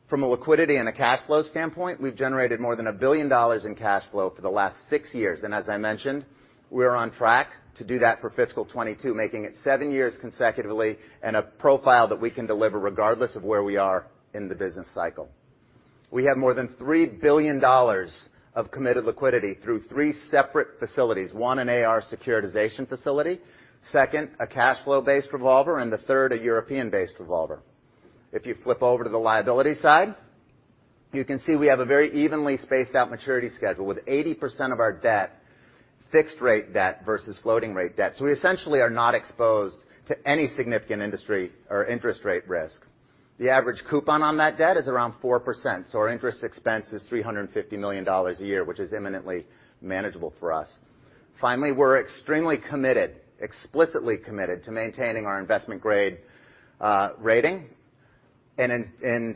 From a liquidity and a cash flow standpoint, we've generated more than $1 billion in cash flow for the last six years. As I mentioned, we are on track to do that for fiscal 2022, making it seven years consecutively and a profile that we can deliver regardless of where we are in the business cycle. We have more than $3 billion of committed liquidity through three separate facilities. One, an AR securitization facility, second, a cash flow-based revolver, and the third, a European-based revolver. If you flip over to the liability side, you can see we have a very evenly spaced out maturity schedule with 80% of our debt fixed rate debt versus floating rate debt. We essentially are not exposed to any significant industry or interest rate risk. The average coupon on that debt is around 4%, so our interest expense is $350 million a year, which is eminently manageable for us. Finally, we're extremely committed, explicitly committed to maintaining our investment grade rating. In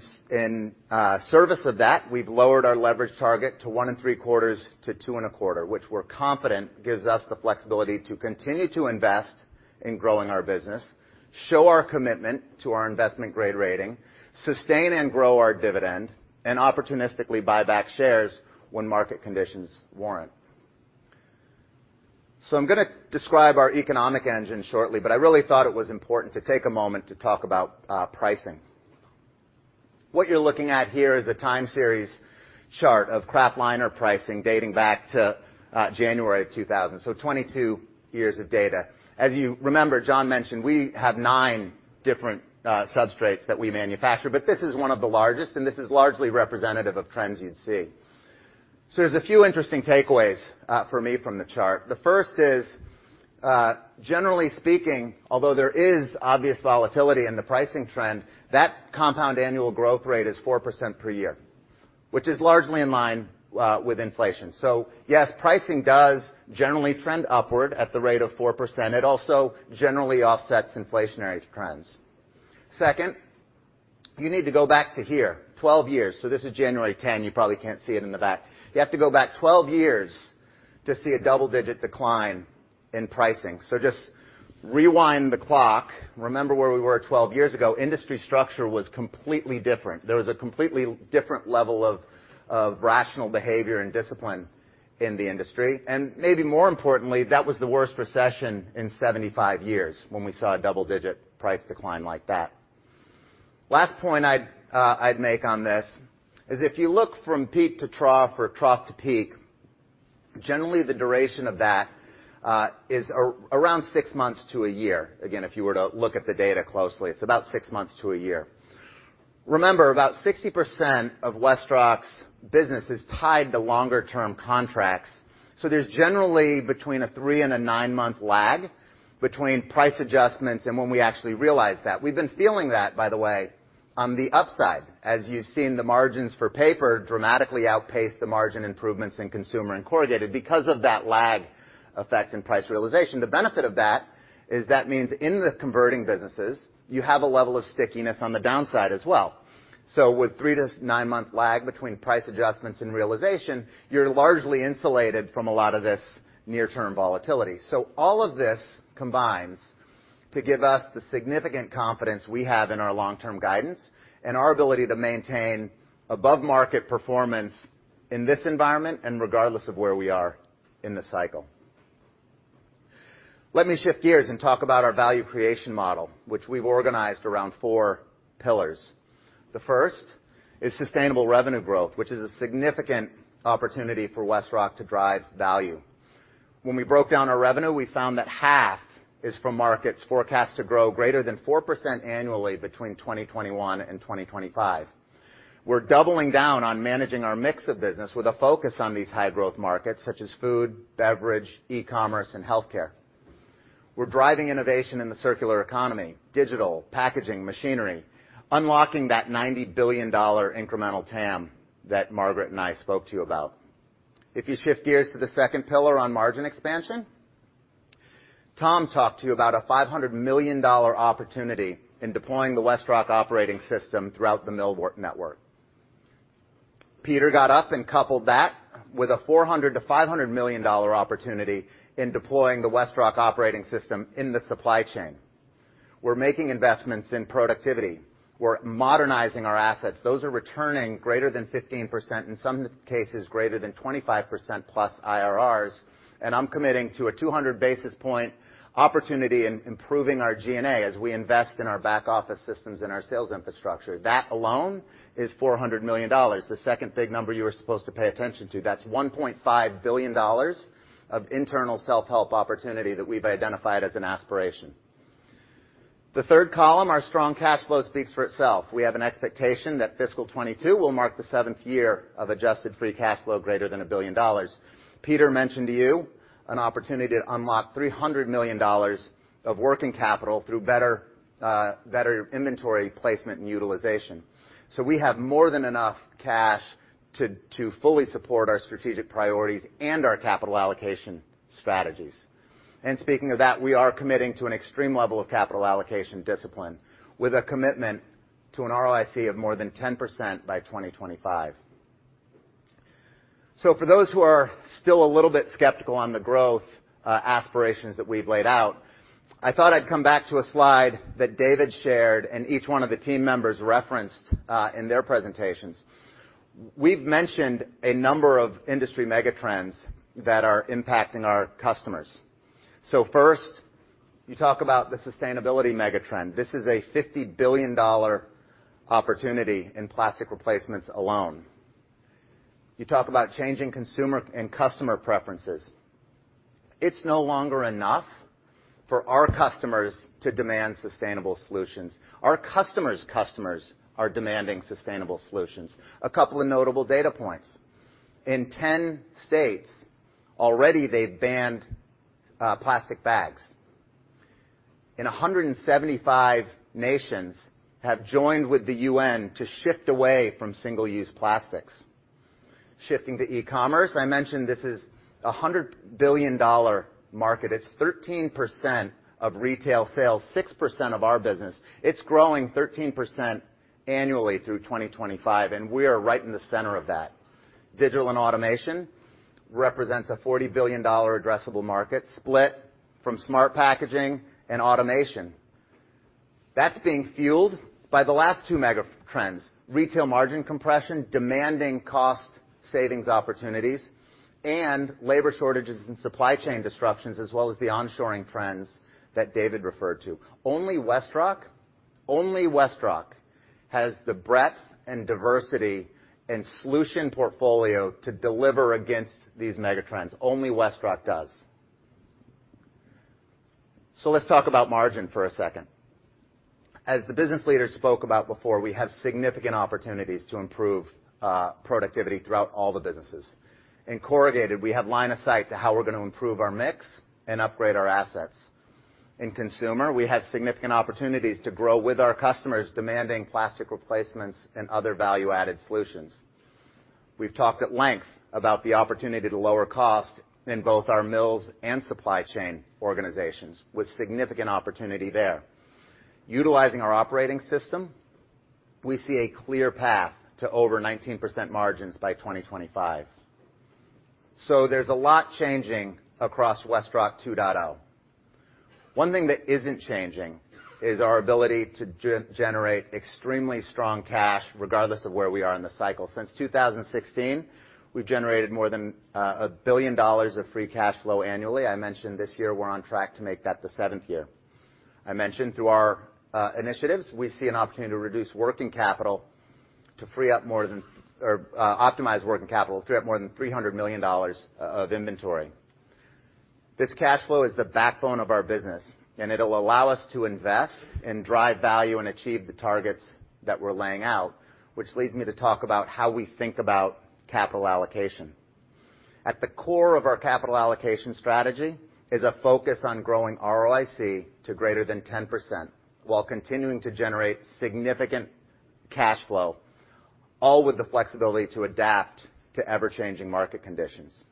service of that, we've lowered our leverage target to 1.75-2.25, which we're confident gives us the flexibility to continue to invest in growing our business, show our commitment to our investment grade rating, sustain and grow our dividend, and opportunistically buy back shares when market conditions warrant. I'm gonna describe our economic engine shortly, but I really thought it was important to take a moment to talk about pricing. What you're looking at here is a time series chart of kraft liner pricing dating back to January of 2000. 22 years of data. As you remember, John mentioned we have nine different substrates that we manufacture, but this is one of the largest, and this is largely representative of trends you'd see. There's a few interesting takeaways for me from the chart. The first is, generally speaking, although there is obvious volatility in the pricing trend, that compound annual growth rate is 4% per year, which is largely in line with inflation. Yes, pricing does generally trend upward at the rate of 4%. It also generally offsets inflationary trends. Second, you need to go back to here, 12 years. This is January 10, you probably can't see it in the back. You have to go back 12 years to see a double-digit decline in pricing. Just rewind the clock. Remember where we were 12 years ago. Industry structure was completely different. There was a completely different level of rational behavior and discipline in the industry. Maybe more importantly, that was the worst recession in 75 years when we saw a double-digit price decline like that. Last point I'd make on this is if you look from peak to trough or trough to peak, generally the duration of that is around six months to a year. Again, if you were to look at the data closely, it's about six months to a year. Remember, about 60% of WestRock's business is tied to longer-term contracts. There's generally between a three- and nine-month lag between price adjustments and when we actually realize that. We've been feeling that, by the way. On the upside, as you've seen the margins for paper dramatically outpace the margin improvements in consumer and corrugated because of that lag effect in price realization. The benefit of that is that means in the converting businesses, you have a level of stickiness on the downside as well. With three- to nine-month lag between price adjustments and realization, you're largely insulated from a lot of this near-term volatility. All of this combines to give us the significant confidence we have in our long-term guidance and our ability to maintain above-market performance in this environment and regardless of where we are in the cycle. Let me shift gears and talk about our value creation model, which we've organized around four pillars. The first is sustainable revenue growth, which is a significant opportunity for WestRock to drive value. When we broke down our revenue, we found that half is from markets forecast to grow greater than 4% annually between 2021 and 2025. We're doubling down on managing our mix of business with a focus on these high-growth markets such as food, beverage, e-commerce, and healthcare. We're driving innovation in the circular economy, digital, packaging, machinery, unlocking that $90 billion incremental TAM that Margaret and I spoke to you about. If you shift gears to the second pillar on margin expansion, Tom talked to you about a $500 million opportunity in deploying the WestRock operating system throughout the millwork network. Peter got up and coupled that with a $400 million-$500 million opportunity in deploying the WestRock operating system in the supply chain. We're making investments in productivity. We're modernizing our assets. Those are returning greater than 15%, in some cases, greater than 25%+ IRRs. I'm committing to a 200 basis point opportunity in improving our G&A as we invest in our back-office systems and our sales infrastructure. That alone is $400 million, the second big number you were supposed to pay attention to. That's $1.5 billion of internal self-help opportunity that we've identified as an aspiration. The third column, our strong cash flow speaks for itself. We have an expectation that fiscal 2022 will mark the seventh year of adjusted free cash flow greater than $1 billion. Peter mentioned to you an opportunity to unlock $300 million of working capital through better inventory placement and utilization. We have more than enough cash to fully support our strategic priorities and our capital allocation strategies. Speaking of that, we are committing to an extreme level of capital allocation discipline with a commitment to an ROIC of more than 10% by 2025. For those who are still a little bit skeptical on the growth aspirations that we've laid out, I thought I'd come back to a slide that David shared and each one of the team members referenced in their presentations. We've mentioned a number of industry mega trends that are impacting our customers. First, you talk about the sustainability mega trend. This is a $50 billion opportunity in plastic replacements alone. You talk about changing consumer and customer preferences. It's no longer enough for our customers to demand sustainable solutions. Our customers are demanding sustainable solutions. A couple of notable data points. In 10 states, already they've banned plastic bags. In 175 nations have joined with the UN to shift away from single-use plastics. Shifting to e-commerce, I mentioned this is a $100 billion market. It's 13% of retail sales, 6% of our business. It's growing 13% annually through 2025, and we are right in the center of that. Digital and automation represents a $40 billion addressable market split between smart packaging and automation. That's being fueled by the last two megatrends, retail margin compression, demanding cost savings opportunities, and labor shortages and supply chain disruptions, as well as the onshoring trends that David referred to. Only WestRock, only WestRock has the breadth and diversity and solution portfolio to deliver against these mega trends. Only WestRock does. Let's talk about margin for a second. As the business leader spoke about before, we have significant opportunities to improve productivity throughout all the businesses. In corrugated, we have line of sight to how we're gonna improve our mix and upgrade our assets. In consumer, we have significant opportunities to grow with our customers demanding plastic replacements and other value-added solutions. We've talked at length about the opportunity to lower cost in both our mills and supply chain organizations with significant opportunity there. Utilizing our operating system, we see a clear path to over 19% margins by 2025. There's a lot changing across WestRock 2.0. One thing that isn't changing is our ability to generate extremely strong cash flow regardless of where we are in the cycle. Since 2016, we've generated more than $1 billion of free cash flow annually. I mentioned this year we're on track to make that the seventh year. I mentioned through our initiatives, we see an opportunity to optimize working capital, free up more than $300 million of inventory. This cash flow is the backbone of our business, and it'll allow us to invest and drive value and achieve the targets that we're laying out, which leads me to talk about how we think about capital allocation. At the core of our capital allocation strategy is a focus on growing ROIC to greater than 10% while continuing to generate significant cash flow, all with the flexibility to adapt to ever-changing market conditions.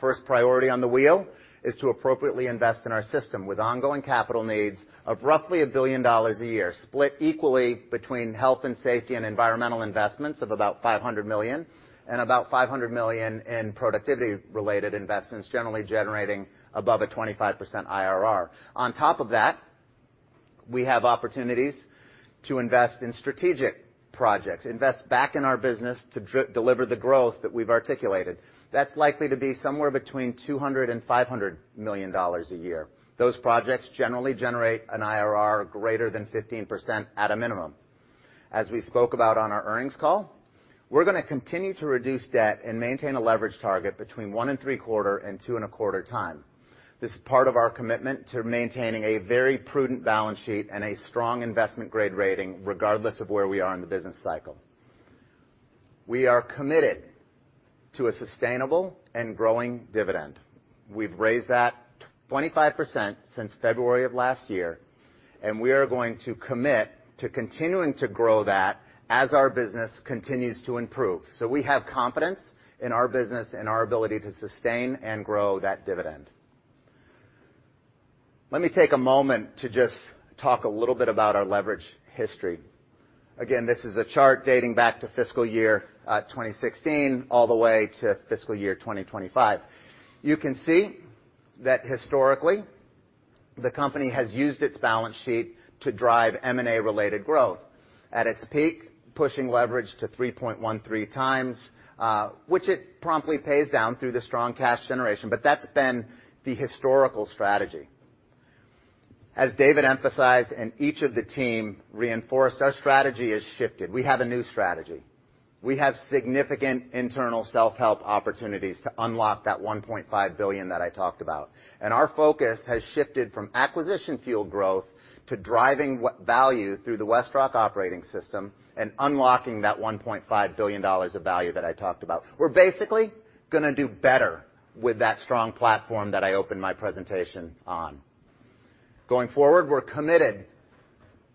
First priority on the wheel is to appropriately invest in our system with ongoing capital needs of roughly $1 billion a year, split equally between health and safety and environmental investments of about $500 million, and about $500 million in productivity-related investments, generally generating above a 25% IRR. On top of that, we have opportunities to invest in strategic projects, invest back in our business to deliver the growth that we've articulated. That's likely to be somewhere between $200 million and $500 million a year. Those projects generally generate an IRR greater than 15% at a minimum. As we spoke about on our earnings call, we're gonna continue to reduce debt and maintain a leverage target between 1.75x and 2.25x. This is part of our commitment to maintaining a very prudent balance sheet and a strong investment-grade rating regardless of where we are in the business cycle. We are committed to a sustainable and growing dividend. We've raised that 25% since February of last year, and we are going to commit to continuing to grow that as our business continues to improve. We have confidence in our business and our ability to sustain and grow that dividend. Let me take a moment to just talk a little bit about our leverage history. Again, this is a chart dating back to fiscal year 2016 all the way to fiscal year 2025. You can see that historically, the company has used its balance sheet to drive M&A-related growth. At its peak, pushing leverage to 3.13x, which it promptly pays down through the strong cash generation. That's been the historical strategy. As David emphasized, and each of the team reinforced, our strategy has shifted. We have a new strategy. We have significant internal self-help opportunities to unlock that $1.5 billion that I talked about. Our focus has shifted from acquisition-fueled growth to driving what value through the WestRock operating system and unlocking that $1.5 billion of value that I talked about. We're basically gonna do better with that strong platform that I opened my presentation on. Going forward, we're committed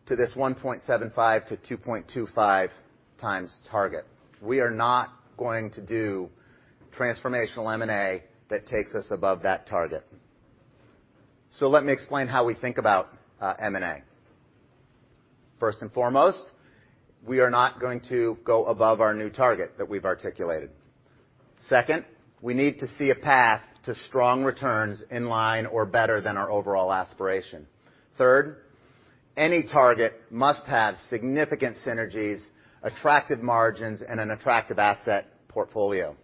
to this 1.75x-2.25x target. We are not going to do transformational M&A that takes us above that target. Let me explain how we think about, M&A. First and foremost, we are not going to go above our new target that we've articulated. Second, we need to see a path to strong returns in line or better than our overall aspiration. Third, any target must have significant synergies, attractive margins, and an attractive asset portfolio.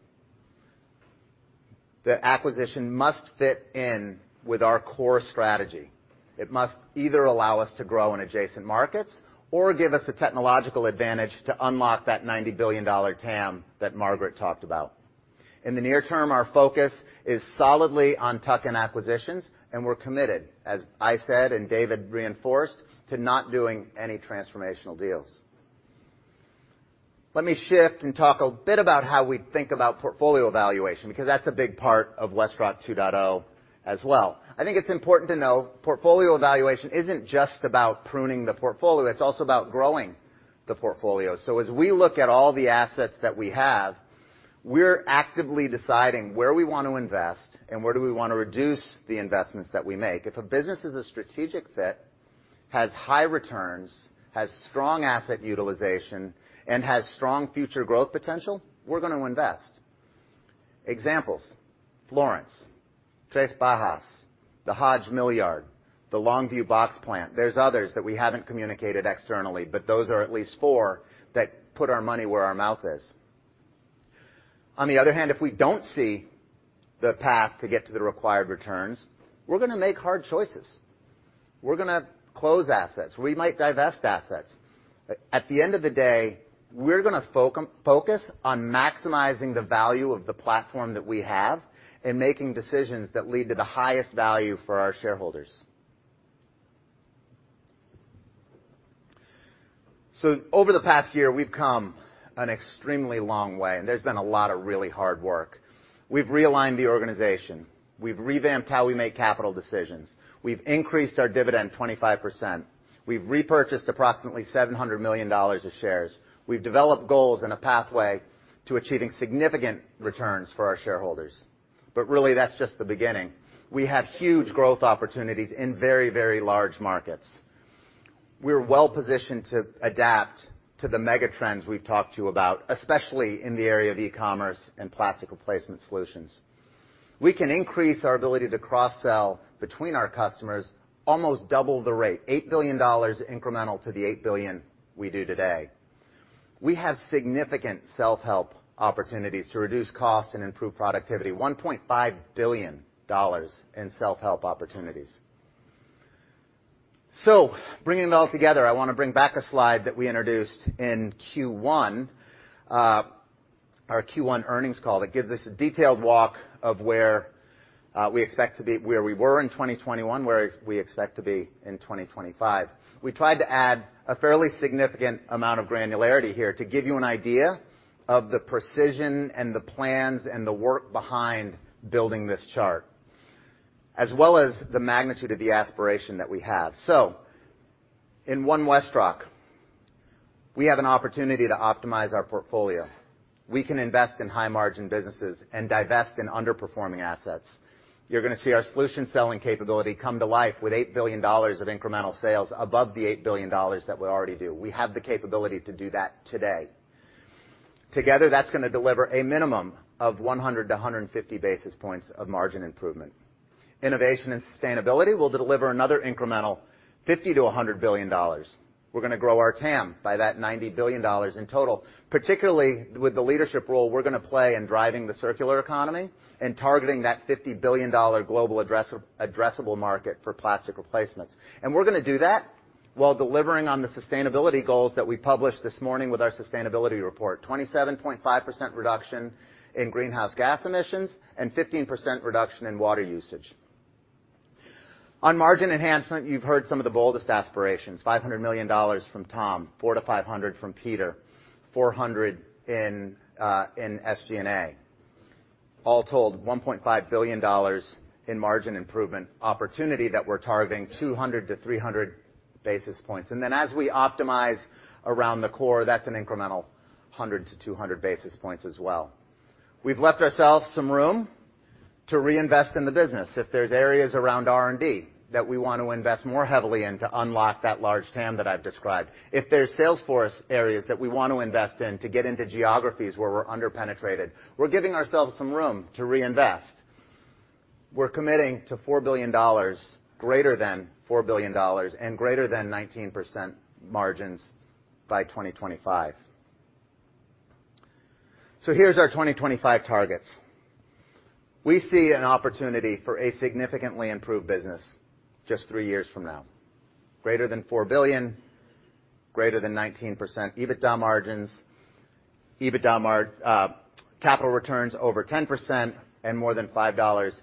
The acquisition must fit in with our core strategy. It must either allow us to grow in adjacent markets or give us the technological advantage to unlock that $90 billion TAM that Margaret talked about. In the near term, our focus is solidly on tuck-in acquisitions, and we're committed, as I said and David reinforced, to not doing any transformational deals. Let me shift and talk a bit about how we think about portfolio evaluation, because that's a big part of WestRock 2.0 as well. I think it's important to know portfolio evaluation isn't just about pruning the portfolio, it's also about growing the portfolio. As we look at all the assets that we have, we're actively deciding where we want to invest and where do we wanna reduce the investments that we make. If a business is a strategic fit, has high returns, has strong asset utilization, and has strong future growth potential, we're gonna invest. Examples. Florence, Três Barras, the Hodge Mill Yard, the Longview Box Plant. There's others that we haven't communicated externally, but those are at least four that put our money where our mouth is. On the other hand, if we don't see the path to get to the required returns, we're gonna make hard choices. We're gonna close assets. We might divest assets. At the end of the day, we're gonna focus on maximizing the value of the platform that we have and making decisions that lead to the highest value for our shareholders. Over the past year, we've come an extremely long way, and there's been a lot of really hard work. We've realigned the organization. We've revamped how we make capital decisions. We've increased our dividend 25%. We've repurchased approximately $700 million of shares. We've developed goals and a pathway to achieving significant returns for our shareholders. Really, that's just the beginning. We have huge growth opportunities in very, very large markets. We're well-positioned to adapt to the mega trends we've talked to you about, especially in the area of e-commerce and plastic replacement solutions. We can increase our ability to cross-sell between our customers almost double the rate, $8 billion incremental to the $8 billion we do today. We have significant self-help opportunities to reduce costs and improve productivity, $1.5 billion in self-help opportunities. Bringing it all together, I wanna bring back a slide that we introduced in Q1, our Q1 earnings call, that gives us a detailed walk of where we expect to be where we were in 2021, where we expect to be in 2025. We tried to add a fairly significant amount of granularity here to give you an idea of the precision and the plans and the work behind building this chart, as well as the magnitude of the aspiration that we have. In One WestRock, we have an opportunity to optimize our portfolio. We can invest in high-margin businesses and divest in underperforming assets. You're gonna see our solution selling capability come to life with $8 billion of incremental sales above the $8 billion that we already do. We have the capability to do that today. Together, that's gonna deliver a minimum of 100-150 basis points of margin improvement. Innovation and sustainability will deliver another incremental $50 billion-$100 billion. We're gonna grow our TAM by that $90 billion in total, particularly with the leadership role we're gonna play in driving the circular economy and targeting that $50 billion global addressable market for plastic replacements. We're gonna do that while delivering on the sustainability goals that we published this morning with our sustainability report. 27.5% reduction in greenhouse gas emissions and 15% reduction in water usage. On margin enhancement, you've heard some of the boldest aspirations, $500 million from Tom, $400 million-$500 million from Peter, $400 million in SG&A. All told, $1.5 billion in margin improvement opportunity that we're targeting 200-300 basis points. Then as we optimize around the core, that's an incremental 100-200 basis points as well. We've left ourselves some room to reinvest in the business. If there's areas around R&D that we want to invest more heavily in to unlock that large TAM that I've described, if there's sales force areas that we want to invest in to get into geographies where we're under-penetrated, we're giving ourselves some room to reinvest. We're committing to $4 billion, greater than $4 billion and greater than 19% margins by 2025. Here's our 2025 targets. We see an opportunity for a significantly improved business just three years from now, greater than $4 billion, greater than 19% EBITDA margins, capital returns over 10% and more than $5.50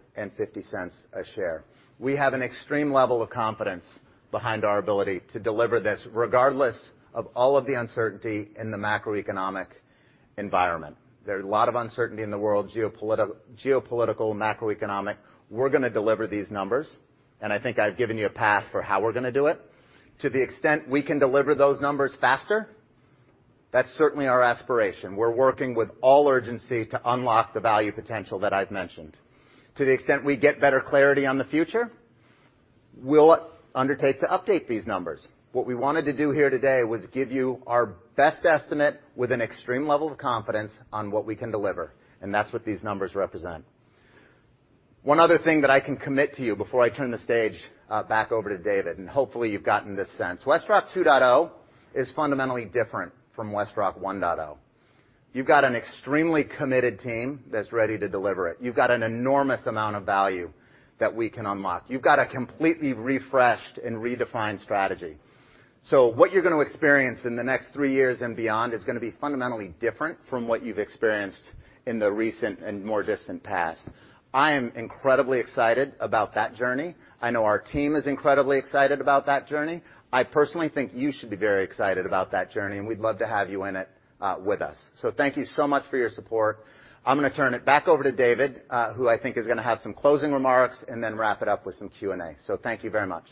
a share. We have an extreme level of confidence behind our ability to deliver this regardless of all of the uncertainty in the macroeconomic environment. There are a lot of uncertainty in the world, geopolitical, macroeconomic. We're gonna deliver these numbers, and I think I've given you a path for how we're gonna do it. To the extent we can deliver those numbers faster, that's certainly our aspiration. We're working with all urgency to unlock the value potential that I've mentioned. To the extent we get better clarity on the future, we'll undertake to update these numbers. What we wanted to do here today was give you our best estimate with an extreme level of confidence on what we can deliver, and that's what these numbers represent. One other thing that I can commit to you before I turn the stage back over to David, and hopefully you've gotten this sense. WestRock 2.0 is fundamentally different from WestRock 1.0. You've got an extremely committed team that's ready to deliver it. You've got an enormous amount of value that we can unlock. You've got a completely refreshed and redefined strategy. What you're gonna experience in the next three years and beyond is gonna be fundamentally different from what you've experienced in the recent and more distant past. I am incredibly excited about that journey. I know our team is incredibly excited about that journey. I personally think you should be very excited about that journey, and we'd love to have you in it with us. Thank you so much for your support. I'm gonna turn it back over to David, who I think is gonna have some closing remarks and then wrap it up with some Q&A. Thank you very much.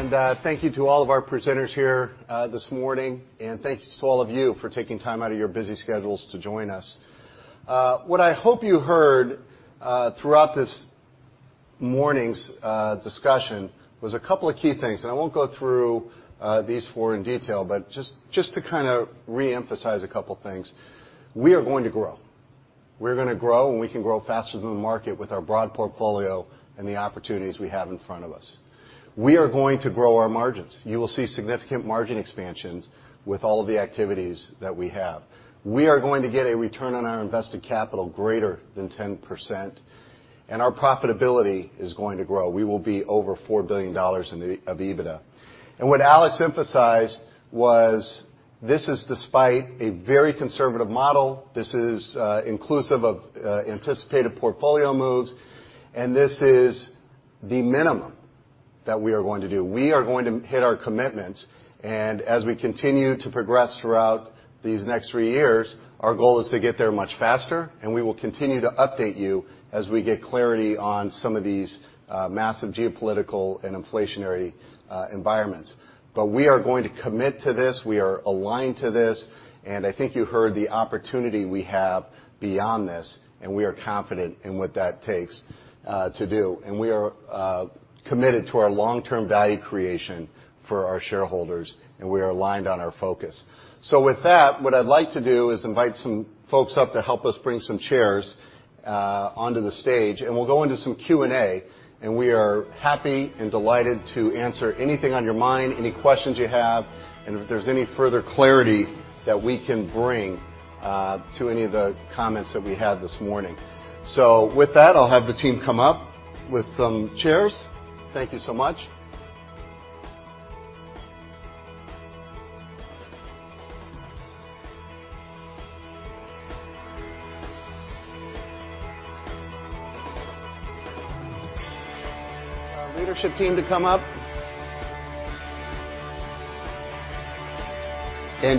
Thank you, Alex. Thank you to all of our presenters here this morning. Thanks to all of you for taking time out of your busy schedules to join us. What I hope you heard throughout this morning's discussion was a couple of key things. I won't go through these four in detail, but just to kinda reemphasize a couple things. We are going to grow. We're gonna grow and we can grow faster than the market with our broad portfolio and the opportunities we have in front of us. We are going to grow our margins. You will see significant margin expansions with all of the activities that we have. We are going to get a return on our invested capital greater than 10%, and our profitability is going to grow. We will be over $4 billion of EBITDA. What Alex emphasized was this is despite a very conservative model, this is, inclusive of, anticipated portfolio moves, and this is the minimum that we are going to do. We are going to hit our commitments. As we continue to progress throughout these next three years, our goal is to get there much faster and we will continue to update you as we get clarity on some of these, massive geopolitical and inflationary, environments. We are going to commit to this, we are aligned to this, and I think you heard the opportunity we have beyond this and we are confident in what that takes, to do. We are committed to our long-term value creation for our shareholders and we are aligned on our focus. With that, what I'd like to do is invite some folks up to help us bring some chairs onto the stage and we'll go into some Q&A. We are happy and delighted to answer anything on your mind, any questions you have, and if there's any further clarity that we can bring to any of the comments that we had this morning. With that, I'll have the team come up with some chairs. Thank you so much. Our leadership team to come up.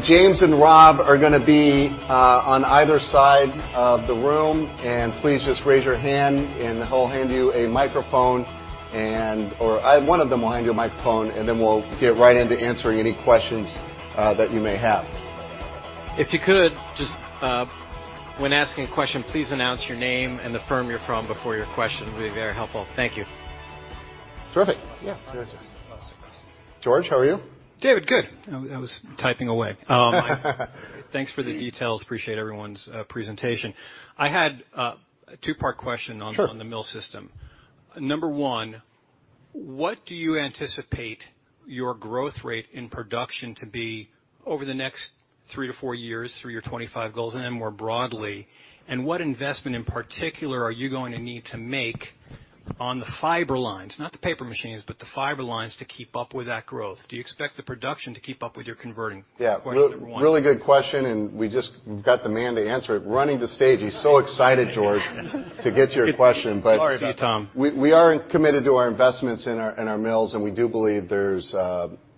James and Rob are gonna be on either side of the room, and please just raise your hand, and they'll hand you a microphone, or one of them will hand you a microphone, and then we'll get right into answering any questions that you may have. If you could, just, when asking a question, please announce your name and the firm you're from before your question. It'll be very helpful. Thank you. Terrific. Yeah. George, how are you? David, good. I was typing away. Thanks for the details. Appreciate everyone's presentation. I had a two-part question on. Sure. On the mill system. Number one, what do you anticipate your growth rate in production to be over the next three to four years, three-year 25 goals and then more broadly, and what investment in particular are you going to need to make on the fiber lines, not the paper machines, but the fiber lines to keep up with that growth? Do you expect the production to keep up with your converting? Yeah. Question number one. Really good question, and we just got the man to answer it. Running the stage. He's so excited, George, to get your question. But Sorry about that, Tom. We are committed to our investments in our mills, and we do believe there's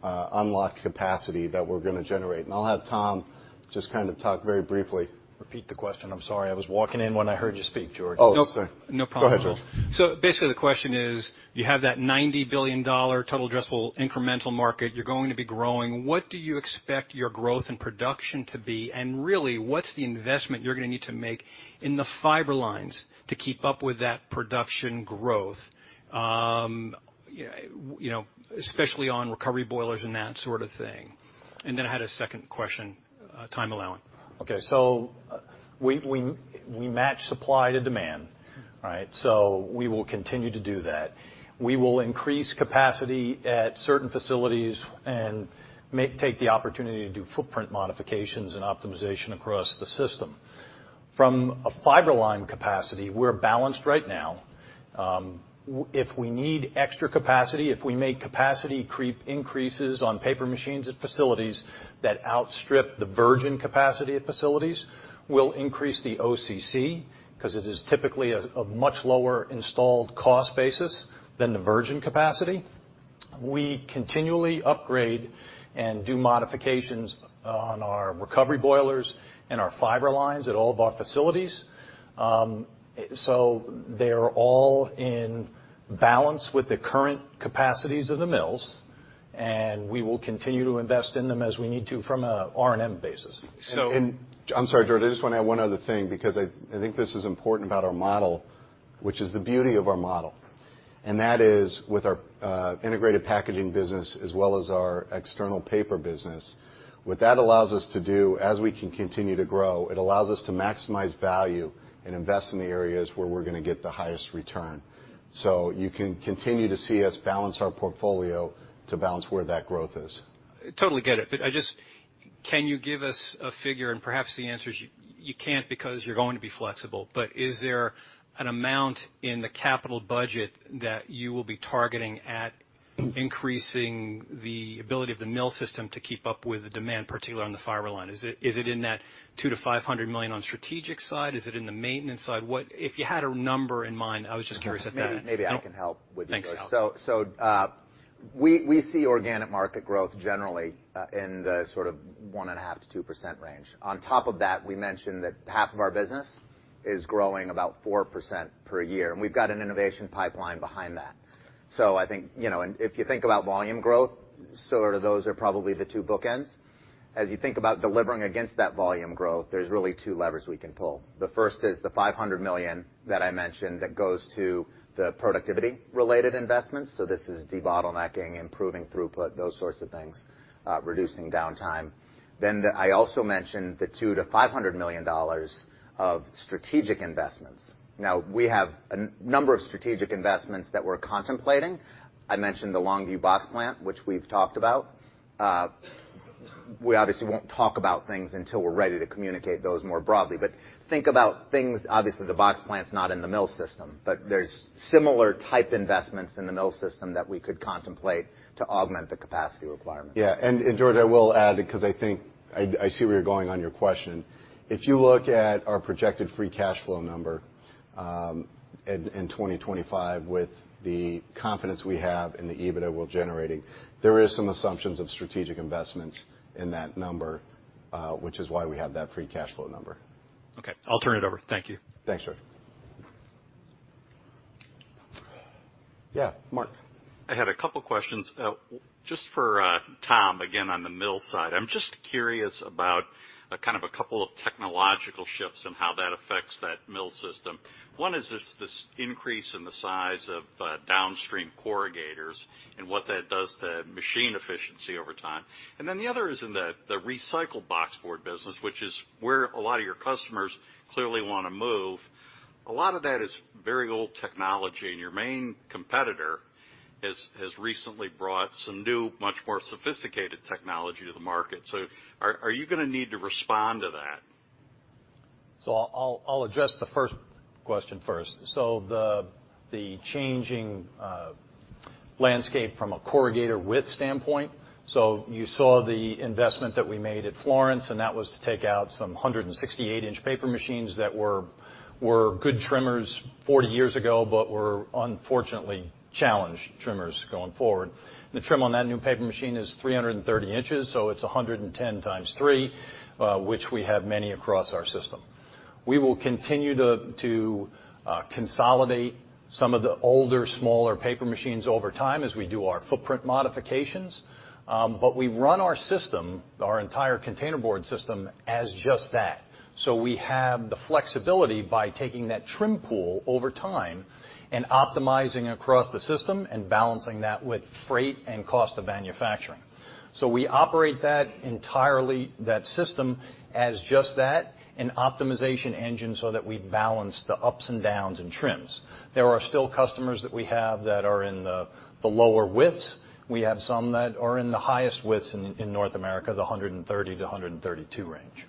unlocked capacity that we're gonna generate. I'll have Tom just kind of talk very briefly. Repeat the question. I'm sorry. I was walking in when I heard you speak, George. Oh, sir. Nope. No problem, George. Go ahead, George. Basically, the question is, you have that $90 billion total addressable incremental market. You're going to be growing. What do you expect your growth and production to be? Really, what's the investment you're gonna need to make in the fiber lines to keep up with that production growth? You know, especially on recovery boilers and that sort of thing. Then I had a second question, time allowing. Okay. We match supply to demand, right? We will continue to do that. We will increase capacity at certain facilities and take the opportunity to do footprint modifications and optimization across the system. From a fiber line capacity, we're balanced right now. If we need extra capacity, if we make capacity creep increases on paper machines at facilities that outstrip the virgin capacity at facilities, we'll increase the OCC 'cause it is typically a much lower installed cost basis than the virgin capacity. We continually upgrade and do modifications on our recovery boilers and our fiber lines at all of our facilities. They're all in balance with the current capacities of the mills, and we will continue to invest in them as we need to from a R&M basis. I'm sorry, George. I just wanna add one other thing because I think this is important about our model, which is the beauty of our model, and that is with our integrated packaging business as well as our external paper business. What that allows us to do as we can continue to grow, it allows us to maximize value and invest in the areas where we're gonna get the highest return. You can continue to see us balance our portfolio to balance where that growth is. Totally get it. Can you give us a figure, and perhaps the answer is you can't because you're going to be flexible, but is there an amount in the capital budget that you will be targeting at increasing the ability of the mill system to keep up with the demand, particularly on the fiber line? Is it in that $200 million-$500 million on strategic side? Is it in the maintenance side? If you had a number in mind, I was just curious about that. Maybe I can help with this. Thanks, Alex. We see organic market growth generally in the sort of 1.5%-2% range. On top of that, we mentioned that half of our business is growing about 4% per year, and we've got an innovation pipeline behind that. I think, you know, and if you think about volume growth, sort of those are probably the two bookends. As you think about delivering against that volume growth, there's really two levers we can pull. The first is the $500 million that I mentioned that goes to the productivity-related investments. This is debottlenecking, improving throughput, those sorts of things, reducing downtime. Then I also mentioned the $200 million-$500 million of strategic investments. Now, we have a number of strategic investments that we're contemplating. I mentioned the Longview box plant, which we've talked about. We obviously won't talk about things until we're ready to communicate those more broadly. Think about things, obviously, the box plant's not in the mill system, but there's similar type investments in the mill system that we could contemplate to augment the capacity requirement. Yeah. George, I will add because I think I see where you're going on your question. If you look at our projected free cash flow number, in 2025 with the confidence we have in the EBITDA we're generating, there is some assumptions of strategic investments in that number, which is why we have that free cash flow number. Okay. I'll turn it over. Thank you. Thanks, George. Yeah, Mark. I have a couple of questions. Just for Tom, again, on the mill side. I'm just curious about a kind of a couple of technological shifts and how that affects that mill system. One is this increase in the size of downstream corrugators, and what that does to machine efficiency over time. Then the other is in the recycled boxboard business, which is where a lot of your customers clearly wanna move. A lot of that is very old technology, and your main competitor has recently brought some new, much more sophisticated technology to the market. Are you gonna need to respond to that? I'll address the first question first. The changing landscape from a corrugator width standpoint, you saw the investment that we made at Florence, and that was to take out some 168-inch paper machines that were good trimmers 40 years ago but were unfortunately challenged trimmers going forward. The trim on that new paper machine is 330 inches, so it's 110x3, which we have many across our system. We will continue to consolidate some of the older, smaller paper machines over time as we do our footprint modifications. But we run our system, our entire containerboard system as just that. We have the flexibility by taking that trim pool over time and optimizing across the system and balancing that with freight and cost of manufacturing. We operate that entirely, that system, as just that, an optimization engine so that we balance the ups and downs in trims. There are still customers that we have that are in the lower widths. We have some that are in the highest widths in North America, the 130-132 range.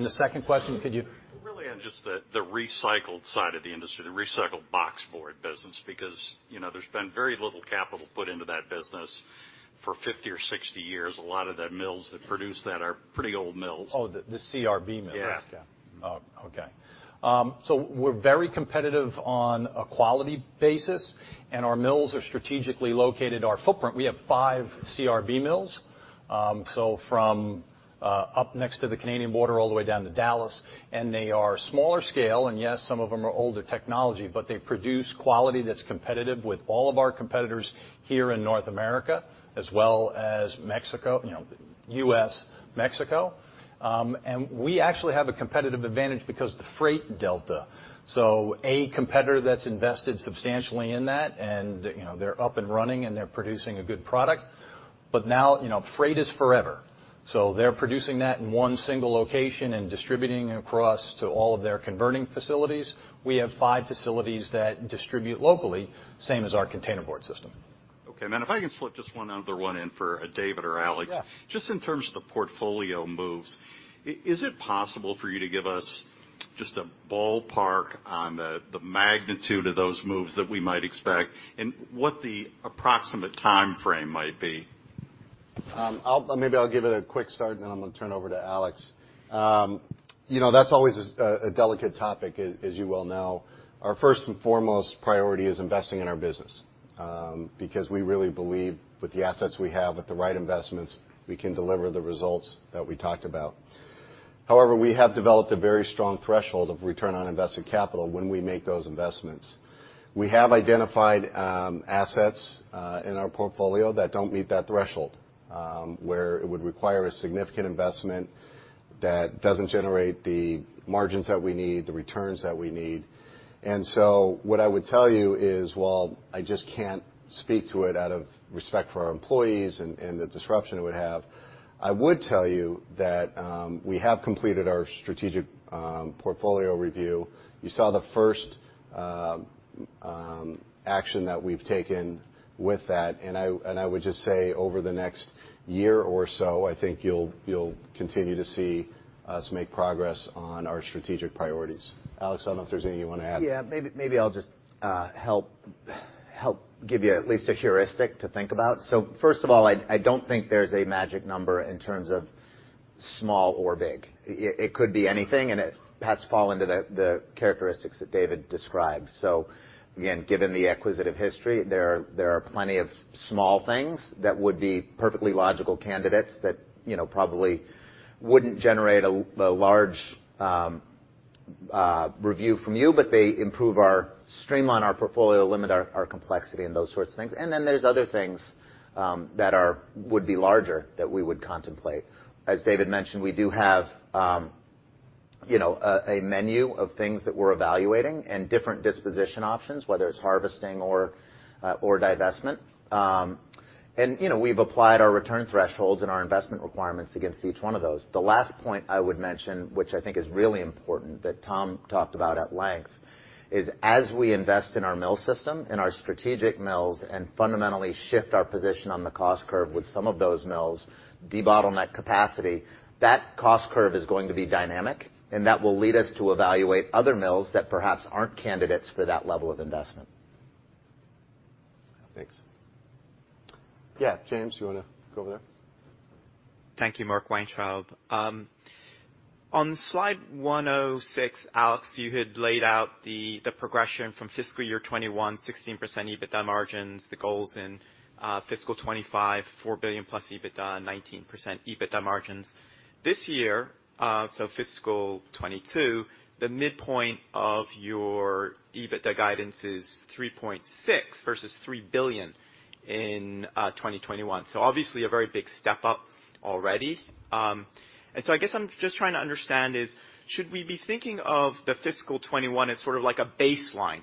The second question, could you- Really on just the recycled side of the industry, the recycled boxboard business, because, you know, there's been very little capital put into that business for 50 or 60 years. A lot of the mills that produce that are pretty old mills. Oh, the CRB mills. Yeah. Yeah. We're very competitive on a quality basis, and our mills are strategically located. Our footprint, we have five CRB mills, so from up next to the Canadian border all the way down to Dallas, and they are smaller scale. Yes, some of them are older technology, but they produce quality that's competitive with all of our competitors here in North America as well as Mexico, you know, U.S., Mexico. We actually have a competitive advantage because the freight delta. A competitor that's invested substantially in that, you know, they're up and running, and they're producing a good product. But now, you know, freight is forever. They're producing that in one single location and distributing across to all of their converting facilities. We have five facilities that distribute locally, same as our container board system. Okay. If I can slip just one other one in for David or Alex. Yeah. Just in terms of the portfolio moves, is it possible for you to give us just a ballpark on the magnitude of those moves that we might expect and what the approximate timeframe might be? Maybe I'll give it a quick start, and then I'm gonna turn it over to Alex. You know, that's always a delicate topic, as you well know. Our first and foremost priority is investing in our business, because we really believe with the assets we have, with the right investments, we can deliver the results that we talked about. However, we have developed a very strong threshold of return on invested capital when we make those investments. We have identified assets in our portfolio that don't meet that threshold, where it would require a significant investment that doesn't generate the margins that we need, the returns that we need. What I would tell you is while I just can't speak to it out of respect for our employees and the disruption it would have, I would tell you that we have completed our strategic portfolio review. You saw the first action that we've taken with that. I would just say over the next year or so, I think you'll continue to see us make progress on our strategic priorities. Alex, I don't know if there's anything you wanna add. Yeah. Maybe I'll just help give you at least a heuristic to think about. First of all, I don't think there's a magic number in terms of small or big. It could be anything, and it has to fall into the characteristics that David described. Again, given the acquisitive history, there are plenty of small things that would be perfectly logical candidates that, you know, probably wouldn't generate a large review from you, but they streamline our portfolio, limit our complexity and those sorts of things. There's other things that would be larger that we would contemplate. As David mentioned, we do have, you know, a menu of things that we're evaluating and different disposition options, whether it's harvesting or divestment. You know, we've applied our return thresholds and our investment requirements against each one of those. The last point I would mention, which I think is really important, that Tom talked about at length, is as we invest in our mill system, in our strategic mills, and fundamentally shift our position on the cost curve with some of those mills, debottleneck capacity, that cost curve is going to be dynamic, and that will lead us to evaluate other mills that perhaps aren't candidates for that level of investment. Thanks. Yeah. James, you wanna go there? Thank you. Mark Weintraub. On slide 106, Alex, you had laid out the progression from fiscal year 2021, 16% EBITDA margins, the goals in fiscal 2025, $4 billion+ EBITDA, 19% EBITDA margins. This year, fiscal 2022, the midpoint of your EBITDA guidance is $3.6 billion versus $3 billion in 2021. Obviously a very big step up already. I guess I'm just trying to understand is should we be thinking of the fiscal 2021 as sort of like a baseline?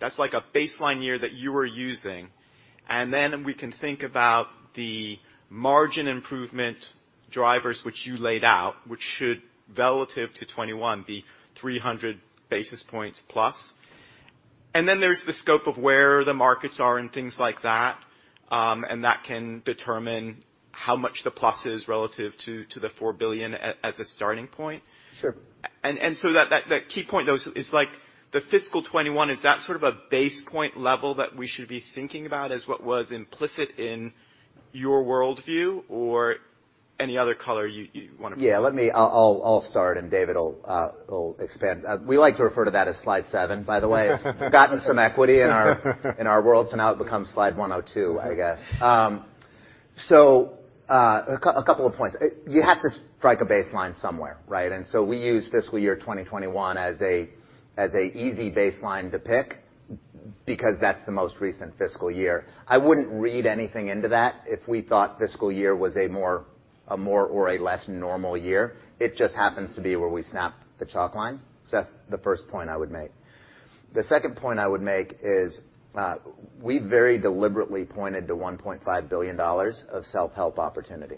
That's like a baseline year that you were using, and then we can think about the margin improvement drivers which you laid out, which should, relative to 2021, be 300 basis points plus. Then there's the scope of where the markets are and things like that, and that can determine how much the plus is relative to the $4 billion as a starting point. Sure. That key point though is like the fiscal 2021, is that sort of a base point level that we should be thinking about as what was implicit in your world view or any other color you wanna provide? Yeah, let me. I'll start, and David will expand. We like to refer to that as slide seven, by the way. We've gotten some equity in our world, so now it becomes slide 102, I guess. A couple of points. You have to strike a baseline somewhere, right? We use fiscal year 2021 as an easy baseline to pick because that's the most recent fiscal year. I wouldn't read anything into that if we thought fiscal year was a more or a less normal year. It just happens to be where we snapped the chalk line. That's the first point I would make. The second point I would make is, we very deliberately pointed to $1.5 billion of self-help opportunity.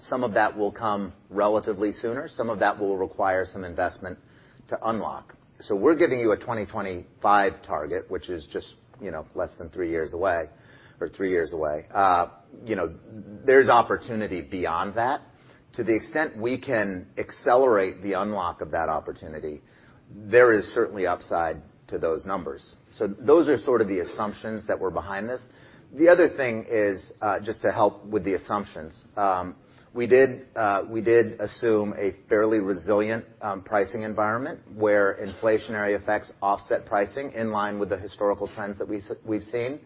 Some of that will come relatively sooner, some of that will require some investment to unlock. We're giving you a 2025 target, which is just, you know, less than three years away, or three years away. You know, there's opportunity beyond that. To the extent we can accelerate the unlock of that opportunity, there is certainly upside to those numbers. Those are sort of the assumptions that were behind this. The other thing is, just to help with the assumptions, we did assume a fairly resilient pricing environment where inflationary effects offset pricing in line with the historical trends that we've seen.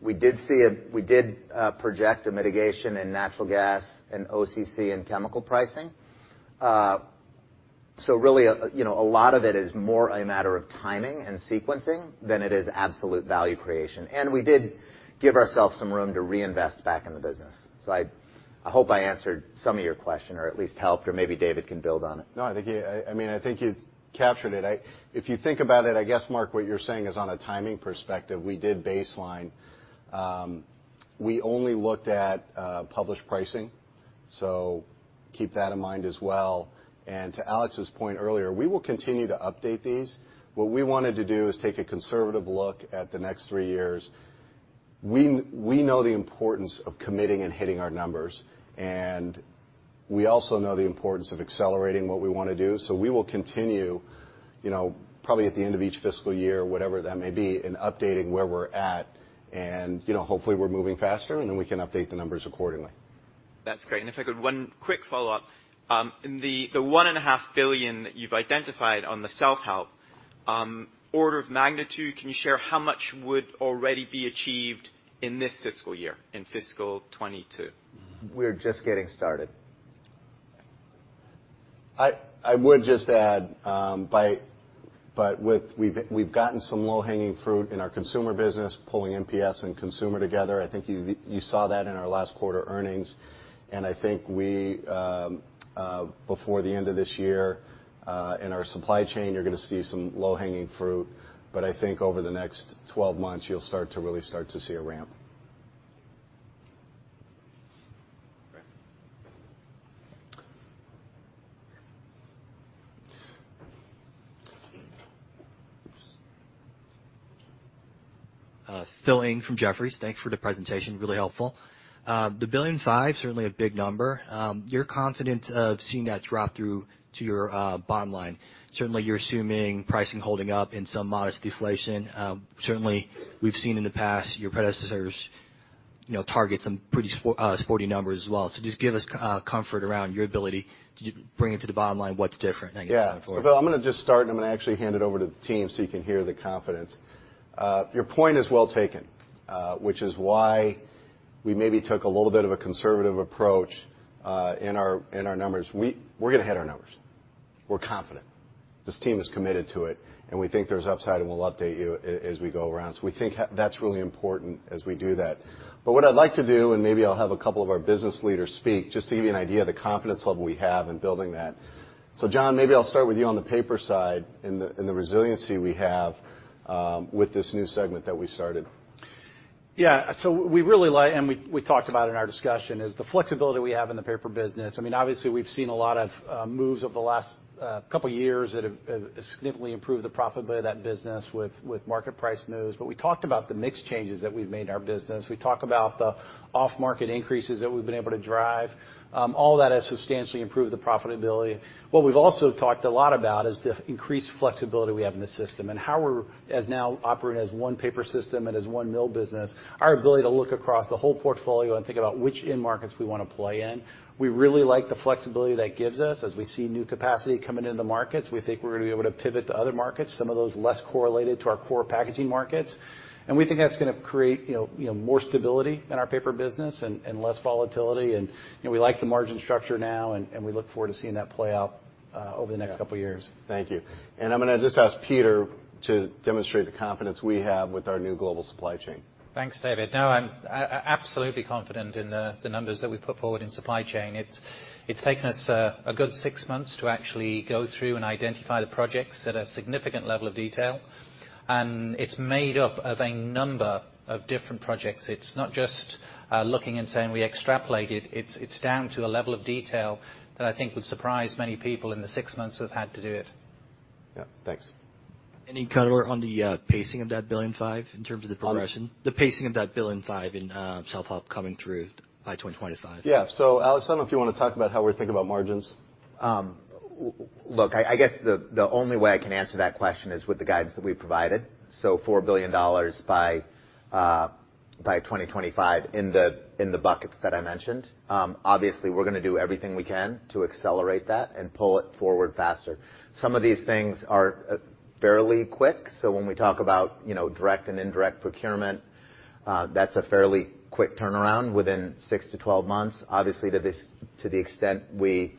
We did project a mitigation in natural gas and OCC and chemical pricing. Really, you know, a lot of it is more a matter of timing and sequencing than it is absolute value creation. We did give ourselves some room to reinvest back in the business. I hope I answered some of your question or at least helped, or maybe David can build on it. No, I mean, I think you captured it. If you think about it, I guess, Mark, what you're saying is on a timing perspective, we did baseline. We only looked at published pricing, so keep that in mind as well. To Alex's point earlier, we will continue to update these. What we wanted to do is take a conservative look at the next three years. We know the importance of committing and hitting our numbers, and we also know the importance of accelerating what we wanna do. We will continue, you know, probably at the end of each fiscal year, whatever that may be, in updating where we're at. You know, hopefully, we're moving faster, and then we can update the numbers accordingly. That's great. If I could, one quick follow-up. In the $1.5 billion that you've identified on the self-help, order of magnitude, can you share how much would already be achieved in this fiscal year, in fiscal 2022? We're just getting started. I would just add, we've gotten some low-hanging fruit in our consumer business, pulling MPS and consumer together. I think you saw that in our last quarter earnings. I think before the end of this year, in our supply chain, you're gonna see some low-hanging fruit. I think over the next 12 months, you'll start to see a ramp. Great. Philip Ng from Jefferies. Thanks for the presentation. Really helpful. The $1.5 billion, certainly a big number. You're confident of seeing that drop through to your bottom line. Certainly, you're assuming pricing holding up and some modest deflation. Certainly, we've seen in the past your predecessors, you know, target some pretty sporty numbers as well. Just give us comfort around your ability to bring it to the bottom line, what's different and Yeah. You can go on forward. Phil, I'm gonna just start, and I'm gonna actually hand it over to the team so you can hear the confidence. Your point is well taken, which is why we maybe took a little bit of a conservative approach in our numbers. We're gonna hit our numbers. We're confident. This team is committed to it, and we think there's upside, and we'll update you as we go around. We think that's really important as we do that. What I'd like to do, and maybe I'll have a couple of our business leaders speak, just to give you an idea of the confidence level we have in building that. John, maybe I'll start with you on the paper side and the resiliency we have with this new segment that we started. Yeah. We really like, and we talked about in our discussion, is the flexibility we have in the paper business. I mean, obviously, we've seen a lot of moves over the last couple years that have significantly improved the profitability of that business with market price moves. We talked about the mix changes that we've made in our business. We talk about the off-market increases that we've been able to drive. All that has substantially improved the profitability. What we've also talked a lot about is the increased flexibility we have in the system and how we're now operating as one paper system and as one mill business, our ability to look across the whole portfolio and think about which end markets we wanna play in. We really like the flexibility that gives us. As we see new capacity coming into the markets, we think we're gonna be able to pivot to other markets, some of those less correlated to our core packaging markets. We think that's gonna create, you know, more stability in our paper business and less volatility. You know, we like the margin structure now, and we look forward to seeing that play out over the next couple years. Yeah. Thank you. I'm gonna just ask Peter to demonstrate the confidence we have with our new global supply chain. Thanks, David. No, I'm absolutely confident in the numbers that we put forward in supply chain. It's taken us a good six months to actually go through and identify the projects at a significant level of detail. It's made up of a number of different projects. It's not just looking and saying we extrapolated. It's down to a level of detail that I think would surprise many people in the six months we've had to do it. Yeah. Thanks. Any color on the pacing of that $1.5 billion in terms of the progression? On- The pacing of that $1.5 billion in self-help coming through by 2025. Yeah. Alex, I don't know if you wanna talk about how we think about margins. Look, I guess the only way I can answer that question is with the guidance that we've provided. $4 billion by 2025 in the buckets that I mentioned. Obviously, we're gonna do everything we can to accelerate that and pull it forward faster. Some of these things are fairly quick, so when we talk about, you know, direct and indirect procurement, that's a fairly quick turnaround within six-12 months. Obviously, to the extent we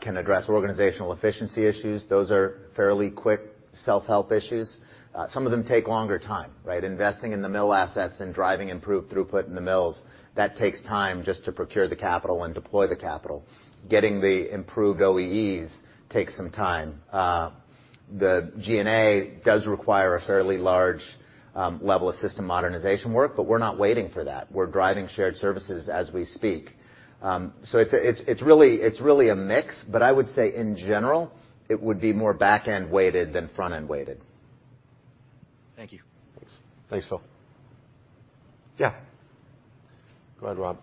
can address organizational efficiency issues, those are fairly quick self-help issues. Some of them take longer time, right? Investing in the mill assets and driving improved throughput in the mills, that takes time just to procure the capital and deploy the capital. Getting the improved OEEs takes some time. The G&A does require a fairly large level of system modernization work, but we're not waiting for that. We're driving shared services as we speak. It's really a mix, but I would say, in general, it would be more back-end weighted than front-end weighted. Thank you. Thanks. Thanks, Phil. Yeah. Go ahead, Rob.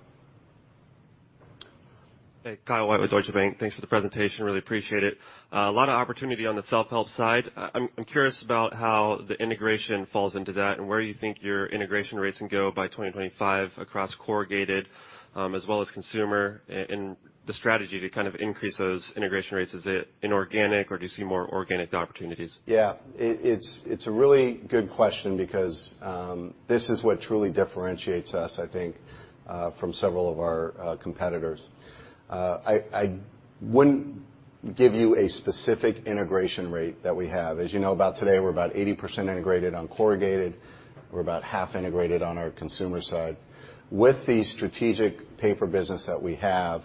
Hey, Kyle White with Deutsche Bank. Thanks for the presentation. Really appreciate it. A lot of opportunity on the self-help side. I'm curious about how the integration falls into that and where you think your integration rates can go by 2025 across corrugated, as well as consumer and the strategy to kind of increase those integration rates. Is it inorganic or do you see more organic opportunities? Yeah. It's a really good question because this is what truly differentiates us, I think, from several of our competitors. I wouldn't give you a specific integration rate that we have. As you know, as of today, we're about 80% integrated on corrugated. We're about half integrated on our consumer side. With the strategic paper business that we have,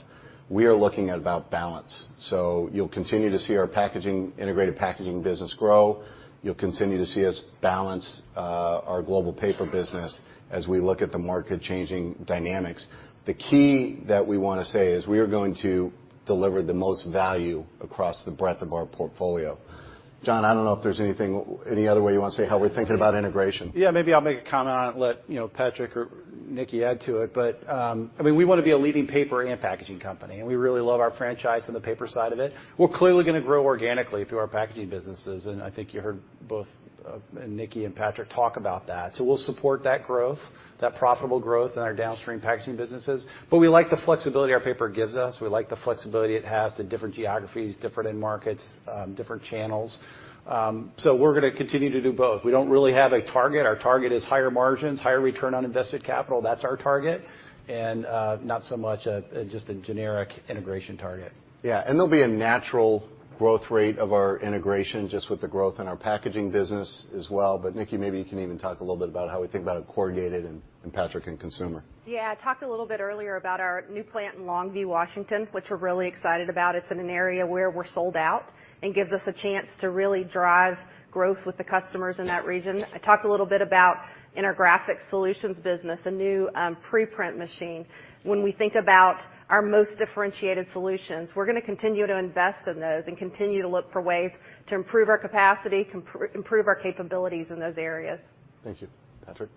we are looking at about balance. You'll continue to see our packaging, integrated packaging business grow. You'll continue to see us balance our global paper business as we look at the market-changing dynamics. The key that we wanna say is we are going to deliver the most value across the breadth of our portfolio. John, I don't know if there's anything, any other way you wanna say how we're thinking about integration. Yeah, maybe I'll make a comment on it and let you know, Patrick or Nickie add to it. I mean, we wanna be a leading paper and packaging company, and we really love our franchise on the paper side of it. We're clearly gonna grow organically through our packaging businesses, and I think you heard both Nickie and Patrick talk about that. We'll support that growth, that profitable growth in our downstream packaging businesses. We like the flexibility our paper gives us. We like the flexibility it has to different geographies, different end markets, different channels. We're gonna continue to do both. We don't really have a target. Our target is higher margins, higher return on invested capital. That's our target, and not so much a just a generic integration target. Yeah. There'll be a natural growth rate of our integration just with the growth in our packaging business as well. Nickie, maybe you can even talk a little bit about how we think about it in corrugated and Patrick in consumer. Yeah. I talked a little bit earlier about our new plant in Longview, Washington, which we're really excited about. It's in an area where we're sold out and gives us a chance to really drive growth with the customers in that region. I talked a little bit about in our graphics solutions business, a new pre-print machine. When we think about our most differentiated solutions, we're gonna continue to invest in those and continue to look for ways to improve our capacity, improve our capabilities in those areas. Thank you. Patrick?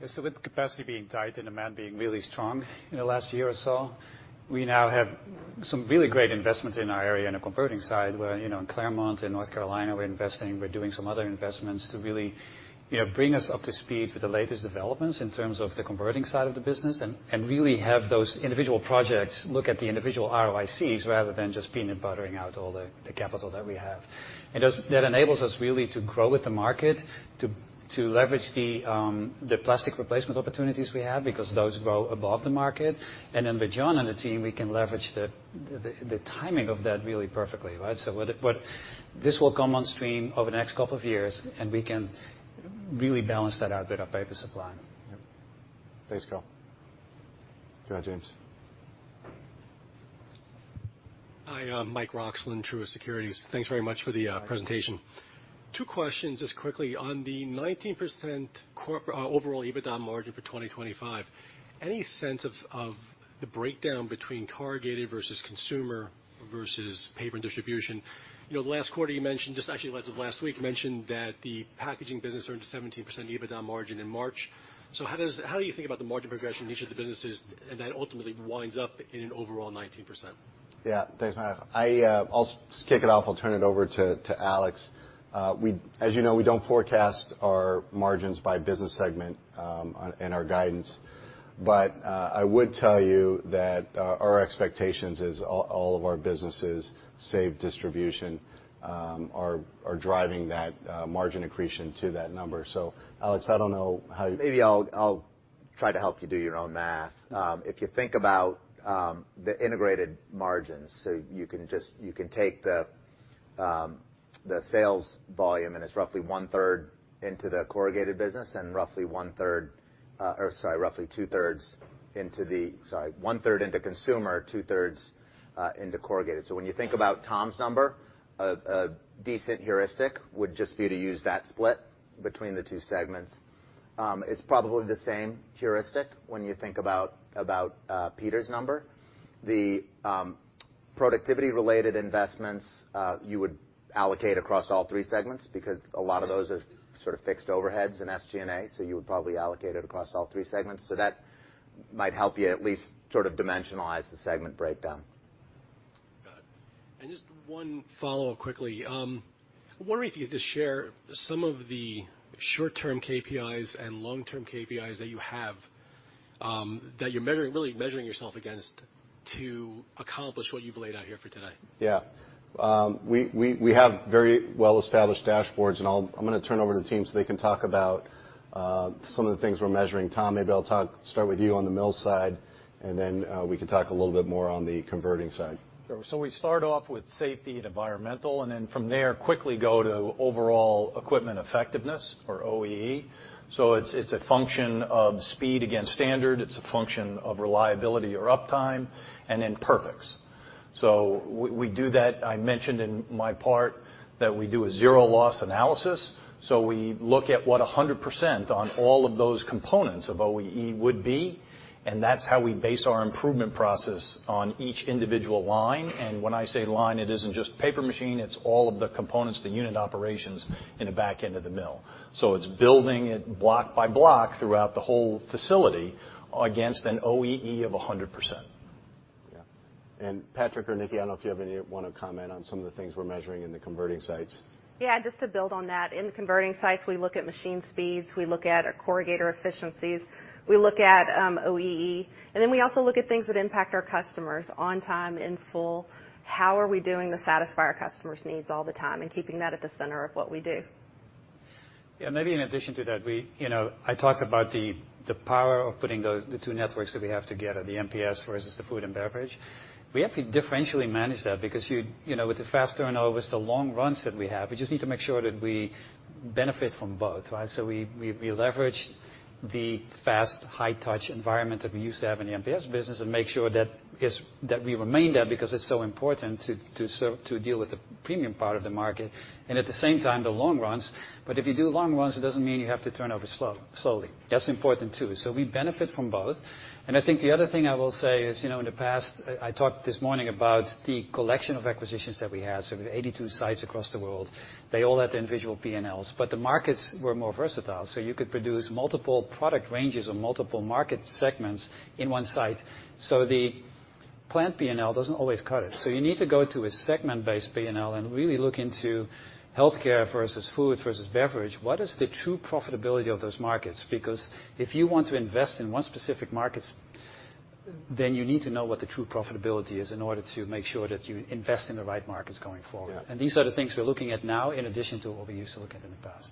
Yeah. With capacity being tight and demand being really strong in the last year or so, we now have some really great investments in our area in the converting side where, you know, in Claremont, in North Carolina, we're investing. We're doing some other investments to really, you know, bring us up to speed with the latest developments in terms of the converting side of the business and really have those individual projects look at the individual ROICs rather than just peanut buttering out all the capital that we have. That enables us really to grow with the market, to leverage the plastic replacement opportunities we have because those grow above the market. Then with John and the team, we can leverage the timing of that really perfectly, right? This will come on stream over the next couple of years, and we can really balance that out with our paper supply. Yep. Thanks, pal. Go ahead, James. Hi, Mike Roxland, Truist Securities. Thanks very much for the presentation. Hi. Two questions just quickly. On the 19% overall EBITDA margin for 2025, any sense of the breakdown between corrugated versus consumer versus paper and distribution? You know, the last quarter you mentioned, just actually as of last week, that the packaging business earned a 17% EBITDA margin in March. How do you think about the margin progression in each of the businesses, and that ultimately winds up in an overall 19%? Yeah. Thanks, Mike. I'll kick it off. I'll turn it over to Alex. As you know, we don't forecast our margins by business segment in our guidance. I would tell you that our expectations is all of our businesses, save distribution, are driving that margin accretion to that number. Alex, I don't know how you- Maybe I'll try to help you do your own math. If you think about the integrated margins. You can just take the sales volume, and it's roughly 1/3 into consumer, 2/3 into corrugated. When you think about Tom's number, a decent heuristic would just be to use that split Between the two segments. It's probably the same heuristic when you think about Peter's number. The productivity-related investments you would allocate across all three segments because a lot of those are sort of fixed overheads in SG&A, so you would probably allocate it across all three segments. That might help you at least sort of dimensionalize the segment breakdown. Got it. Just one follow-up quickly. Wondering if you'd just share some of the short-term KPIs and long-term KPIs that you have, that you're measuring, really measuring yourself against to accomplish what you've laid out here for today. We have very well-established dashboards, and I'm gonna turn over to the team so they can talk about some of the things we're measuring. Tom, maybe start with you on the mill side, and then we can talk a little bit more on the converting side. Sure. We start off with safety and environmental, and then from there, quickly go to overall equipment effectiveness or OEE. It's a function of speed against standard. It's a function of reliability or uptime, and then perfects. We do that. I mentioned in my part that we do a zero loss analysis. We look at what 100% on all of those components of OEE would be, and that's how we base our improvement process on each individual line. When I say line, it isn't just paper machine. It's all of the components, the unit operations in the back end of the mill. It's building it block by block throughout the whole facility against an OEE of 100%. Yeah. Patrick or Nickie, I don't know if you wanna comment on some of the things we're measuring in the converting sites. Yeah, just to build on that. In the converting sites, we look at machine speeds, we look at our corrugator efficiencies, we look at OEE, and then we also look at things that impact our customers on time, in full. How are we doing to satisfy our customers' needs all the time and keeping that at the center of what we do. Yeah. Maybe in addition to that, we, you know, I talked about the power of putting those two networks that we have together, the MPS versus the food and beverage. We have to differentially manage that because you know, with the fast turnover, the long runs that we have, we just need to make sure that we benefit from both, right? We leverage the fast high touch environment that we used to have in the MPS business and make sure that, I guess, that we remain there because it's so important to deal with the premium part of the market and at the same time, the long runs. If you do long runs, it doesn't mean you have to turn over slowly. That's important too. We benefit from both. I think the other thing I will say is, you know, in the past, I talked this morning about the collection of acquisitions that we have. We have 82 sites across the world. They all have their individual P&Ls, but the markets were more versatile. You could produce multiple product ranges or multiple market segments in one site. The plant P&L doesn't always cut it. You need to go to a segment-based P&L and really look into healthcare versus food versus beverage. What is the true profitability of those markets? Because if you want to invest in one specific markets, then you need to know what the true profitability is in order to make sure that you invest in the right markets going forward. Yeah. These are the things we're looking at now in addition to what we used to look at in the past.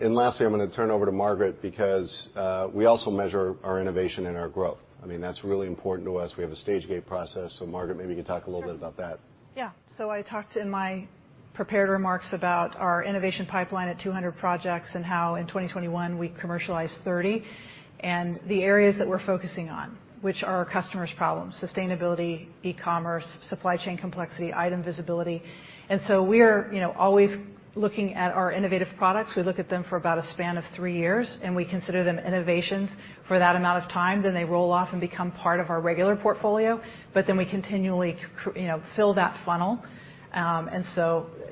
lastly, I'm gonna turn over to Margaret because we also measure our innovation and our growth. I mean, that's really important to us. We have a stage gate process. Margaret, maybe you could talk a little bit about that. Sure. Yeah. I talked in my prepared remarks about our innovation pipeline at 200 projects and how in 2021 we commercialized 30. The areas that we're focusing on, which are our customers' problems. Sustainability, e-commerce, supply chain complexity, item visibility. We're, you know, always looking at our innovative products. We look at them for about a span of three years, and we consider them innovations for that amount of time. Then they roll off and become part of our regular portfolio, but then we continually, you know, fill that funnel.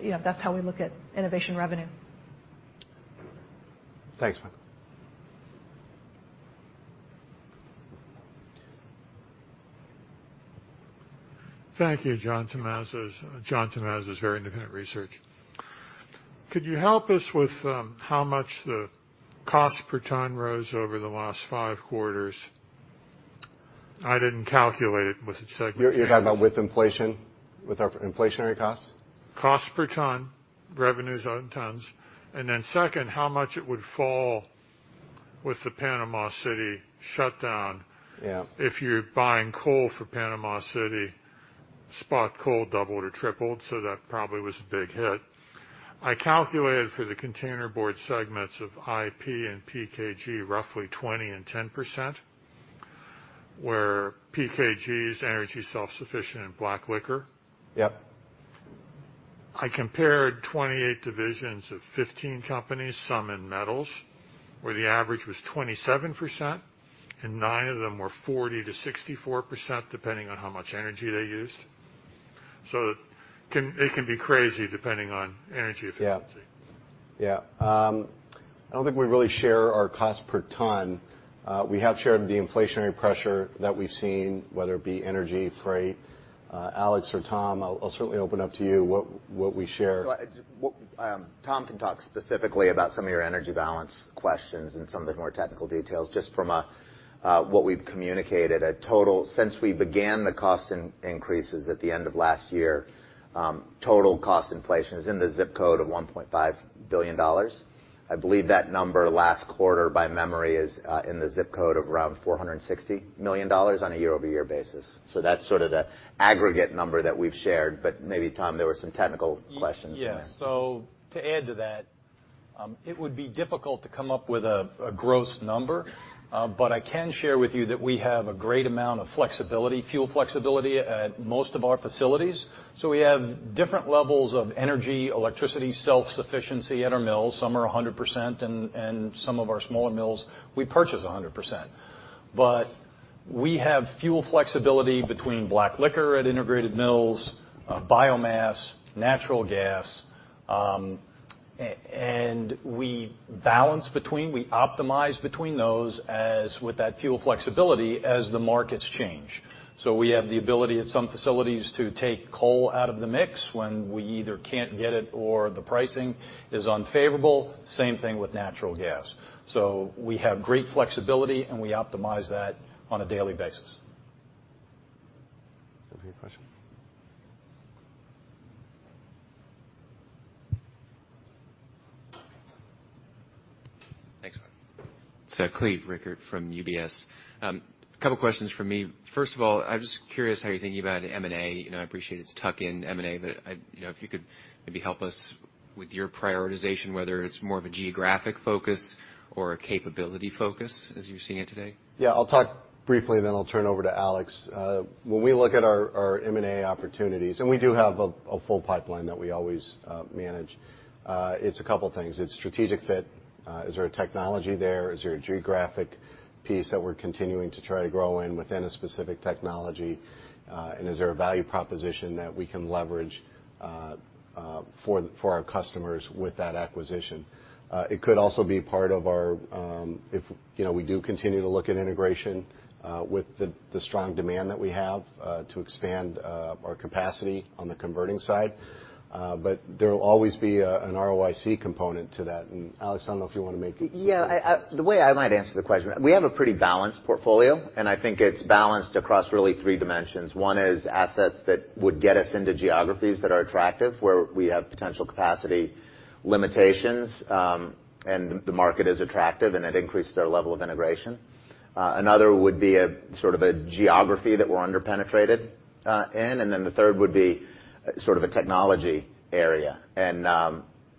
You know, that's how we look at innovation revenue. Thanks, Margaret. Thank you, John Tumazos. John Tumazos Very Independent Research. Could you help us with how much the cost per ton rose over the last five quarters? I didn't calculate it with the segment. You're talking about with inflation, with our inflationary costs? Cost per ton, revenues on tons. Second, how much it would fall with the Panama City shutdown. Yeah. If you're buying coal for Panama City, spot coal doubled or tripled, so that probably was a big hit. I calculated for the containerboard segments of IP and PKG roughly 20% and 10%, where PKG's energy self-sufficient in black liquor. Yep. I compared 28 divisions of 15 companies, some in metals, where the average was 27%, and nine of them were 40%-64%, depending on how much energy they used. It can be crazy depending on energy efficiency. Yeah. I don't think we really share our cost per ton. We have shared the inflationary pressure that we've seen, whether it be energy, freight. Alex or Tom, I'll certainly open up to you what we share. What, Tom can talk specifically about some of your energy balance questions and some of the more technical details. Just from a, what we've communicated, since we began the cost increases at the end of last year, total cost inflation is in the zip code of $1.5 billion. I believe that number last quarter by memory is in the zip code of around $460 million on a year-over-year basis. That's sort of the aggregate number that we've shared, but maybe Tom, there were some technical questions in there. Yeah. To add to that, it would be difficult to come up with a gross number. I can share with you that we have a great amount of flexibility, fuel flexibility at most of our facilities. We have different levels of energy, electricity, self-sufficiency at our mills. Some are 100% and some of our smaller mills, we purchase 100%. We have fuel flexibility between black liquor at integrated mills, biomass, natural gas, and we balance between those. We optimize between those with that fuel flexibility as the markets change. We have the ability at some facilities to take coal out of the mix when we either can't get it or the pricing is unfavorable. Same thing with natural gas. We have great flexibility, and we optimize that on a daily basis. Okay. Question. Thanks. It's Cleve Rueckert from UBS. A couple questions from me. First of all, I'm just curious how you're thinking about M&A. You know, I appreciate it's tuck-in M&A, but. You know, if you could maybe help us with your prioritization, whether it's more of a geographic focus or a capability focus as you're seeing it today. Yeah, I'll talk briefly, then I'll turn over to Alex. When we look at our M&A opportunities, and we do have a full pipeline that we always manage, it's a couple things. It's strategic fit, is there a technology there? Is there a geographic piece that we're continuing to try to grow in within a specific technology? And is there a value proposition that we can leverage for our customers with that acquisition? It could also be part of our, if you know, we do continue to look at integration with the strong demand that we have to expand our capacity on the converting side. But there will always be an ROIC component to that. Alex, I don't know if you wanna make- Yeah. The way I might answer the question, we have a pretty balanced portfolio, and I think it's balanced across really three dimensions. One is assets that would get us into geographies that are attractive, where we have potential capacity limitations, and the market is attractive, and it increases our level of integration. Another would be a sort of a geography that we're under-penetrated in. The third would be sort of a technology area.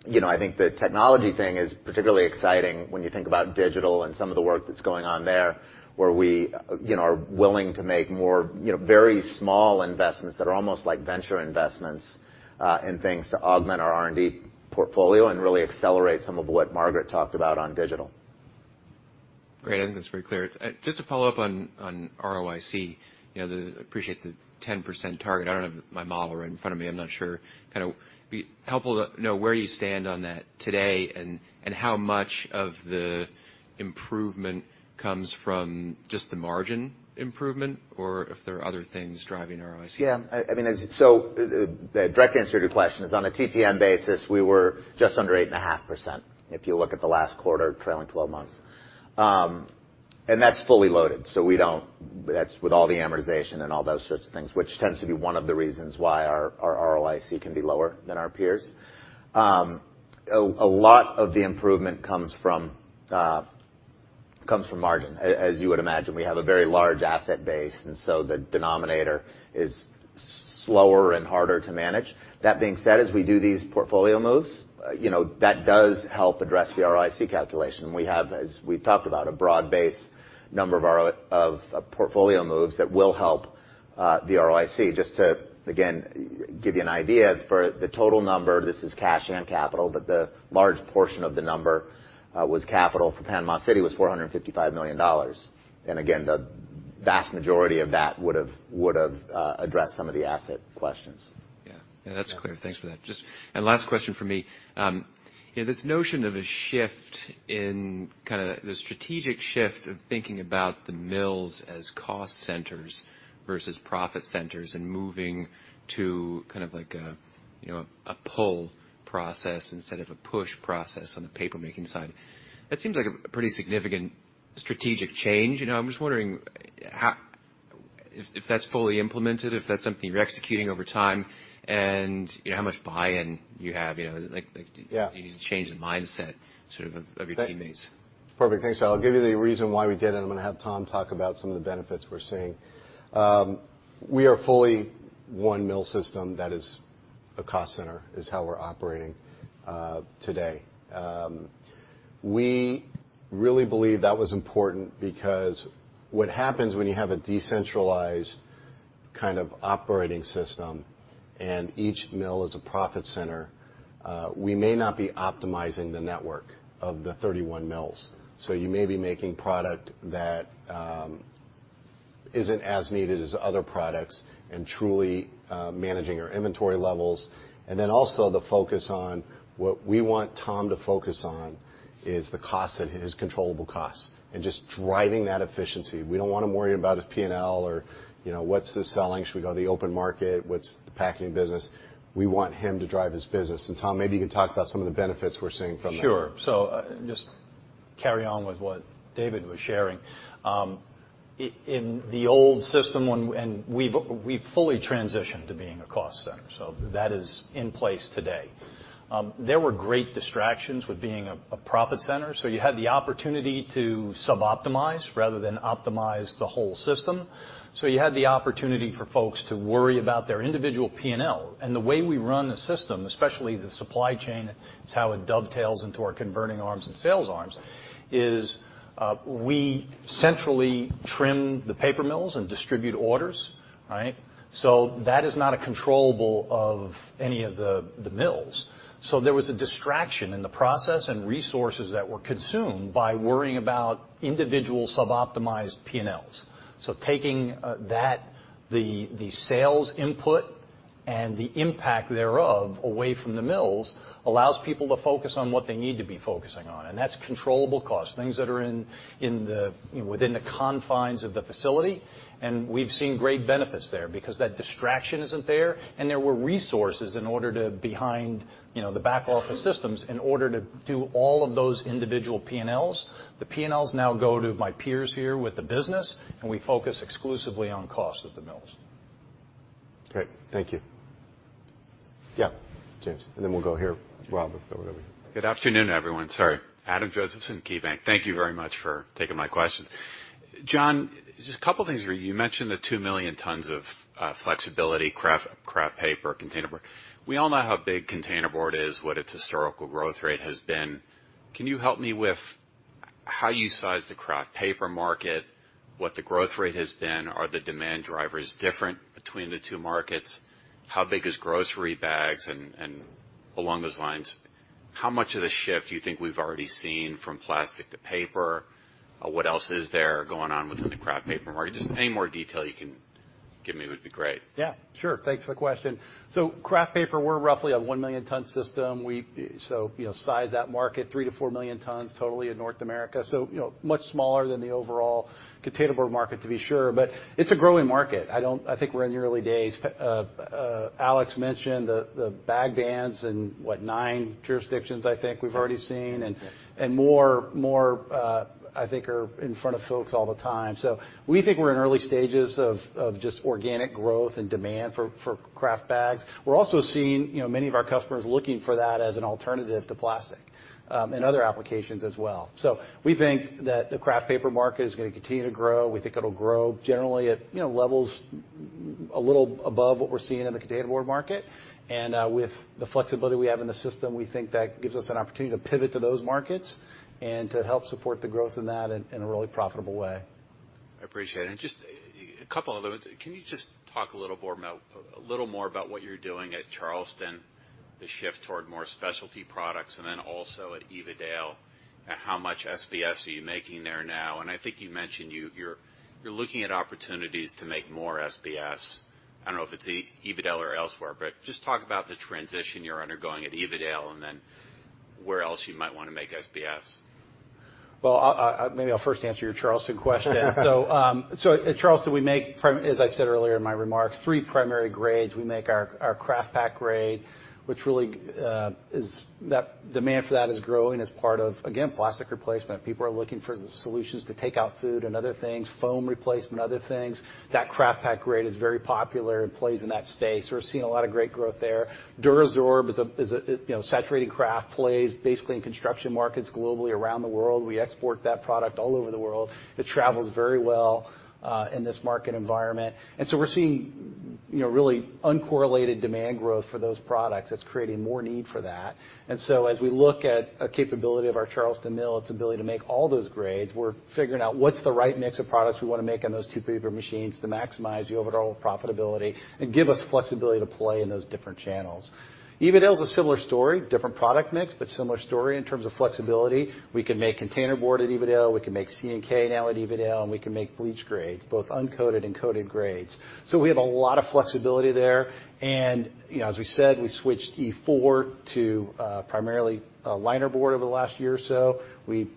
You know, I think the technology thing is particularly exciting when you think about digital and some of the work that's going on there, where we you know, are willing to make more you know, very small investments that are almost like venture investments, and things to augment our R&D portfolio and really accelerate some of what Margaret talked about on digital. Great. I think that's very clear. Just to follow up on ROIC, you know, appreciate the 10% target. I don't have my model right in front of me. I'm not sure. Kinda be helpful to know where you stand on that today and how much of the improvement comes from just the margin improvement or if there are other things driving ROIC. Yeah. I mean, the direct answer to your question is, on a TTM basis, we were just under 8.5%, if you look at the last quarter trailing twelve months. That's fully loaded. That's with all the amortization and all those sorts of things, which tends to be one of the reasons why our ROIC can be lower than our peers. A lot of the improvement comes from margin. As you would imagine, we have a very large asset base, and so the denominator is slower and harder to manage. That being said, as we do these portfolio moves, you know, that does help address the ROIC calculation. We have, as we've talked about, a broad base number of our portfolio moves that will help the ROIC. Just to, again, give you an idea, for the total number, this is cash and capital, but the large portion of the number was capital for Panama City was $455 million. Again, the vast majority of that would've addressed some of the asset questions. Yeah. Yeah, that's clear. Thanks for that. Just last question from me. You know, this notion of a shift in kind of the strategic shift of thinking about the mills as cost centers versus profit centers and moving to kind of like a, you know, a pull process instead of a push process on the paper making side, that seems like a pretty significant strategic change. You know, I'm just wondering how if that's fully implemented, if that's something you're executing over time, and, you know, how much buy-in you have, you know? Yeah. You need to change the mindset sort of your teammates. Perfect. Thanks. I'll give you the reason why we did it, and I'm gonna have Tom talk about some of the benefits we're seeing. We are fully one mill system that is a cost center, is how we're operating today. We really believe that was important because what happens when you have a decentralized kind of operating system and each mill is a profit center, we may not be optimizing the network of the 31 mills. You may be making product that isn't as needed as other products and truly managing our inventory levels. The focus on what we want Tom to focus on is the cost, his controllable costs and just driving that efficiency. We don't want him worrying about his P&L or, you know, what's the selling? Should we go to the open market? What's the packaging business? We want him to drive his business. Tom, maybe you can talk about some of the benefits we're seeing from that. Sure. Just carry on with what David was sharing. We've fully transitioned to being a cost center, so that is in place today. There were great distractions with being a profit center, so you had the opportunity to suboptimize rather than optimize the whole system. You had the opportunity for folks to worry about their individual P&L. The way we run the system, especially the supply chain, is how it dovetails into our converting arms and sales arms, we centrally trim the paper mills and distribute orders, right? That is not a controllable of any of the mills. There was a distraction in the process and resources that were consumed by worrying about individual suboptimized P&Ls. Taking the sales input and the impact thereof away from the mills allows people to focus on what they need to be focusing on, and that's controllable costs, things that are in the, you know, within the confines of the facility. We've seen great benefits there because that distraction isn't there, and there were resources behind, you know, the back office systems in order to do all of those individual P&Ls. The P&Ls now go to my peers here with the business, and we focus exclusively on cost at the mills. Great. Thank you. Yeah, James, and then we'll go here, Rob. Good afternoon, everyone. Sorry. Adam Josephson, KeyBanc. Thank you very much for taking my questions. John, just a couple things for you. You mentioned the 2 million tons of flexible kraft paper, containerboard. We all know how big containerboard is, what its historical growth rate has been. Can you help me with how you size the kraft paper market? What the growth rate has been? Are the demand drivers different between the two markets? How big is grocery bags? And along those lines, how much of the shift do you think we've already seen from plastic to paper? What else is there going on within the kraft paper market? Just any more detail you can give me would be great. Yeah, sure. Thanks for the question. Kraft paper, we're roughly a 1 million ton system. You know, size that market, 3 million-4 million tons totally in North America. You know, much smaller than the overall container board market, to be sure. It's a growing market. I think we're in the early days. Alex mentioned the bag bans in what? Nine jurisdictions I think we've already seen. And more I think are in front of folks all the time. We think we're in early stages of just organic growth and demand for kraft bags. We're also seeing, you know, many of our customers looking for that as an alternative to plastic and other applications as well. We think that the kraft paper market is gonna continue to grow. We think it'll grow generally at, you know, levels a little above what we're seeing in the container board market. With the flexibility we have in the system, we think that gives us an opportunity to pivot to those markets and to help support the growth in that, in a really profitable way. I appreciate it. Just a couple other ones. Can you just talk a little more about what you're doing at Charleston, the shift toward more specialty products, and then also at Evadale, how much SBS are you making there now? I think you mentioned you're looking at opportunities to make more SBS. I don't know if it's Evadale or elsewhere, but just talk about the transition you're undergoing at Evadale and then where else you might wanna make SBS. I'll maybe I'll first answer your Charleston question. At Charleston, we make as I said earlier in my remarks, three primary grades. We make our kraft pack grade, which really is. That demand for that is growing as part of, again, plastic replacement. People are looking for solutions to take out food and other things, foam replacement, other things. That kraft pack grade is very popular and plays in that space. We're seeing a lot of great growth there. DuraSorb is a you know, saturated kraft plays basically in construction markets globally around the world. We export that product all over the world. It travels very well in this market environment. We're seeing you know, really uncorrelated demand growth for those products that's creating more need for that. As we look at a capability of our Charleston mill, its ability to make all those grades, we're figuring out what's the right mix of products we wanna make on those two paper machines to maximize the overall profitability and give us flexibility to play in those different channels. Evadale is a similar story, different product mix, but similar story in terms of flexibility. We can make container board at Evadale, we can make C and K now at Evadale, and we can make bleach grades, both uncoated and coated grades. We have a lot of flexibility there. You know, as we said, we switched E4 to primarily a liner board over the last year or so.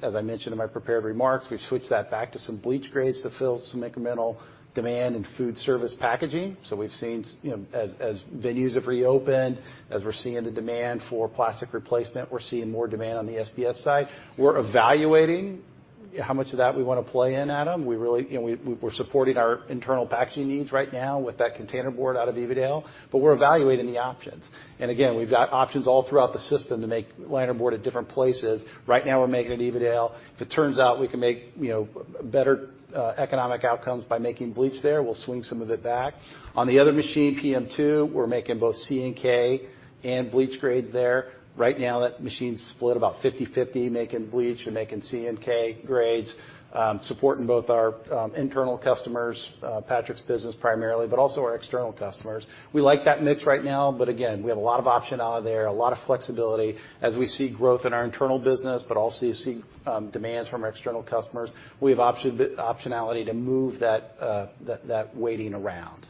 As I mentioned in my prepared remarks, we've switched that back to some bleach grades to fill some incremental demand in food service packaging. We've seen, you know, as venues have reopened, as we're seeing the demand for plastic replacement, we're seeing more demand on the SBS side. We're evaluating how much of that we wanna play in, Adam. We really. You know, we're supporting our internal packaging needs right now with that containerboard out of Evadale, but we're evaluating the options. Again, we've got options all throughout the system to make linerboard at different places. Right now, we're making it at Evadale. If it turns out we can make, you know, better economic outcomes by making bleached there, we'll swing some of it back. On the other machine, PM2, we're making both C and K and bleached grades there. Right now, that machine's split about 50/50, making bleached and making C and K grades, supporting both our internal customers, Patrick's business primarily, but also our external customers. We like that mix right now, but again, we have a lot of optionality there, a lot of flexibility. As we see growth in our internal business, but also see demands from our external customers, we have optionality to move that weighting around.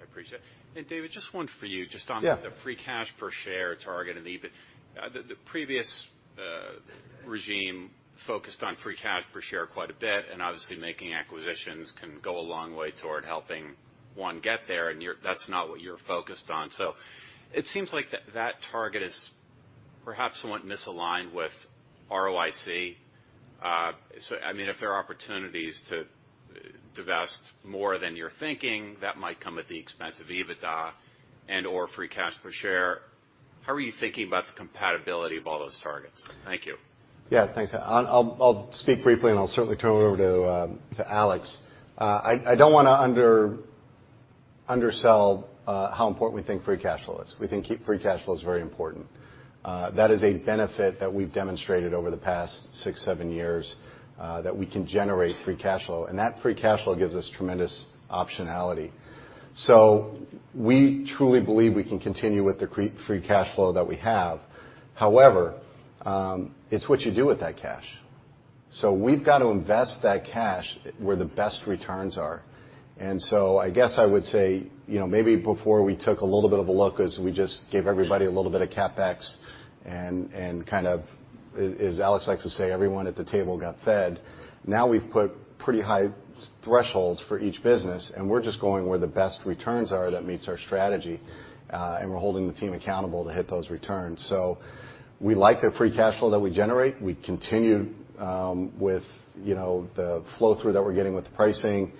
I appreciate it. David, just one for you, just on- Yeah. The free cash per share target and EBIT. The previous regime focused on free cash per share quite a bit, and obviously making acquisitions can go a long way toward helping one get there, and that's not what you're focused on. It seems like that target is perhaps somewhat misaligned with ROIC. I mean, if there are opportunities to divest more than you're thinking, that might come at the expense of EBITDA and/or free cash per share. How are you thinking about the compatibility of all those targets? Thank you. Yeah, thanks. I'll speak briefly, and I'll certainly turn it over to Alex. I don't wanna undersell how important we think free cash flow is. We think free cash flow is very important. That is a benefit that we've demonstrated over the past six-seven years that we can generate free cash flow, and that free cash flow gives us tremendous optionality. We truly believe we can continue with the free cash flow that we have. However, it's what you do with that cash. We've got to invest that cash where the best returns are. I guess I would say, you know, maybe before we took a little bit of a look as we just gave everybody a little bit of CapEx and kind of, as Alex likes to say, everyone at the table got fed. Now we've put pretty high thresholds for each business, and we're just going where the best returns are that meets our strategy, and we're holding the team accountable to hit those returns. We like the free cash flow that we generate. We continue with, you know, the flow-through that we're getting with the pricing.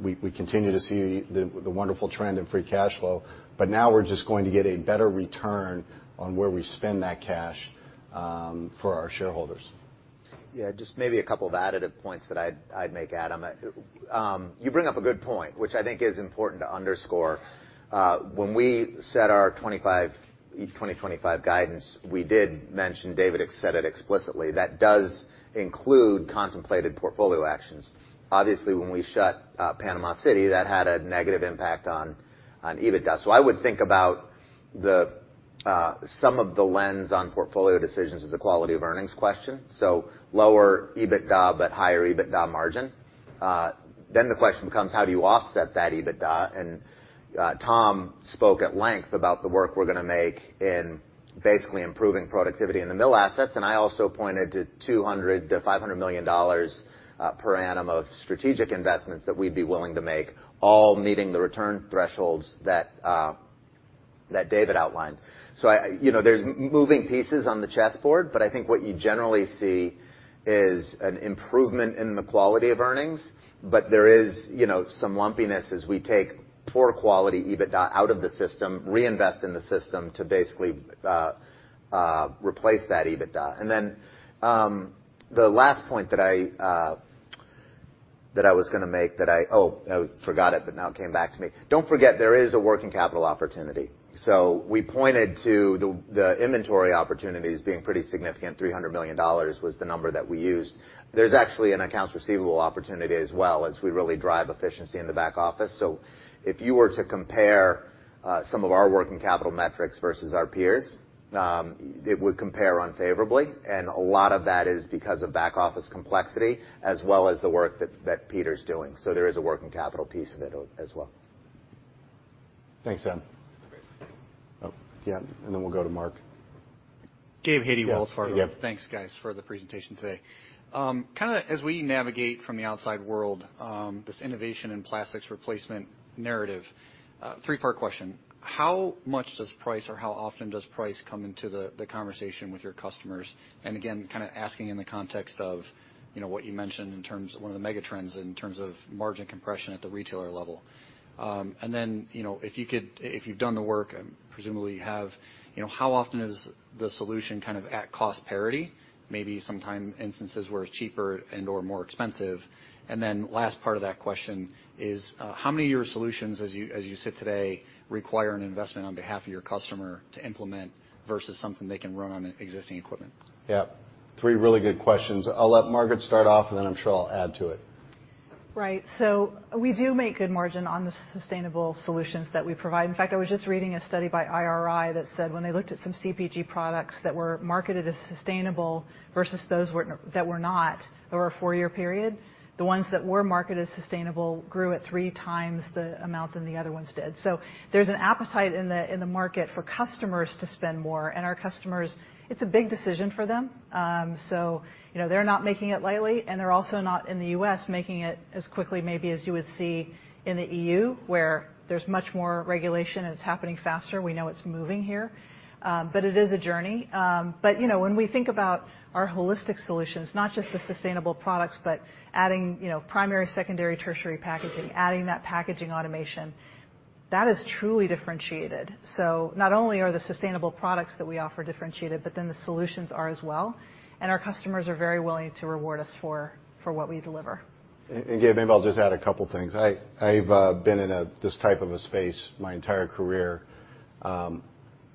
We continue to see the wonderful trend in free cash flow. Now we're just going to get a better return on where we spend that cash for our shareholders. Yeah. Just maybe a couple of additive points that I'd make, Adam. You bring up a good point, which I think is important to underscore. When we set our 2025 guidance, we did mention. David had said it explicitly. That does include contemplated portfolio actions. Obviously, when we shut Panama City, that had a negative impact on EBITDA. I would think about some of the lens on portfolio decisions as a quality of earnings question. Lower EBITDA, but higher EBITDA margin. Then the question becomes. How do you offset that EBITDA? Tom spoke at length about the work we're gonna make in basically improving productivity in the mill assets. I also pointed to $200 million-$500 million per annum of strategic investments that we'd be willing to make, all meeting the return thresholds that David outlined. I, you know, there's moving pieces on the chessboard, but I think what you generally see is an improvement in the quality of earnings. There is, you know, some lumpiness as we take poor quality EBITDA out of the system, reinvest in the system to basically replace that EBITDA. The last point that I was gonna make. Oh, I forgot it, but now it came back to me. Don't forget, there is a working capital opportunity. We pointed to the inventory opportunities being pretty significant. $300 million was the number that we used. There's actually an accounts receivable opportunity as well as we really drive efficiency in the back office. If you were to compare some of our working capital metrics versus our peers, it would compare unfavorably, and a lot of that is because of back office complexity as well as the work that Peter's doing. There is a working capital piece of it, as well. Thanks, Adam. Great. Oh, yeah, we'll go to Mark. Gabe Hajde, Wells Fargo. Yeah. Yep. Thanks, guys, for the presentation today. Kinda as we navigate from the outside world, this innovation and plastics replacement narrative, three-part question. How much does price or how often does price come into the conversation with your customers? Again, kinda asking in the context of, you know, what you mentioned in terms of one of the mega trends in terms of margin compression at the retailer level. Then, you know, if you've done the work, and presumably you have, you know, how often is the solution kind of at cost parity, maybe sometime instances where it's cheaper and/or more expensive. Then last part of that question is, how many of your solutions, as you sit today, require an investment on behalf of your customer to implement versus something they can run on existing equipment? Yeah. Three really good questions. I'll let Margaret start off, and then I'm sure I'll add to it. Right. We do make good margin on the sustainable solutions that we provide. In fact, I was just reading a study by IRI that said when they looked at some CPG products that were marketed as sustainable versus those that were not over a four-year period, the ones that were marketed as sustainable grew at three times the amount than the other ones did. There's an appetite in the market for customers to spend more. Our customers, it's a big decision for them. You know, they're not making it lightly, and they're also not in the U.S. making it as quickly maybe as you would see in the E.U., where there's much more regulation, and it's happening faster. We know it's moving here, but it is a journey. you know, when we think about our holistic solutions, not just the sustainable products, but adding, you know, primary, secondary, tertiary packaging, adding that packaging automation, that is truly differentiated. Not only are the sustainable products that we offer differentiated, but then the solutions are as well, and our customers are very willing to reward us for what we deliver. Gabe, maybe I'll just add a couple things. I've been in this type of a space my entire career. In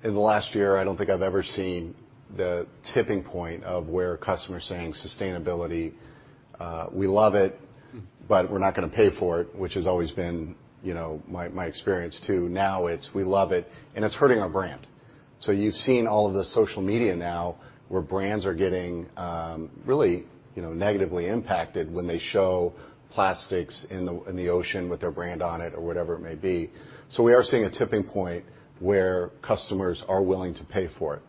the last year, I don't think I've ever seen the tipping point of where customers saying sustainability, we love it, but we're not gonna pay for it, which has always been, you know, my experience too. Now it's we love it, and it's hurting our brand. You've seen all of the social media now where brands are getting really, you know, negatively impacted when they show plastics in the ocean with their brand on it or whatever it may be. We are seeing a tipping point where customers are willing to pay for it.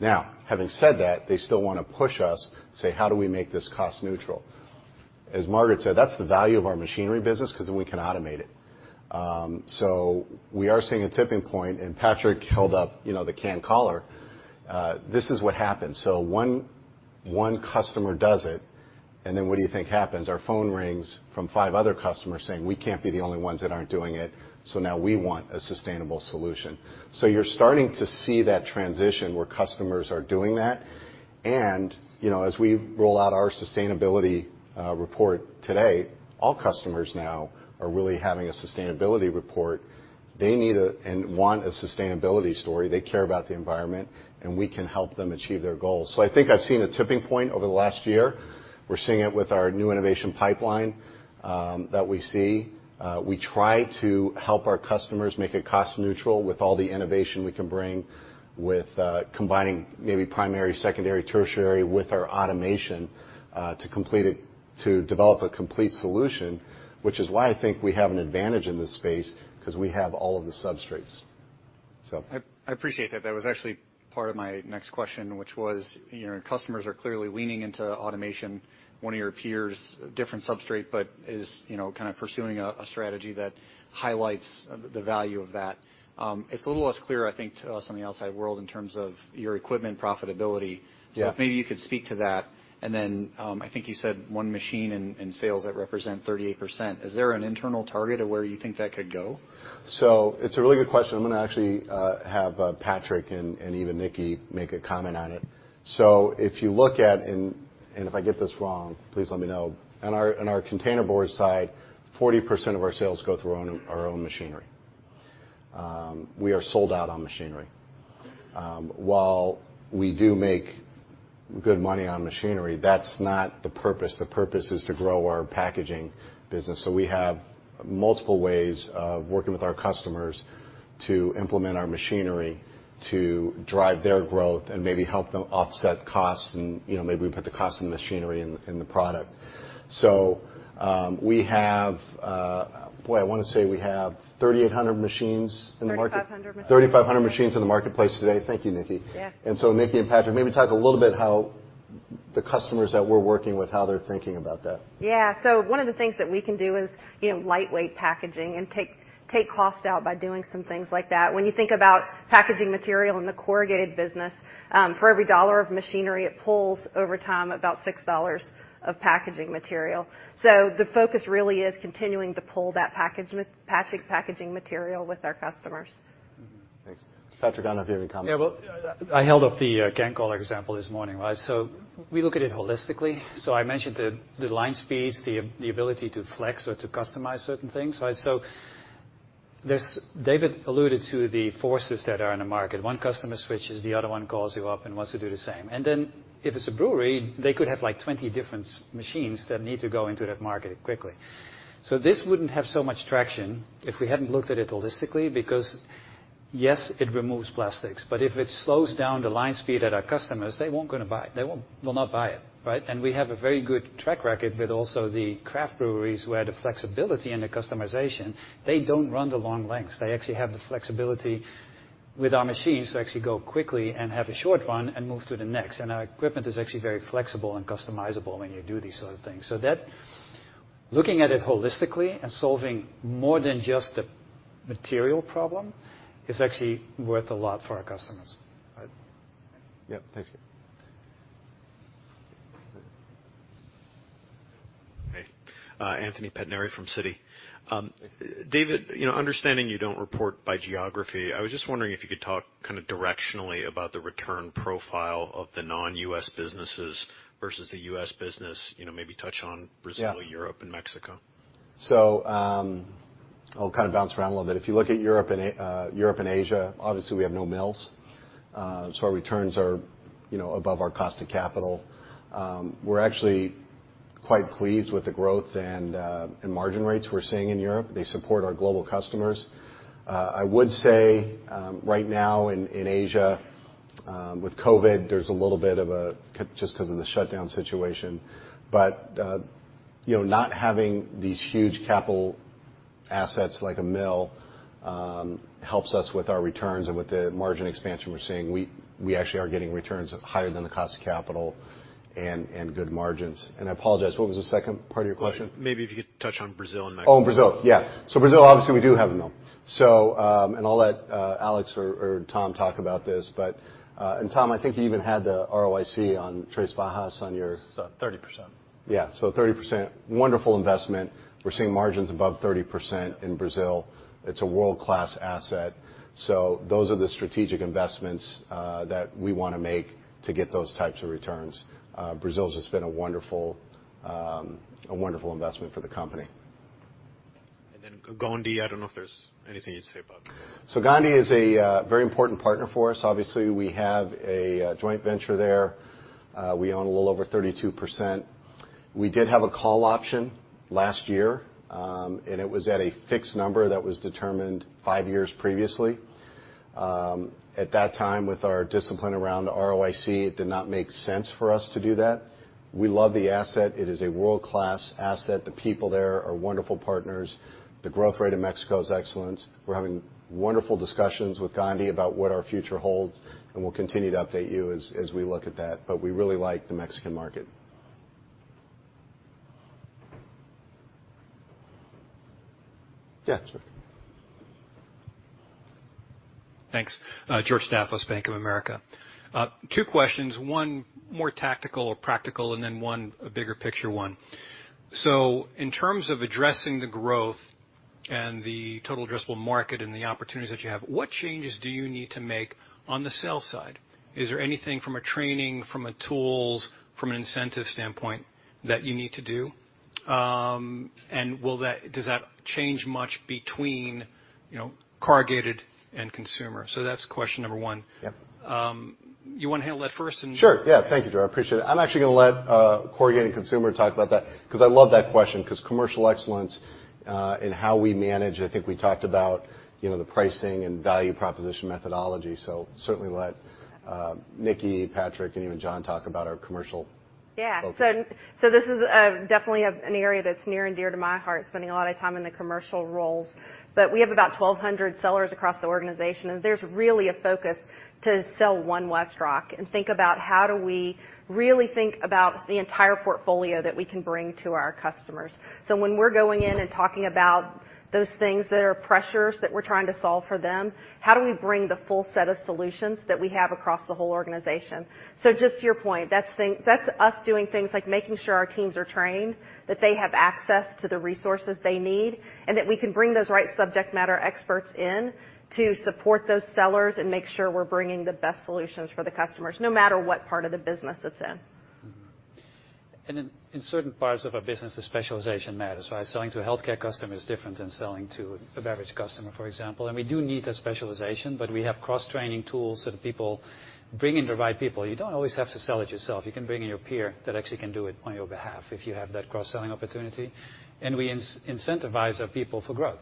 Now, having said that, they still wanna push us, say, "How do we make this cost neutral?" As Margaret said, that's the value of our machinery business 'cause then we can automate it. We are seeing a tipping point, and Patrick held up, you know, the CanCollar. This is what happens. One customer does it, and then what do you think happens? Our phone rings from five other customers saying, "We can't be the only ones that aren't doing it, so now we want a sustainable solution." You're starting to see that transition where customers are doing that. You know, as we roll out our sustainability report today, all customers now are really having a sustainability report. They need and want a sustainability story. They care about the environment, and we can help them achieve their goals. I think I've seen a tipping point over the last year. We're seeing it with our new innovation pipeline that we see. We try to help our customers make it cost neutral with all the innovation we can bring with combining maybe primary, secondary, tertiary with our automation to develop a complete solution, which is why I think we have an advantage in this space 'cause we have all of the substrates. I appreciate that. That was actually part of my next question, which was, you know, customers are clearly leaning into automation. One of your peers, different substrate, but is, you know, kind of pursuing a strategy that highlights the value of that. It's a little less clear, I think, to us on the outside world in terms of your equipment profitability. Yeah. If maybe you could speak to that. I think you said one machine in sales that represent 38%. Is there an internal target of where you think that could go? It's a really good question. I'm gonna actually have Patrick and even Nickie make a comment on it. If you look at, if I get this wrong, please let me know. On our containerboard side, 40% of our sales go through our own machinery. We are sold out on machinery. While we do make good money on machinery, that's not the purpose. The purpose is to grow our packaging business. We have multiple ways of working with our customers to implement our machinery to drive their growth and maybe help them offset costs and, you know, maybe we put the cost of the machinery in the product. We have boy, I wanna say we have 3,800 machines in the market. 3,500 machines. 3,500 machines in the marketplace today. Thank you, Nickie. Yeah. Nickie and Patrick, maybe talk a little bit how the customers that we're working with, how they're thinking about that. Yeah. One of the things that we can do is, you know, lightweight packaging and take cost out by doing some things like that. When you think about packaging material in the corrugated business, for every $1 of machinery, it pulls over time about $6 of packaging material. The focus really is continuing to pull that packaging material with our customers. Thanks. Patrick, I don't know if you have any comments. Yeah. Well, I held up the CanCollar example this morning, right? We look at it holistically. I mentioned the line speeds, the ability to flex or to customize certain things, right? David alluded to the forces that are in the market. One customer switches, the other one calls you up and wants to do the same. If it's a brewery, they could have, like, 20 different machines that need to go into that market quickly. This wouldn't have so much traction if we hadn't looked at it holistically because, yes, it removes plastics, but if it slows down the line speed at our customers, they won't gonna buy it. They will not buy it, right? We have a very good track record with also the craft breweries where the flexibility and the customization, they don't run the long lengths. They actually have the flexibility with our machines to actually go quickly and have a short run and move to the next. Our equipment is actually very flexible and customizable when you do these sort of things. That, looking at it holistically and solving more than just the material problem is actually worth a lot for our customers. Right? Yeah. Thank you. Hey. Anthony Pettinari from Citi. Hey. David, you know, understanding you don't report by geography, I was just wondering if you could talk kind of directionally about the return profile of the non-U.S. businesses versus the U.S. business? You know, maybe touch on Brazil. Yeah Europe, and Mexico. I'll kind of bounce around a little bit. If you look at Europe and Asia, obviously, we have no mills, so our returns are, you know, above our cost of capital. We're actually quite pleased with the growth and margin rates we're seeing in Europe. They support our global customers. I would say, right now in Asia, with COVID, there's a little bit of just 'cause of the shutdown situation. You know, not having these huge capital assets like a mill helps us with our returns and with the margin expansion we're seeing. We actually are getting returns higher than the cost of capital and good margins. I apologize, what was the second part of your question? Well, maybe if you could touch on Brazil and Mexico. Oh, Brazil. Yeah. Brazil, obviously, we do have a mill. I'll let Alex or Tom talk about this, but. Tom, I think you even had the ROIC on Três Barras on your- It's 30%. 30%. Wonderful investment. We're seeing margins above 30% in Brazil. It's a world-class asset. Those are the strategic investments that we wanna make to get those types of returns. Brazil's just been a wonderful investment for the company. Gondi, I don't know if there's anything you'd say about Gondi. Gondi is a very important partner for us. Obviously, we have a joint venture there. We own a little over 32%. We did have a call option last year, and it was at a fixed number that was determined five years previously. At that time, with our discipline around ROIC, it did not make sense for us to do that. We love the asset. It is a world-class asset. The people there are wonderful partners. The growth rate in Mexico is excellent. We're having wonderful discussions with Gondi about what our future holds, and we'll continue to update you as we look at that, but we really like the Mexican market. Yeah, sure. Thanks. George, Bank of America. Two questions, one more tactical or practical, and then one, a bigger picture one. In terms of addressing the growth and the total addressable market and the opportunities that you have, what changes do you need to make on the sales side? Is there anything from a training, from a tools, from an incentive standpoint that you need to do? Does that change much between, you know, corrugated and consumer? That's question number one. Yeah. You wanna handle that first? Sure, yeah. Thank you, George. I appreciate it. I'm actually gonna let, Corrugated Consumer talk about that, 'cause I love that question, 'cause commercial excellence, and how we manage. I think we talked about, you know, the pricing and value proposition methodology. Certainly let, Nickie, Patrick, and even John talk about our commercial This is definitely an area that's near and dear to my heart, spending a lot of time in the commercial roles. We have about 1,200 sellers across the organization, and there's really a focus to sell One WestRock and think about how do we really think about the entire portfolio that we can bring to our customers. When we're going in and talking about those things that are pressures that we're trying to solve for them, how do we bring the full set of solutions that we have across the whole organization? Just to your point, that's us doing things like making sure our teams are trained, that they have access to the resources they need, and that we can bring those right subject matter experts in to support those sellers and make sure we're bringing the best solutions for the customers, no matter what part of the business it's in. In certain parts of our business, the specialization matters, right? Selling to a healthcare customer is different than selling to a beverage customer, for example. We do need that specialization, but we have cross-training tools so that people bring in the right people. You don't always have to sell it yourself. You can bring in your peer that actually can do it on your behalf if you have that cross-selling opportunity. We incentivize our people for growth.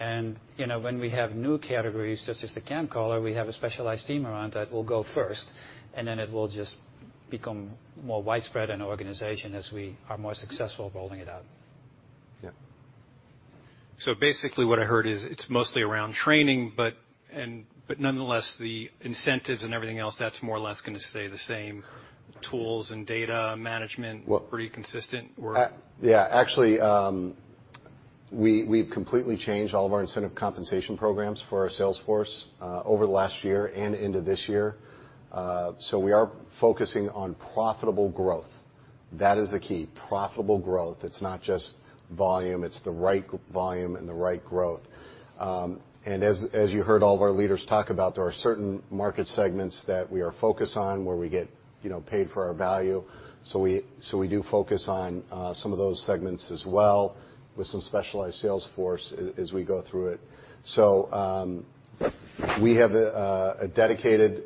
You know, when we have new categories, such as the CanCollar, we have a specialized team around that will go first, and then it will just become more widespread in our organization as we are more successful rolling it out. Yeah. Basically, what I heard is it's mostly around training, but nonetheless, the incentives and everything else, that's more or less gonna stay the same. Tools and data management. Well- Pretty consistent or? Actually, we've completely changed all of our incentive compensation programs for our sales force over the last year and into this year. We are focusing on profitable growth. That is the key, profitable growth. It's not just volume, it's the right volume and the right growth. As you heard all of our leaders talk about, there are certain market segments that we are focused on where we get paid for our value. We do focus on some of those segments as well with some specialized sales force as we go through it. We have a dedicated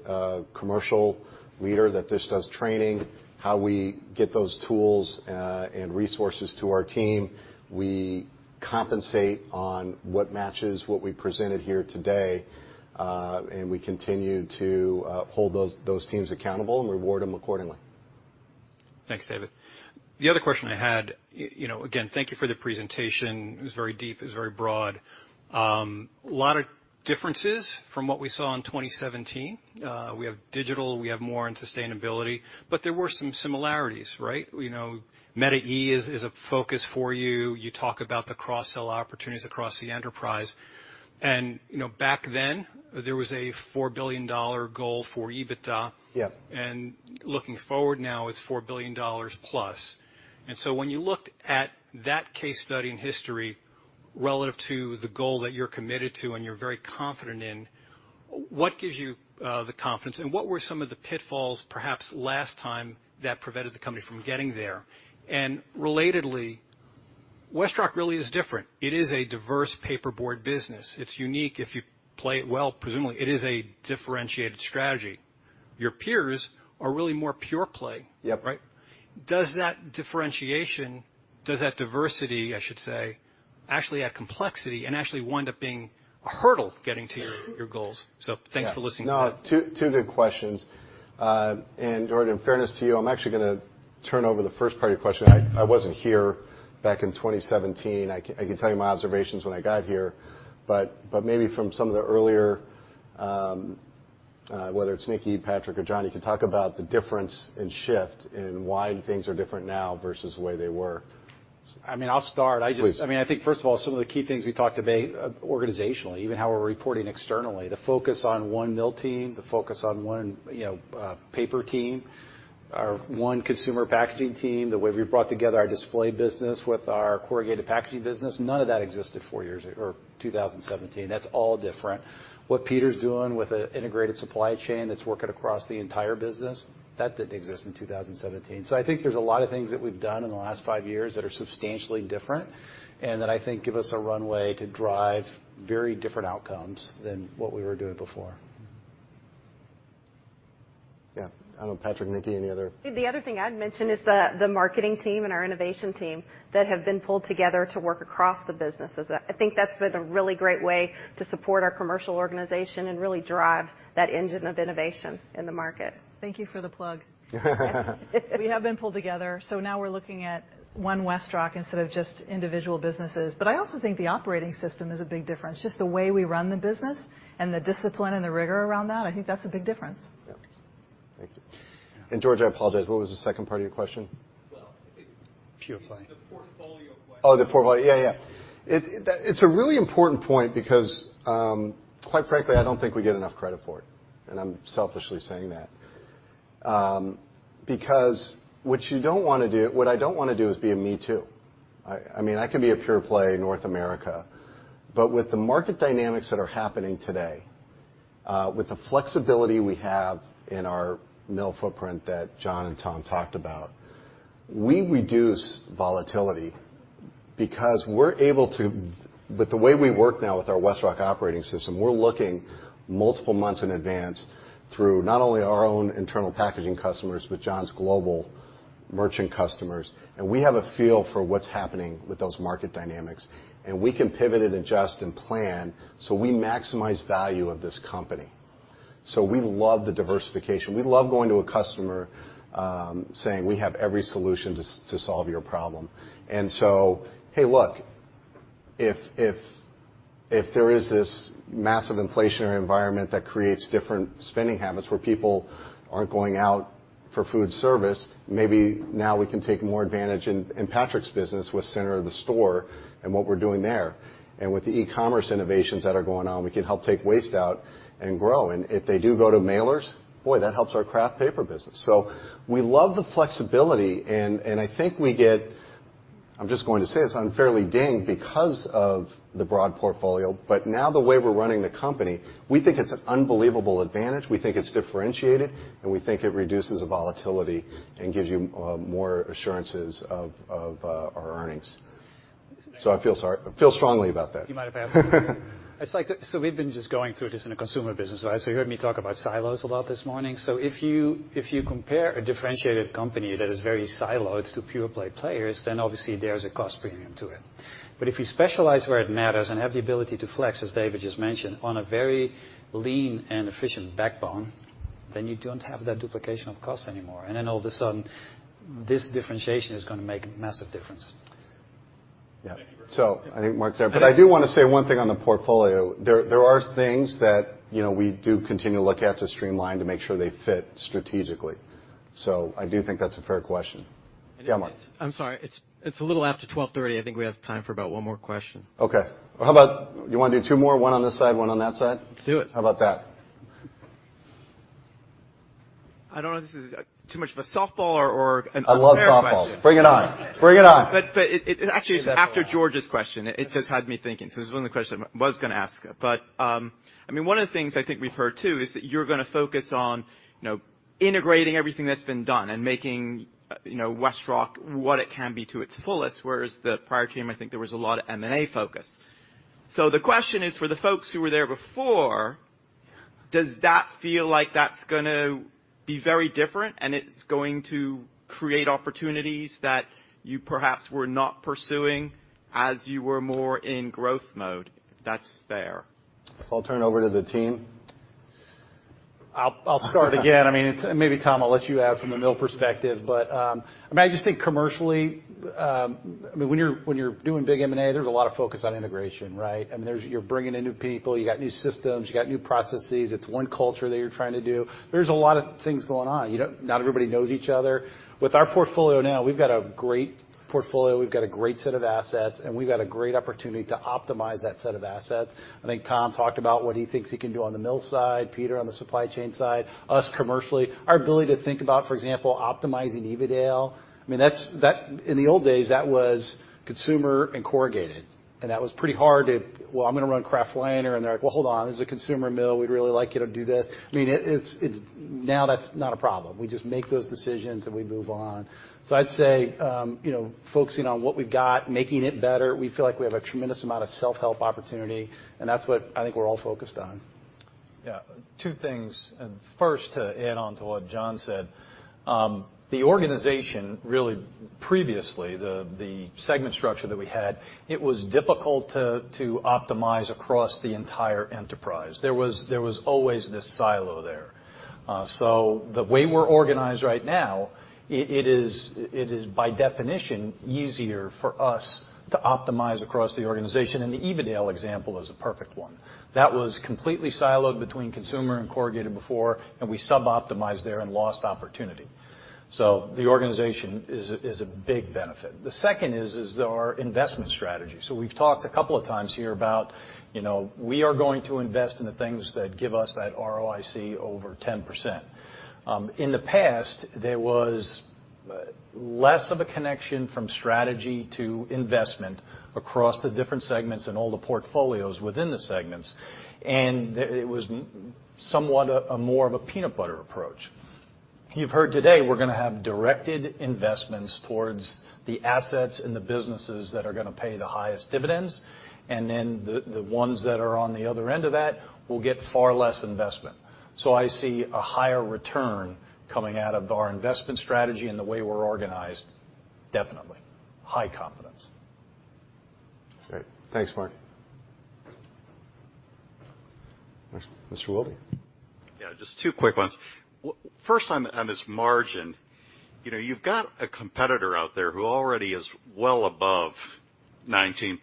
commercial leader that just does training, how we get those tools and resources to our team. We compensate on what matches what we presented here today, and we continue to hold those teams accountable and reward them accordingly. Thanks, David. The other question I had, you know, again, thank you for the presentation. It was very deep. It was very broad. A lot of differences from what we saw in 2017. We have digital, we have more in sustainability, but there were some similarities, right? You know, MetaE is a focus for you. You talk about the cross-sell opportunities across the enterprise. You know, back then, there was a $4 billion goal for EBITDA. Yeah. Looking forward now, it's $4 billion+. When you look at that case study in history relative to the goal that you're committed to and you're very confident in, what gives you the confidence, and what were some of the pitfalls perhaps last time that prevented the company from getting there? Relatedly, WestRock really is different. It is a diverse paperboard business. It's unique. If you play it well, presumably, it is a differentiated strategy. Your peers are really more pure-play. Yep. Right? Does that differentiation, does that diversity, I should say, actually add complexity and actually wind up being a hurdle getting to your goals? Thanks for listening to that. Two good questions. George, in fairness to you, I'm actually gonna turn over the first part of your question. I wasn't here back in 2017. I can tell you my observations when I got here. Maybe from some of the earlier, whether it's Nickie, Patrick, or John, you can talk about the difference in shift and why things are different now versus the way they were. I mean, I'll start. Please. I mean, I think, first of all, some of the key things we talked about organizationally, even how we're reporting externally, the focus on one mill team, the focus on one, you know, paper team, our one consumer packaging team, the way we brought together our display business with our corrugated packaging business, none of that existed four years or 2017. That's all different. What Peter's doing with the integrated supply chain that's working across the entire business, that didn't exist in 2017. I think there's a lot of things that we've done in the last five years that are substantially different and that I think give us a runway to drive very different outcomes than what we were doing before. Yeah. I don't know, Patrick, Nickie, any other- The other thing I'd mention is the marketing team and our innovation team that have been pulled together to work across the businesses. I think that's been a really great way to support our commercial organization and really drive that engine of innovation in the market. Thank you for the plug. We have been pulled together, so now we're looking at One WestRock instead of just individual businesses. I also think the operating system is a big difference, just the way we run the business and the discipline and the rigor around that. I think that's a big difference. Yeah. Thank you. George, I apologize. What was the second part of your question? Well, I think. Pure play It's the portfolio question. Oh, the portfolio. Yeah, yeah. It's a really important point because quite frankly, I don't think we get enough credit for it, and I'm selfishly saying that. Because what I don't wanna do is be a me too. I mean, I can be a pure play in North America, but with the market dynamics that are happening today, with the flexibility we have in our mill footprint that John and Tom talked about, we reduce volatility because we're able to with the way we work now with our WestRock Operating System, we're looking multiple months in advance through not only our own internal packaging customers, but John's global merchant customers. We have a feel for what's happening with those market dynamics, and we can pivot and adjust and plan so we maximize value of this company. We love the diversification. We love going to a customer, saying, "We have every solution to solve your problem." Hey, look, if there is this massive inflationary environment that creates different spending habits where people aren't going out for food service, maybe now we can take more advantage in Patrick's business with center of the store and what we're doing there. With the e-commerce innovations that are going on, we can help take waste out and grow. If they do go to mailers, boy, that helps our kraft paper business. We love the flexibility, and I think we get, I'm just going to say this, unfairly dinged because of the broad portfolio. Now the way we're running the company, we think it's an unbelievable advantage. We think it's differentiated, and we think it reduces the volatility and gives you more assurances of our earnings. I feel strongly about that. We've been just going through this in a consumer business, right? If you compare a differentiated company that is very siloed to pure-play players, obviously there's a cost premium to it. If you specialize where it matters and have the ability to flex, as David just mentioned, on a very lean and efficient backbone, you don't have that duplication of cost anymore. All of a sudden, this differentiation is gonna make a massive difference. Yeah. Thank you very much. I think Mark's there. I do wanna say one thing on the portfolio. There are things that, you know, we do continue to look at to streamline to make sure they fit strategically. I do think that's a fair question. Yeah, Mark. I'm sorry. It's a little after 12:30 P.M. I think we have time for about one more question. Okay. Well, how about you wanna do two more, one on this side, one on that side? Let's do it. How about that? I don't know if this is too much of a softball or an unfair question. I love softballs. Bring it on. Bring it on. Actually, it's after George's question. It just had me thinking, this is one of the questions I was gonna ask. I mean, one of the things I think we've heard too, is that you're gonna focus on, you know, integrating everything that's been done and making, you know, WestRock what it can be to its fullest, whereas the prior team, I think there was a lot of M&A focus. The question is, for the folks who were there before, does that feel like that's gonna be very different, and it's going to create opportunities that you perhaps were not pursuing as you were more in growth mode? If that's fair. I'll turn over to the team. I'll start again. Maybe, Tom, I'll let you add from the mill perspective. I mean, I just think commercially, I mean, when you're doing big M&A, there's a lot of focus on integration, right? I mean, you're bringing in new people, you got new systems, you got new processes. It's one culture that you're trying to do. There's a lot of things going on. Not everybody knows each other. With our portfolio now, we've got a great portfolio. We've got a great set of assets, and we've got a great opportunity to optimize that set of assets. I think Tom talked about what he thinks he can do on the mill side, Peter on the supply chain side, us commercially. Our ability to think about, for example, optimizing Evadale, I mean, that's. In the old days, that was consumer and corrugated, and that was pretty hard to, "Well, I'm gonna run kraft liner." And they're like, "Well, hold on. This is a consumer mill. We'd really like you to do this." I mean, it's. Now that's not a problem. We just make those decisions, and we move on. I'd say, you know, focusing on what we've got, making it better. We feel like we have a tremendous amount of self-help opportunity, and that's what I think we're all focused on. Yeah. Two things. First, to add on to what John said, the organization really previously the segment structure that we had, it was difficult to optimize across the entire enterprise. There was always this silo there. The way we're organized right now, it is by definition easier for us to optimize across the organization. The Evadale example is a perfect one. That was completely siloed between consumer and corrugated before, and we suboptimized there and lost opportunity. The organization is a big benefit. The second is our investment strategy. We've talked a couple of times here about we are going to invest in the things that give us that ROIC over 10%. In the past, there was less of a connection from strategy to investment across the different segments and all the portfolios within the segments. It was somewhat more of a peanut butter approach. You've heard today we're gonna have directed investments towards the assets and the businesses that are gonna pay the highest dividends, and then the ones that are on the other end of that will get far less investment. I see a higher return coming out of our investment strategy and the way we're organized, definitely. High confidence. Great. Thanks, Mark. Mr. Wilde? Yeah, just two quick ones. First, on this margin, you know, you've got a competitor out there who already is well above 19%,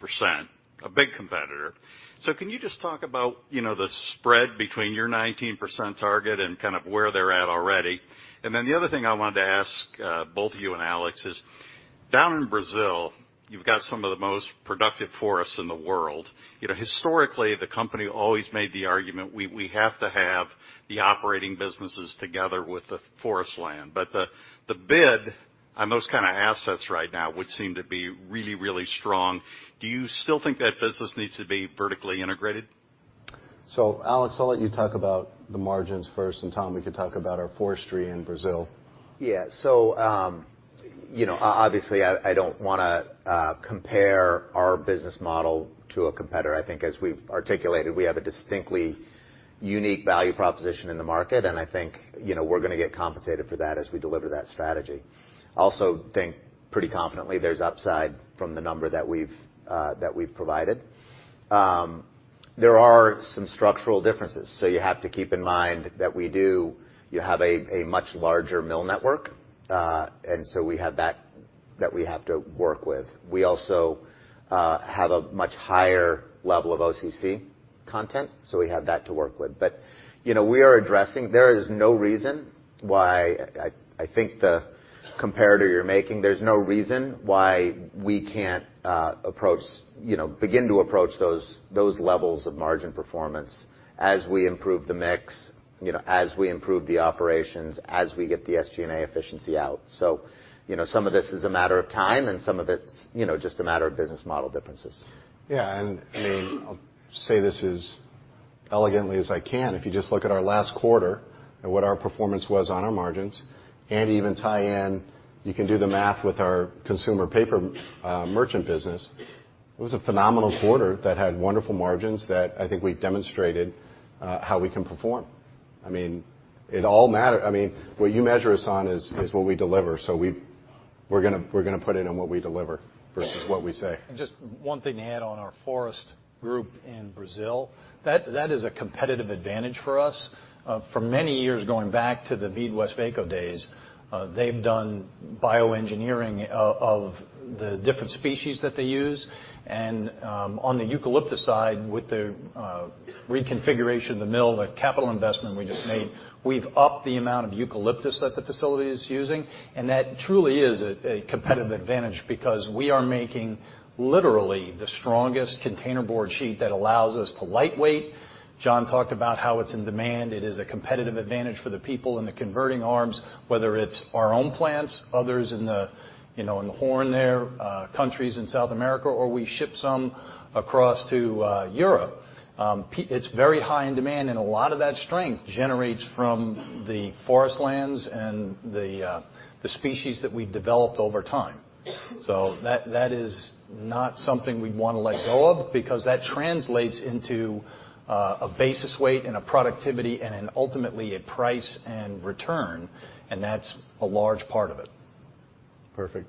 a big competitor. So can you just talk about, you know, the spread between your 19% target and kind of where they're at already? And then the other thing I wanted to ask, both you and Alex is, down in Brazil, you've got some of the most productive forests in the world. You know, historically, the company always made the argument, we have to have the operating businesses together with the forest land. But the bid on those kinda assets right now would seem to be really, really strong. Do you still think that business needs to be vertically integrated? Alex, I'll let you talk about the margins first, and Tom, we can talk about our forestry in Brazil. Yeah. You know, obviously, I don't wanna compare our business model to a competitor. I think as we've articulated, we have a distinctly unique value proposition in the market, and I think, you know, we're gonna get compensated for that as we deliver that strategy. Also think pretty confidently there's upside from the number that we've provided. There are some structural differences. You have to keep in mind that you have a much larger mill network. And so we have that we have to work with. We also have a much higher level of OCC content, so we have that to work with. You know, we are addressing. There is no reason why I think the comparator you're making, there's no reason why we can't approach, you know, begin to approach those levels of margin performance as we improve the mix, you know, as we improve the operations, as we get the SG&A efficiency out. You know, some of this is a matter of time, and some of it's, you know, just a matter of business model differences. Yeah. I mean, I'll say this as elegantly as I can. If you just look at our last quarter and what our performance was on our margins, and even tie in, you can do the math with our consumer paper, merchant business. It was a phenomenal quarter that had wonderful margins that I think we've demonstrated how we can perform. I mean, what you measure us on is what we deliver, so we're gonna put in on what we deliver versus what we say. Just one thing to add on our forest group in Brazil, that is a competitive advantage for us. For many years, going back to the MeadWestvaco days, they've done bioengineering of the different species that they use. On the eucalyptus side, with the reconfiguration of the mill, the capital investment we just made, we've upped the amount of eucalyptus that the facility is using. That truly is a competitive advantage because we are making literally the strongest containerboard sheet that allows us to lightweight. John talked about how it's in demand. It is a competitive advantage for the people in the converting arms, whether it's our own plants, others in the, you know, in North there, countries in South America, or we ship some across to Europe. It's very high in demand, and a lot of that strength generates from the forest lands and the species that we've developed over time. That is not something we'd wanna let go of because that translates into a basis weight and a productivity and then, ultimately, a price and return, and that's a large part of it. Perfect.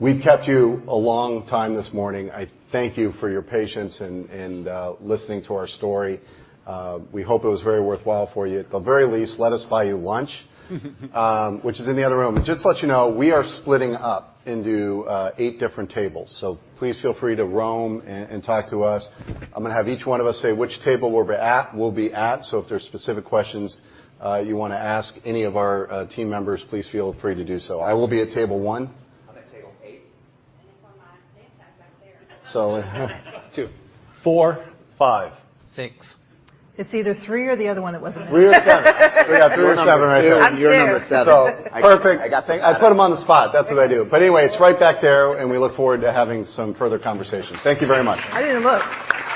We've kept you a long time this morning. I thank you for your patience and listening to our story. We hope it was very worthwhile for you. At the very least, let us buy you lunch, which is in the other room. Just to let you know, we are splitting up into eight different tables. Please feel free to roam and talk to us. I'm gonna have each one of us say which table we'll be at, so if there's specific questions, you wanna ask any of our team members, please feel free to do so. I will be at table one. I'm at table eight. So Two. Four. Five. Six. It's either three or the other one that wasn't mentioned. Three or seven. We got three or seven right there. You're number two, you're number seven. I'm seven. Perfect. I got- I put him on the spot. That's what I do. Anyway, it's right back there, and we look forward to having some further conversations. Thank you very much. I didn't look.